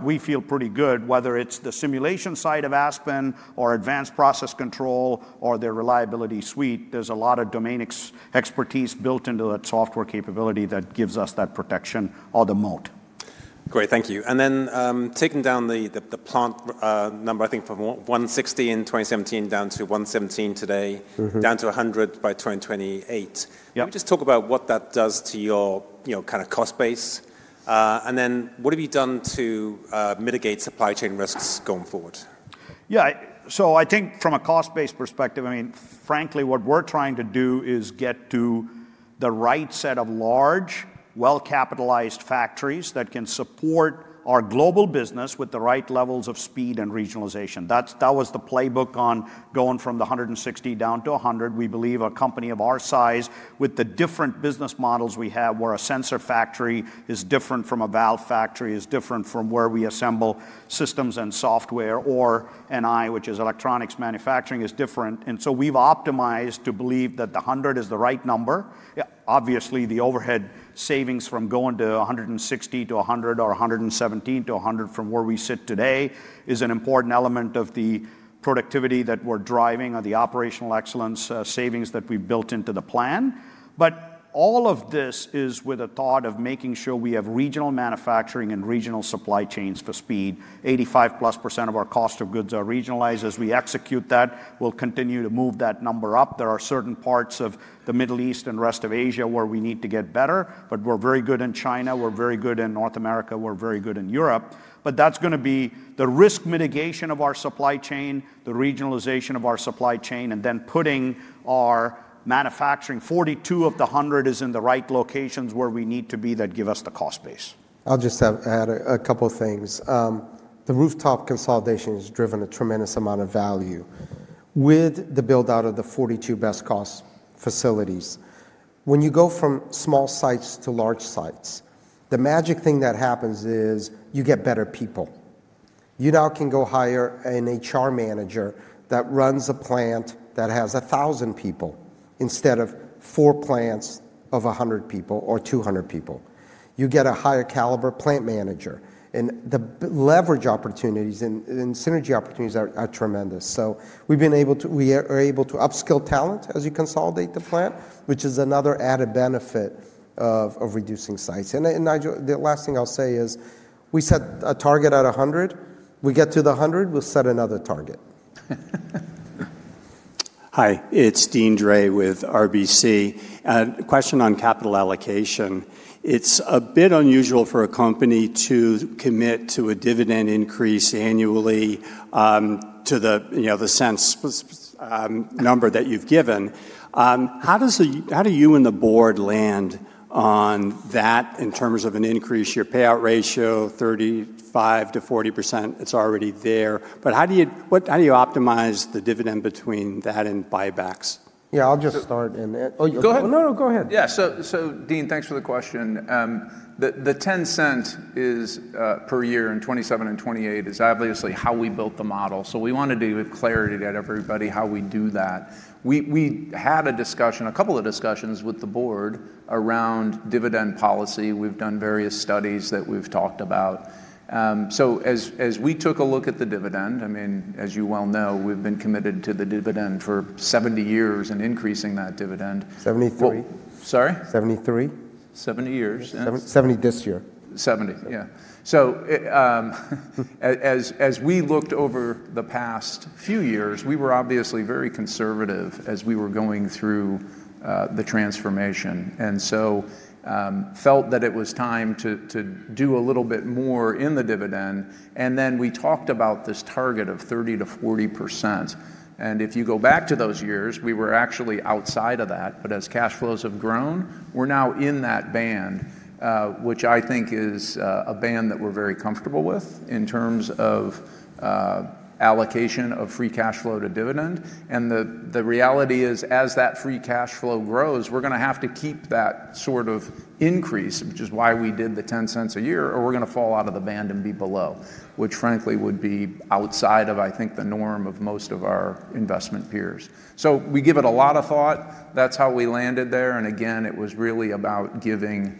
We feel pretty good, whether it's the simulation side of Aspen or advanced process control or their reliability suite, there's a lot of domain expertise built into that software capability that gives us that protection of the moat. Great. Thank you. Taking down the plant number, I think from 160 in 2017 down to 117 today, down to 100 by 2028. Can we just talk about what that does to your kind of cost base? What have you done to mitigate supply chain risks going forward? Yeah. I think from a cost-based perspective, I mean, frankly, what we're trying to do is get to the right set of large, well-capitalized factories that can support our global business with the right levels of speed and regionalization. That was the playbook on going from the 160 down to 100. We believe a company of our size, with the different business models we have, where a sensor factory is different from a valve factory, is different from where we assemble systems and software, or NI, which is electronics manufacturing, is different. We have optimized to believe that the 100 is the right number. Obviously, the overhead savings from going to 160 to 100 or 117 to 100 from where we sit today is an important element of the productivity that we're driving or the operational excellence savings that we've built into the plan. All of this is with a thought of making sure we have regional manufacturing and regional supply chains for speed. 85+% of our cost of goods are regionalized. As we execute that, we'll continue to move that number up. There are certain parts of the Middle East and rest of Asia where we need to get better, but we're very good in China. We're very good in North America. We're very good in Europe. That is going to be the risk mitigation of our supply chain, the regionalization of our supply chain, and then putting our manufacturing—42 of the 100 is in the right locations where we need to be that give us the cost base. I'll just add a couple of things. The rooftop consolidation has driven a tremendous amount of value. With the build-out of the 42 best cost facilities, when you go from small sites to large sites, the magic thing that happens is you get better people. You now can go hire an HR manager that runs a plant that has 1,000 people instead of four plants of 100 people or 200 people. You get a higher-caliber plant manager. The leverage opportunities and synergy opportunities are tremendous. We've been able to—we are able to upskill talent as you consolidate the plant, which is another added benefit of reducing sites. The last thing I'll say is we set a target at 100. We get to the 100, we'll set another target. Hi, it's Deane Dray with RBC. Question on capital allocation. It's a bit unusual for a company to commit to a dividend increase annually to the sense number that you've given. How do you and the board land on that in terms of an increase? Your payout ratio, 35-40%, it's already there. How do you optimize the dividend between that and buybacks? I'll just start in that. Oh, you're good. No, no, go ahead. Yeah. Dean, thanks for the question. The $0.10 per year in 2027 and 2028 is obviously how we built the model. We want to do with clarity to everybody how we do that. We had a discussion, a couple of discussions with the board around dividend policy. We've done various studies that we've talked about. As we took a look at the dividend, I mean, as you well know, we've been committed to the dividend for 70 years and increasing that dividend. Seventy-three. Sorry? Seventy-three. Seventy years. Seventy this year. Seventy. As we looked over the past few years, we were obviously very conservative as we were going through the transformation. We felt that it was time to do a little bit more in the dividend. We talked about this target of 30-40%. If you go back to those years, we were actually outside of that. As cash flows have grown, we're now in that band, which I think is a band that we're very comfortable with in terms of allocation of free cash flow to dividend. The reality is, as that free cash flow grows, we're going to have to keep that sort of increase, which is why we did the 10 cents a year, or we're going to fall out of the band and be below, which frankly would be outside of, I think, the norm of most of our investment peers. We give it a lot of thought. That's how we landed there. Again, it was really about giving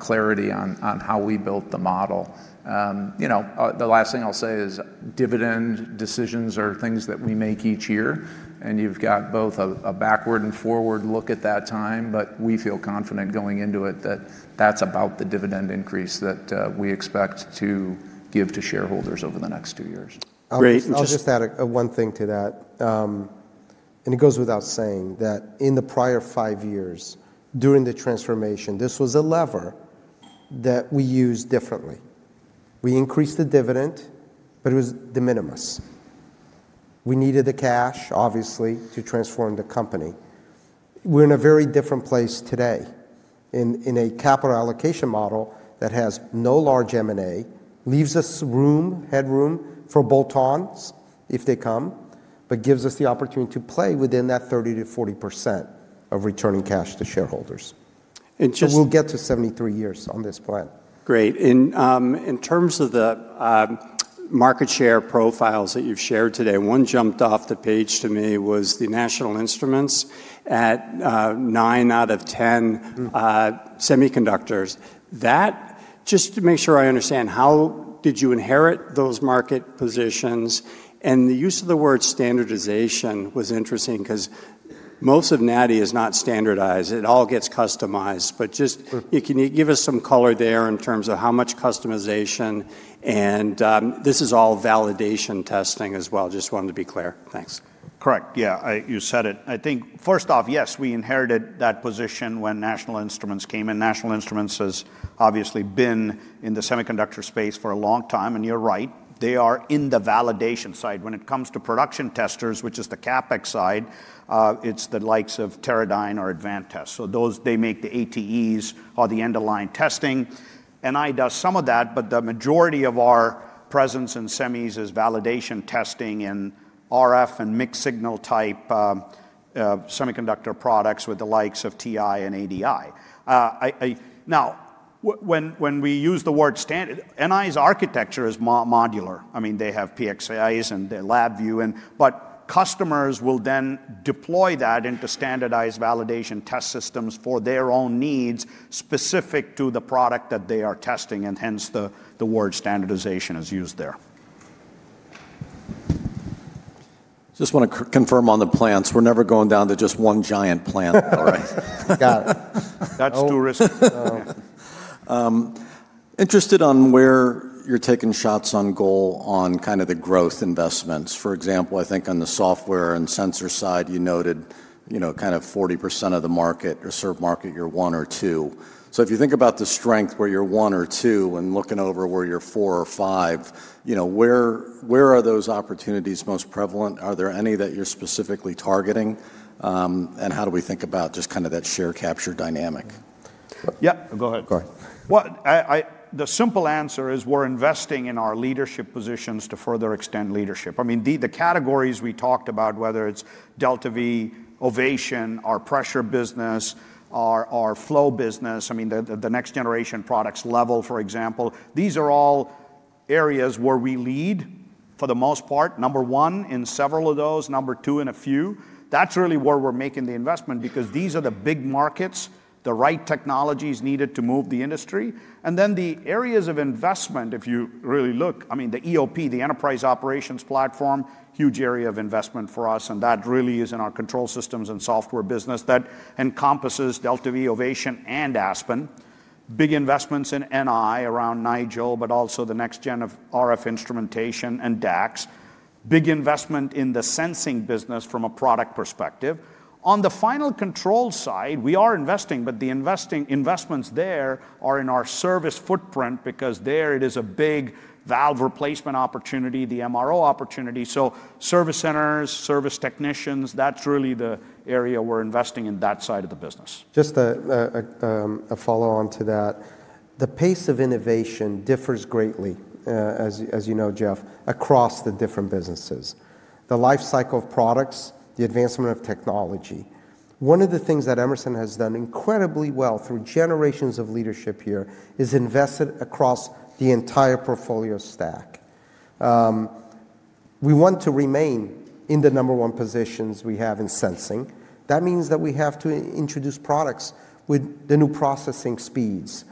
clarity on how we built the model. The last thing I'll say is dividend decisions are things that we make each year. You have both a backward and forward look at that time. We feel confident going into it that that's about the dividend increase that we expect to give to shareholders over the next two years. Great. I'll just add one thing to that. It goes without saying that in the prior five years during the transformation, this was a lever that we used differently. We increased the dividend, but it was de minimis. We needed the cash, obviously, to transform the company. We are in a very different place today in a capital allocation model that has no large M&A, leaves us room, headroom for bolt-ons if they come, but gives us the opportunity to play within that 30-40% of returning cash to shareholders. We will get to 73 years on this plan. Great. In terms of the market share profiles that you've shared today, one jumped off the page to me was the National Instruments at 9 out of 10 semiconductors. That, just to make sure I understand, how did you inherit those market positions? The use of the word standardization was interesting because most of NI is not standardized. It all gets customized. Can you give us some color there in terms of how much customization? This is all validation testing as well. Just wanted to be clear. Thanks. Correct. Yeah, you said it. I think first off, yes, we inherited that position when National Instruments came. National Instruments has obviously been in the semiconductor space for a long time. You're right. They are in the validation side. When it comes to production testers, which is the CapEx side, it's the likes of Teradyne or Advantest. They make the ATEs or the end-of-line testing. NI does some of that, but the majority of our presence in semis is validation testing in RF and mixed-signal type semiconductor products with the likes of TI and ADI. Now, when we use the word standardization, NI's architecture is modular. I mean, they have PXIs and the LabVIEW. Customers will then deploy that into standardized validation test systems for their own needs specific to the product that they are testing. Hence, the word standardization is used there. Just want to confirm on the plants. We're never going down to just one giant plant. All right. Got it. That's too risky. Interested on where you're taking shots on goal on kind of the growth investments. For example, I think on the software and sensor side, you noted kind of 40% of the market or serve market, you're one or two. If you think about the strength where you're one or two and looking over where you're four or five, where are those opportunities most prevalent? Are there any that you're specifically targeting? And how do we think about just kind of that share capture dynamic? Yeah. Go ahead. Go ahead. The simple answer is we're investing in our leadership positions to further extend leadership. I mean, the categories we talked about, whether it's DeltaV, Ovation, our pressure business, our flow business, I mean, the next generation products level, for example, these are all areas where we lead for the most part. Number one in several of those, number two in a few. That's really where we're making the investment because these are the big markets, the right technologies needed to move the industry. If you really look, I mean, the EOP, the Enterprise Operations Platform, huge area of investment for us. That really is in our control systems and software business that encompasses DeltaV, Ovation, and Aspen. Big investments in NI around Nigel, but also the next gen of RF instrumentation and DAX. Big investment in the sensing business from a product perspective. On the final control side, we are investing, but the investments there are in our service footprint because there it is a big valve replacement opportunity, the MRO opportunity. Service centers, service technicians, that's really the area we're investing in that side of the business. Just a follow-on to that. The pace of innovation differs greatly, as you know, Jeff, across the different businesses. The lifecycle of products, the advancement of technology. One of the things that Emerson has done incredibly well through generations of leadership here is invested across the entire portfolio stack. We want to remain in the number one positions we have in sensing. That means that we have to introduce products with the new processing speeds,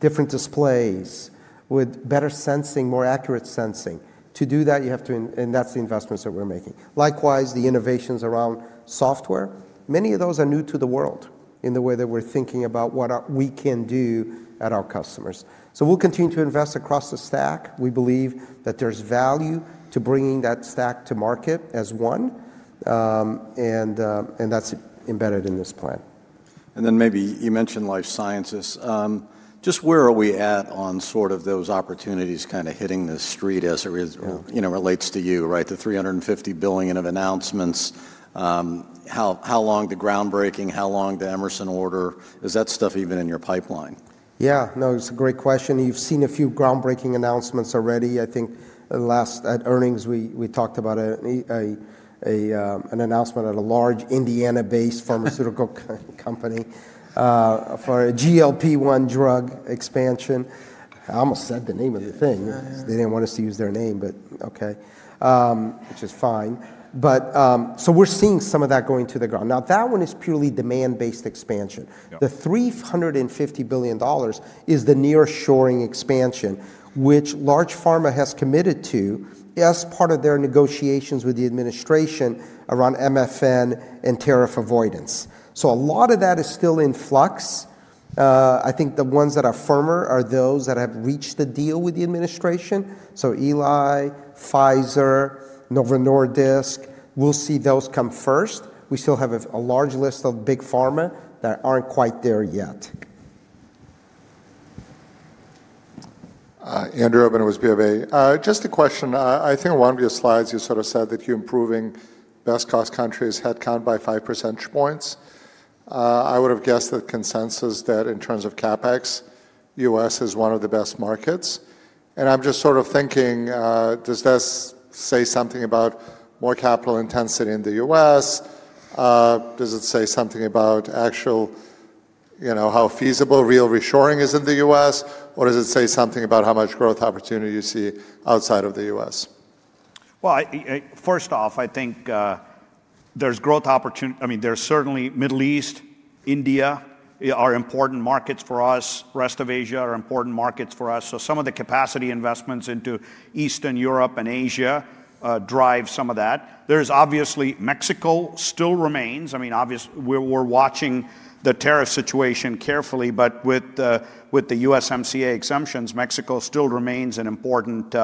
different displays with better sensing, more accurate sensing. To do that, you have to, and that's the investments that we're making. Likewise, the innovations around software, many of those are new to the world in the way that we're thinking about what we can do at our customers. We'll continue to invest across the stack. We believe that there's value to bringing that stack to market as one. That is embedded in this plan. Maybe you mentioned life sciences. Just where are we at on sort of those opportunities kind of hitting the street as it relates to you, right? The $350 billion of announcements, how long the groundbreaking, how long the Emerson order, is that stuff even in your pipeline? Yeah. No, it's a great question. You've seen a few groundbreaking announcements already. I think last at earnings, we talked about an announcement at a large Indiana-based pharmaceutical company for a GLP-1 drug expansion. I almost said the name of the thing. They didn't want us to use their name, but okay, which is fine. We're seeing some of that going to the ground. Now, that one is purely demand-based expansion. The $350 billion is the near-shoring expansion, which large pharma has committed to as part of their negotiations with the administration around MFN and tariff avoidance. A lot of that is still in flux. I think the ones that are firmer are those that have reached the deal with the administration. Eli Lilly, Pfizer, Novo Nordisk, we'll see those come first. We still have a large list of big pharma that aren't quite there yet. Andrew, OpenUSB of A. Just a question. I think on one of your slides, you sort of said that you're improving best cost countries headcount by 5 percentage points. I would have guessed the consensus that in terms of CapEx, the U.S. is one of the best markets. I'm just sort of thinking, does this say something about more capital intensity in the U.S.? Does it say something about how feasible real reshoring is in the U.S.? Or does it say something about how much growth opportunity you see outside of the U.S.? First off, I think there's growth opportunity. I mean, there's certainly Middle East, India are important markets for us. Rest of Asia are important markets for us. Some of the capacity investments into Eastern Europe and Asia drive some of that. Obviously, Mexico still remains. I mean, obviously, we're watching the tariff situation carefully. With the USMCA exemptions, Mexico still remains an important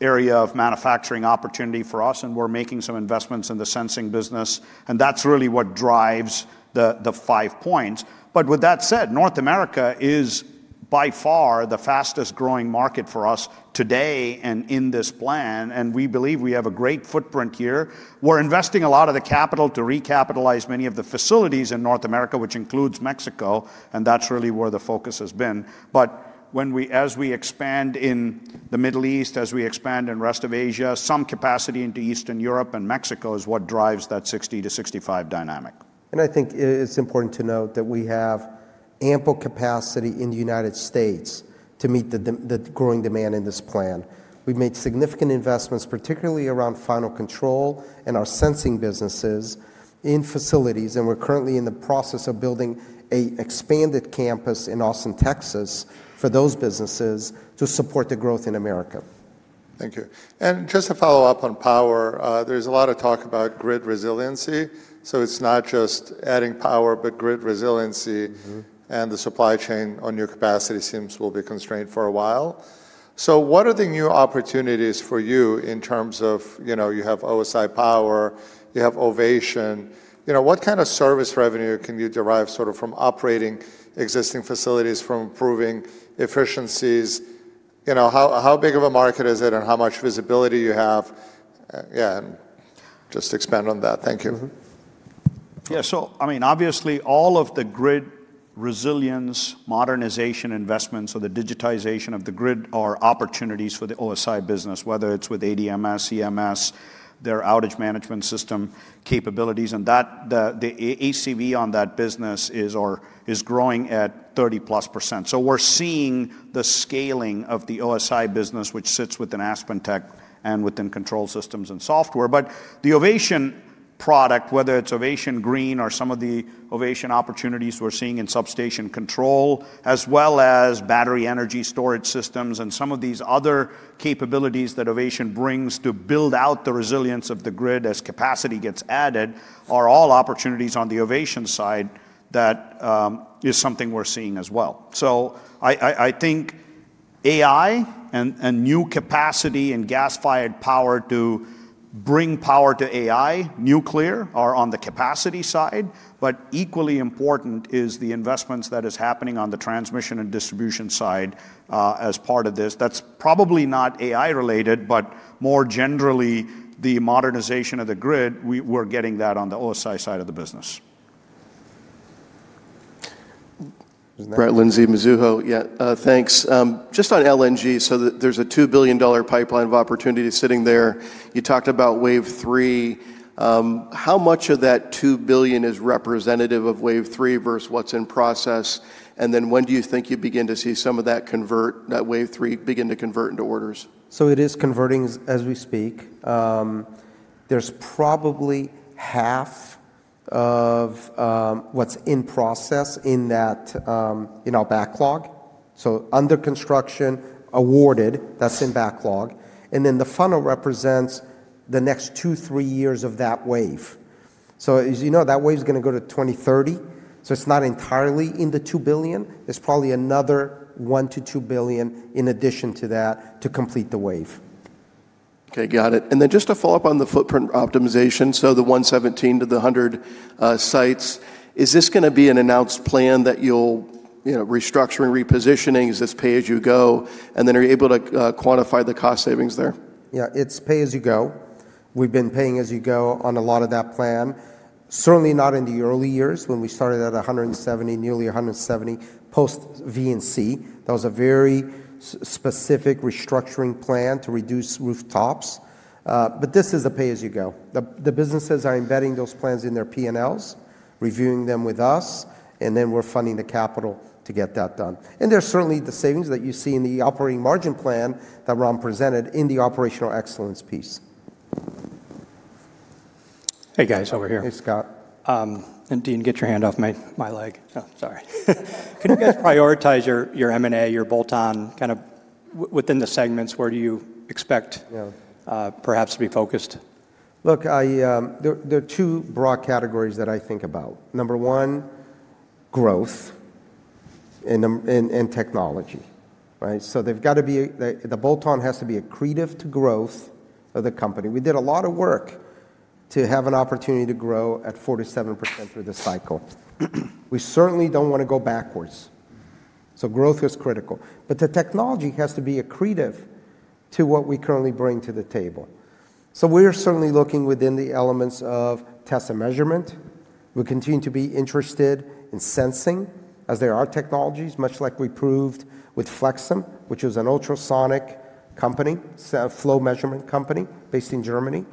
area of manufacturing opportunity for us. We're making some investments in the sensing business. That's really what drives the five points. With that said, North America is by far the fastest growing market for us today and in this plan. We believe we have a great footprint here. We're investing a lot of the capital to recapitalize many of the facilities in North America, which includes Mexico. That's really where the focus has been. As we expand in the Middle East, as we expand in rest of Asia, some capacity into Eastern Europe and Mexico is what drives that 60-65 dynamic. I think it's important to note that we have ample capacity in the United States to meet the growing demand in this plan. We've made significant investments, particularly around final control and our sensing businesses in facilities. We're currently in the process of building an expanded campus in Austin, Texas, for those businesses to support the growth in America. Thank you. Just to follow up on power, there's a lot of talk about grid resiliency. It's not just adding power, but grid resiliency and the supply chain on new capacity seems will be constrained for a while. What are the new opportunities for you in terms of you have OSI Power, you have Ovation. What kind of service revenue can you derive sort of from operating existing facilities, from improving efficiencies? How big of a market is it and how much visibility you have? Yeah. Just expand on that. Thank you. Yeah. I mean, obviously, all of the grid resilience modernization investments or the digitization of the grid are opportunities for the OSI business, whether it's with ADMS, EMS, their outage management system capabilities. The ACV on that business is growing at 30% plus. We're seeing the scaling of the OSI business, which sits within AspenTech and within control systems and software. The Ovation product, whether it's Ovation Green or some of the Ovation opportunities we're seeing in substation control, as well as battery energy storage systems and some of these other capabilities that Ovation brings to build out the resilience of the grid as capacity gets added, are all opportunities on the Ovation side that is something we're seeing as well. I think AI and new capacity and gas-fired power to bring power to AI, nuclear, are on the capacity side. Equally important is the investments that are happening on the transmission and distribution side as part of this. That's probably not AI related, but more generally the modernization of the grid. We're getting that on the OSI side of the business. Brett Linzey Mizuho. Yeah. Thanks. Just on LNG, so there's a $2 billion pipeline of opportunity sitting there. You talked about wave three. How much of that $2 billion is representative of wave three versus what's in process? When do you think you begin to see some of that convert, that wave three begin to convert into orders? It is converting as we speak. There's probably half of what's in process in our backlog. Under construction awarded, that's in backlog. The funnel represents the next two to three years of that wave. As you know, that wave is going to go to 2030. It is not entirely in the $2 billion. There's probably another $1 billion to $2 billion in addition to that to complete the wave. Got it. Just to follow up on the footprint optimization. The 117 to the 100 sites, is this going to be an announced plan that you'll restructure and repositioning as this pay as you go? Are you able to quantify the cost savings there? Yeah. It's pay as you go. We've been paying as you go on a lot of that plan. Certainly not in the early years when we started at 170, nearly 170 post VNC. That was a very specific restructuring plan to reduce rooftops. This is a pay as you go. The businesses are embedding those plans in their P&Ls, reviewing them with us. We're funding the capital to get that done. There's certainly the savings that you see in the operating margin plan that Ram presented in the operational excellence piece. Hey, guys, over here. Hey, Scott. And Deane, get your hand off my leg. Oh, sorry. Can you guys prioritize your M&A, your bolt-on kind of within the segments? Where do you expect perhaps to be focused? Look, there are two broad categories that I think about. Number one, growth and technology, right? They've got to be, the bolt-on has to be accretive to growth of the company. We did a lot of work to have an opportunity to grow at 47% through the cycle. We certainly do not want to go backwards. Growth is critical. The technology has to be accretive to what we currently bring to the table. We are certainly looking within the elements of test and measurement. We continue to be interested in sensing as there are technologies, much like we proved with Flexim, which is an ultrasonic company, flow measurement company based in Germany,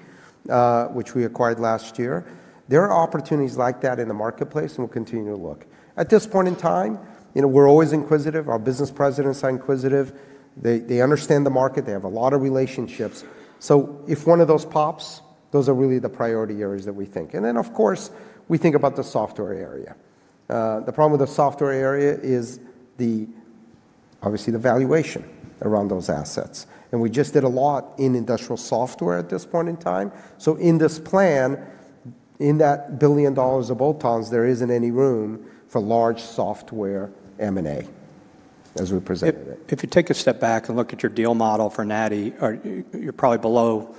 which we acquired last year. There are opportunities like that in the marketplace, and we will continue to look. At this point in time, we are always inquisitive. Our business presidents are inquisitive. They understand the market. They have a lot of relationships. If one of those pops, those are really the priority areas that we think. Of course, we think about the software area. The problem with the software area is obviously the valuation around those assets. We just did a lot in industrial software at this point in time. In this plan, in that $1 billion of bolt-ons, there isn't any room for large software M&A as we presented it. If you take a step back and look at your deal model for NADI, you're probably below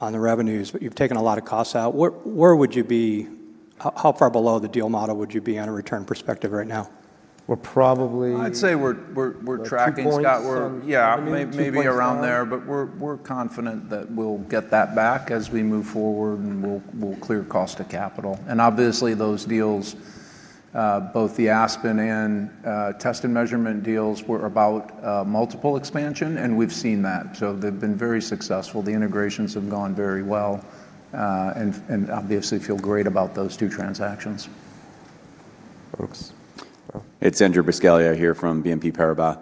on the revenues, but you've taken a lot of costs out. Where would you be? How far below the deal model would you be on a return perspective right now? We're probably, I'd say we're tracking, Scott. We're, yeah, maybe around there. We're confident that we'll get that back as we move forward and we'll clear cost of capital. Obviously, those deals, both the Aspen and test and measurement deals, were about multiple expansion, and we've seen that. They've been very successful. The integrations have gone very well and obviously feel great about those two transactions. Folks, it's Andrew Buscaglia here from BNP Paribas.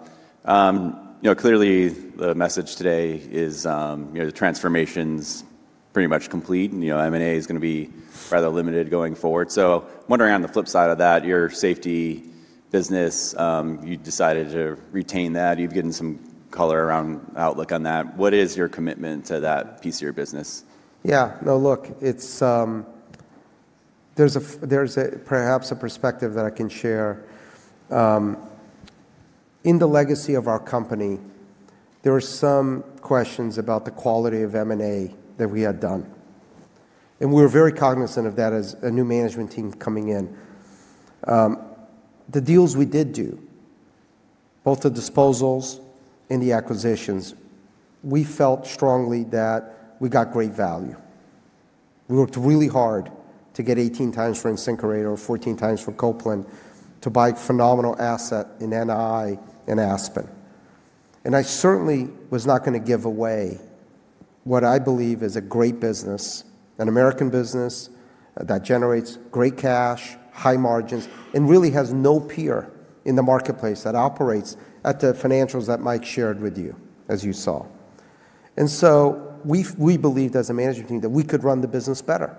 Clearly, the message today is the transformation's pretty much complete. M&A is going to be rather limited going forward. Wondering on the flip side of that, your safety business, you decided to retain that. You've given some color around outlook on that. What is your commitment to that piece of your business? Yeah. No, look, there's perhaps a perspective that I can share. In the legacy of our company, there were some questions about the quality of M&A that we had done. We were very cognizant of that as a new management team coming in. The deals we did do, both the disposals and the acquisitions, we felt strongly that we got great value. We worked really hard to get 18 times for InSinkErator, 14 times for Copeland, to buy a phenomenal asset in NI and Aspen. I certainly was not going to give away what I believe is a great business, an American business that generates great cash, high margins, and really has no peer in the marketplace that operates at the financials that Mike shared with you, as you saw. We believed as a management team that we could run the business better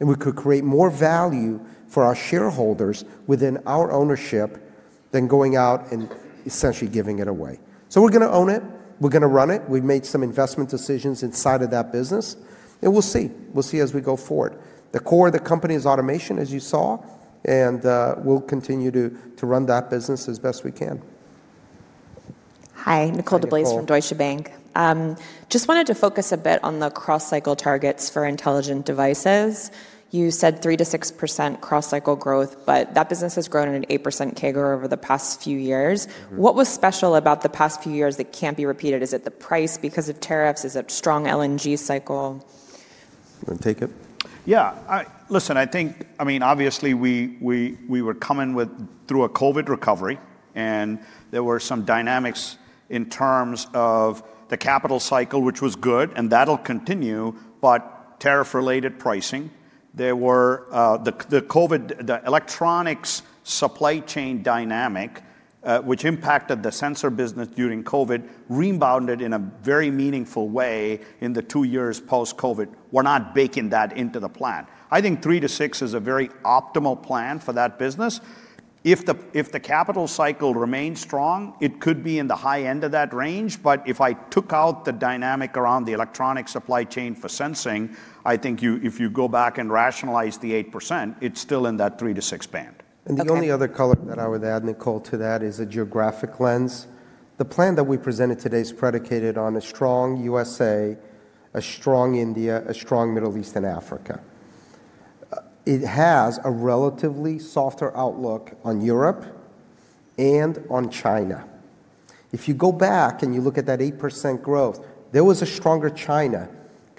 and we could create more value for our shareholders within our ownership than going out and essentially giving it away. We are going to own it. We are going to run it. We've made some investment decisions inside of that business. We'll see as we go forward. The core of the company is automation, as you saw. We'll continue to run that business as best we can. Hi, Nicole DeBlase from Deutsche Bank. Just wanted to focus a bit on the cross-cycle targets for intelligent devices. You said 3-6% cross-cycle growth, but that business has grown an 8% CAGR over the past few years. What was special about the past few years that can't be repeated? Is it the price because of tariffs? Is it a strong LNG cycle? Take it. Yeah. Listen, I think, I mean, obviously, we were coming through a COVID recovery. There were some dynamics in terms of the capital cycle, which was good, and that'll continue, but tariff-related pricing. There were the COVID, the electronics supply chain dynamic, which impacted the sensor business during COVID, rebounded in a very meaningful way in the two years post-COVID. We're not baking that into the plan. I think 3-6% is a very optimal plan for that business. If the capital cycle remains strong, it could be in the high end of that range. If I took out the dynamic around the electronic supply chain for sensing, I think if you go back and rationalize the 8%, it's still in that 3-6% band. The only other color that I would add, Nicole, to that is a geographic lens. The plan that we presented today is predicated on a strong US, a strong India, a strong Middle East, and Africa. It has a relatively softer outlook on Europe and on China. If you go back and you look at that 8% growth, there was a stronger China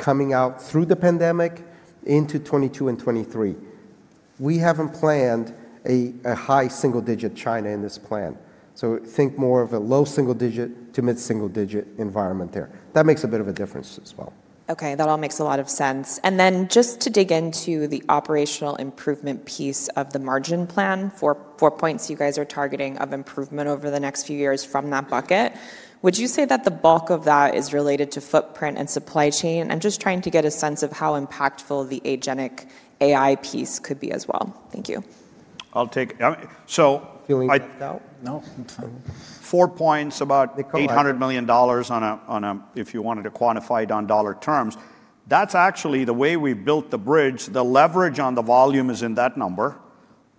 coming out through the pandemic into 2022 and 2023. We haven't planned a high single-digit China in this plan. Think more of a low single-digit to mid-single-digit environment there. That makes a bit of a difference as well. Okay. That all makes a lot of sense. Just to dig into the operational improvement piece of the margin plan for four points you guys are targeting of improvement over the next few years from that bucket, would you say that the bulk of that is related to footprint and supply chain? I'm just trying to get a sense of how impactful the agentic AI piece could be as well. Thank you. I'll take. So. Feeling out? No. Four points about $800 million on a, if you wanted to quantify it on dollar terms. That's actually the way we built the bridge. The leverage on the volume is in that number.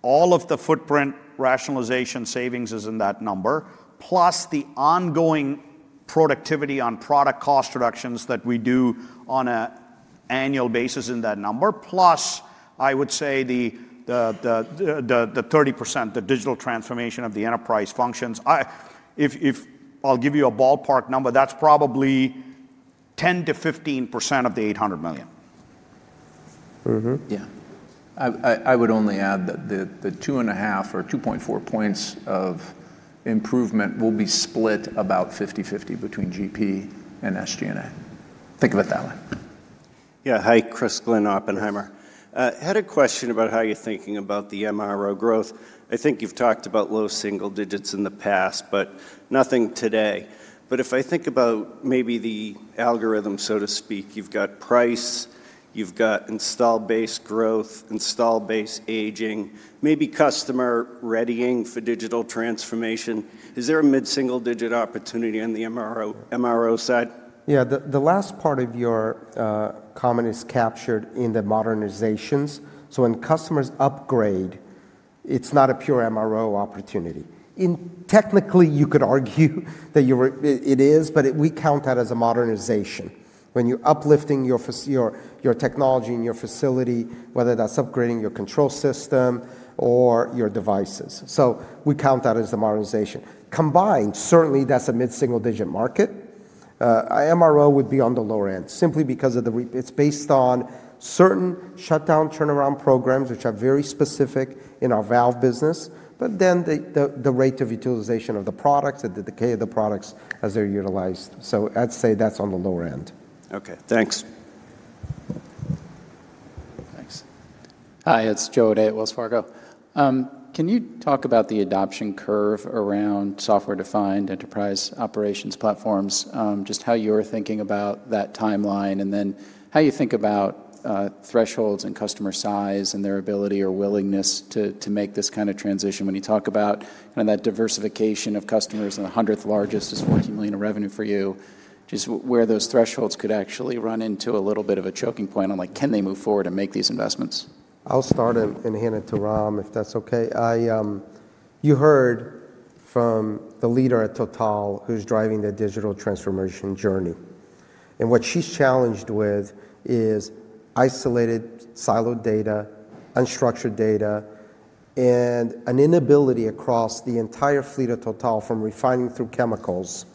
All of the footprint rationalization savings is in that number, plus the ongoing productivity on product cost reductions that we do on an annual basis in that number, plus I would say the 30%, the digital transformation of the enterprise functions. I'll give you a ballpark number. That's probably 10%-15% of the $800 million. Yeah. I would only add that the 2.5 or 2.4 points of improvement will be split about 50/50 between GP and SG&A. Think of it that way. Yeah. Hi, Chris Glynn, Oppenheimer. Had a question about how you're thinking about the MRO growth. I think you've talked about low single digits in the past, but nothing today. But if I think about maybe the algorithm, so to speak, you've got price, you've got installed-base growth, installed-base aging, maybe customer readying for digital transformation. Is there a mid-single-digit opportunity on the MRO side? Yeah. The last part of your comment is captured in the modernizations. So, when customers upgrade, it's not a pure MRO opportunity. Technically, you could argue that it is, but we count that as a modernization. When you're uplifting your technology and your facility, whether that's upgrading your control system or your devices. So, we count that as a modernization. Combined, certainly, that's a mid-single-digit market. MRO would be on the lower end simply because it's based on certain shutdown turnaround programs, which are very specific in our valve business, but then the rate of utilization of the products and the decay of the products as they're utilized. So, I'd say that's on the lower end. Okay. Thanks. Thanks. Hi, it's Joe at Wells Fargo. Can you talk about the adoption curve around software-defined enterprise operations platforms, just how you're thinking about that timeline, and then how you think about thresholds and customer size and their ability or willingness to make this kind of transition when you talk about kind of that diversification of customers and the 100th largest is $14 million in revenue for you, just where those thresholds could actually run into a little bit of a choking point on, like, can they move forward and make these investments? I'll start and hand it to Ram, if that's okay. You heard from the leader at Total who's driving the digital transformation journey. And what she's challenged with is isolated, siloed data, unstructured data, and an inability across the entire fleet of Total from refining through chemicals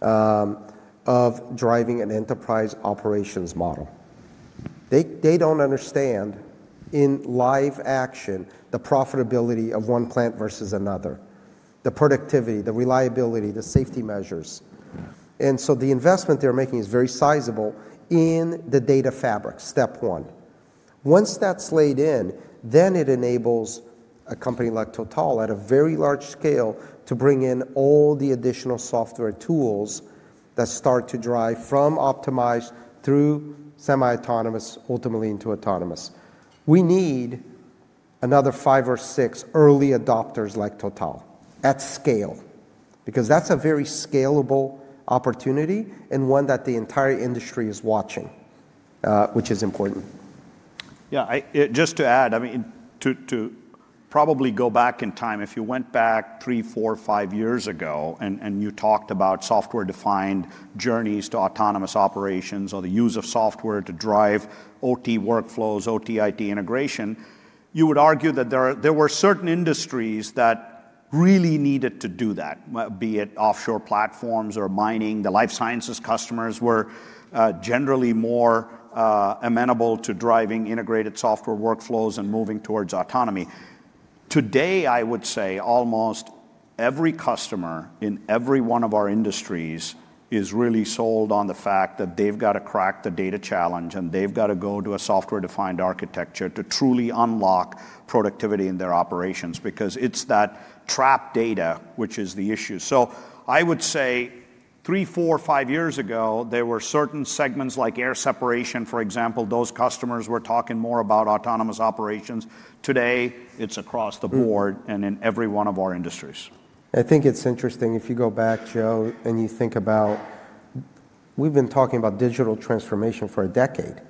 of driving an enterprise operations model. They don't understand in live action the profitability of one plant versus another, the productivity, the reliability, the safety measures. And so, the investment they're making is very sizable in the data fabric, step one. Once that's laid in, then it enables a company like Total at a very large scale to bring in all the additional software tools that start to drive from optimized through semi-autonomous, ultimately into autonomous. We need another five or six early adopters like Total at scale because that's a very scalable opportunity and one that the entire industry is watching, which is important. Yeah. Just to add, I mean, to probably go back in time, if you went back three, four, five years ago and you talked about software-defined journeys to autonomous operations or the use of software to drive OT workflows, OT/IT integration, you would argue that there were certain industries that really needed to do that, be it offshore platforms or mining. The life sciences customers were generally more amenable to driving integrated software workflows and moving towards autonomy. Today, I would say almost every customer in every one of our industries is really sold on the fact that they've got to crack the data challenge and they've got to go to a software-defined architecture to truly unlock productivity in their operations because it's that trapped data, which is the issue. I would say three, four, five years ago, there were certain segments like air separation, for example. Those customers were talking more about autonomous operations. Today, it's across the board and in every one of our industries. I think it's interesting if you go back, Joe, and you think about we've been talking about digital transformation for a decade,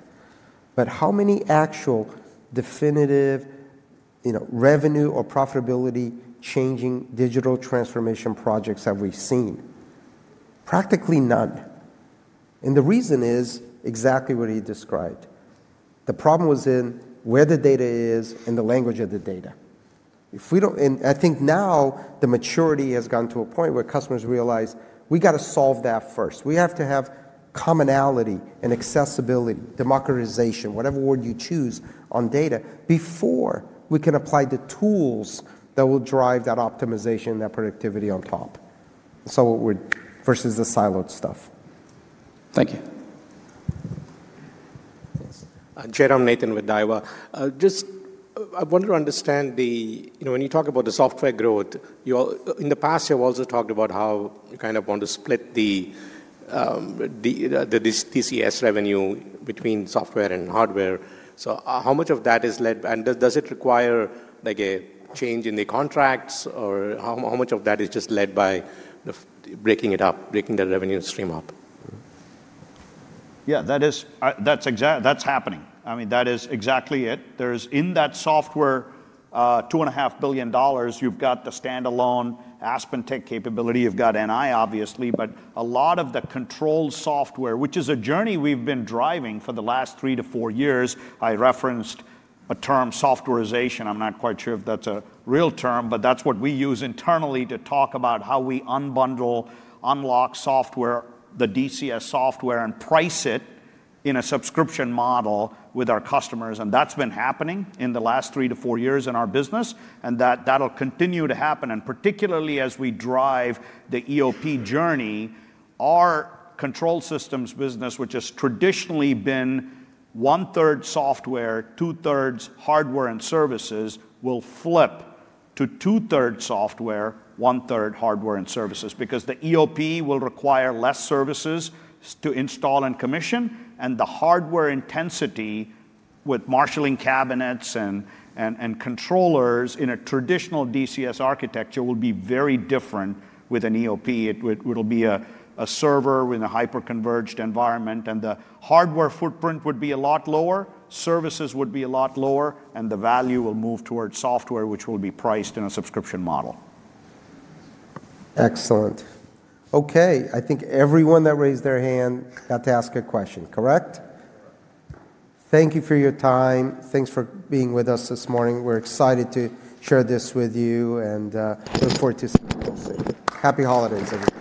but how many actual definitive revenue or profitability-changing digital transformation projects have we seen? Practically none. And the reason is exactly what he described. The problem was in where the data is and the language of the data. And I think now the maturity has gone to a point where customers realize we got to solve that first. We have to have commonality and accessibility, democratization, whatever word you choose on data before we can apply the tools that will drive that optimization and that productivity on top. So, versus the siloed stuff. Thank you. Jaydon, Nathan with Daiwa. I just want to understand when you talk about the software growth. In the past, you've also talked about how you kind of want to split the DCS revenue between software and hardware. So, how much of that is led? And does it require a change in the contracts, or how much of that is just led by breaking it up, breaking the revenue stream up? Yeah. That's happening. I mean, that is exactly it. There is, in that software, $2.5 billion. You've got the standalone AspenTech capability. You've got NI, obviously, but a lot of the controlled software, which is a journey we've been driving for the last three to four years. I referenced a term, softwarization. I'm not quite sure if that's a real term, but that's what we use internally to talk about how we unbundle, unlock software, the DCS software, and price it in a subscription model with our customers. And that's been happening in the last three to four years in our business, and that'll continue to happen. And particularly as we drive the EOP journey, our control systems business, which has traditionally been one-third software, two-thirds hardware and services, will flip to two-thirds software, one-third hardware and services because the EOP will require less services to install and commission, and the hardware intensity with marshaling cabinets and controllers in a traditional DCS architecture will be very different with an EOP. It'll be a server with a hyper-converged environment, and the hardware footprint would be a lot lower, services would be a lot lower, and the value will move towards software, which will be priced in a subscription model. Excellent. Okay. I think everyone that raised their hand got to ask a question, correct? Thank you for your time. Thanks for being with us this morning. We're excited to share this with you, and we look forward to seeing you soon. Happy holidays.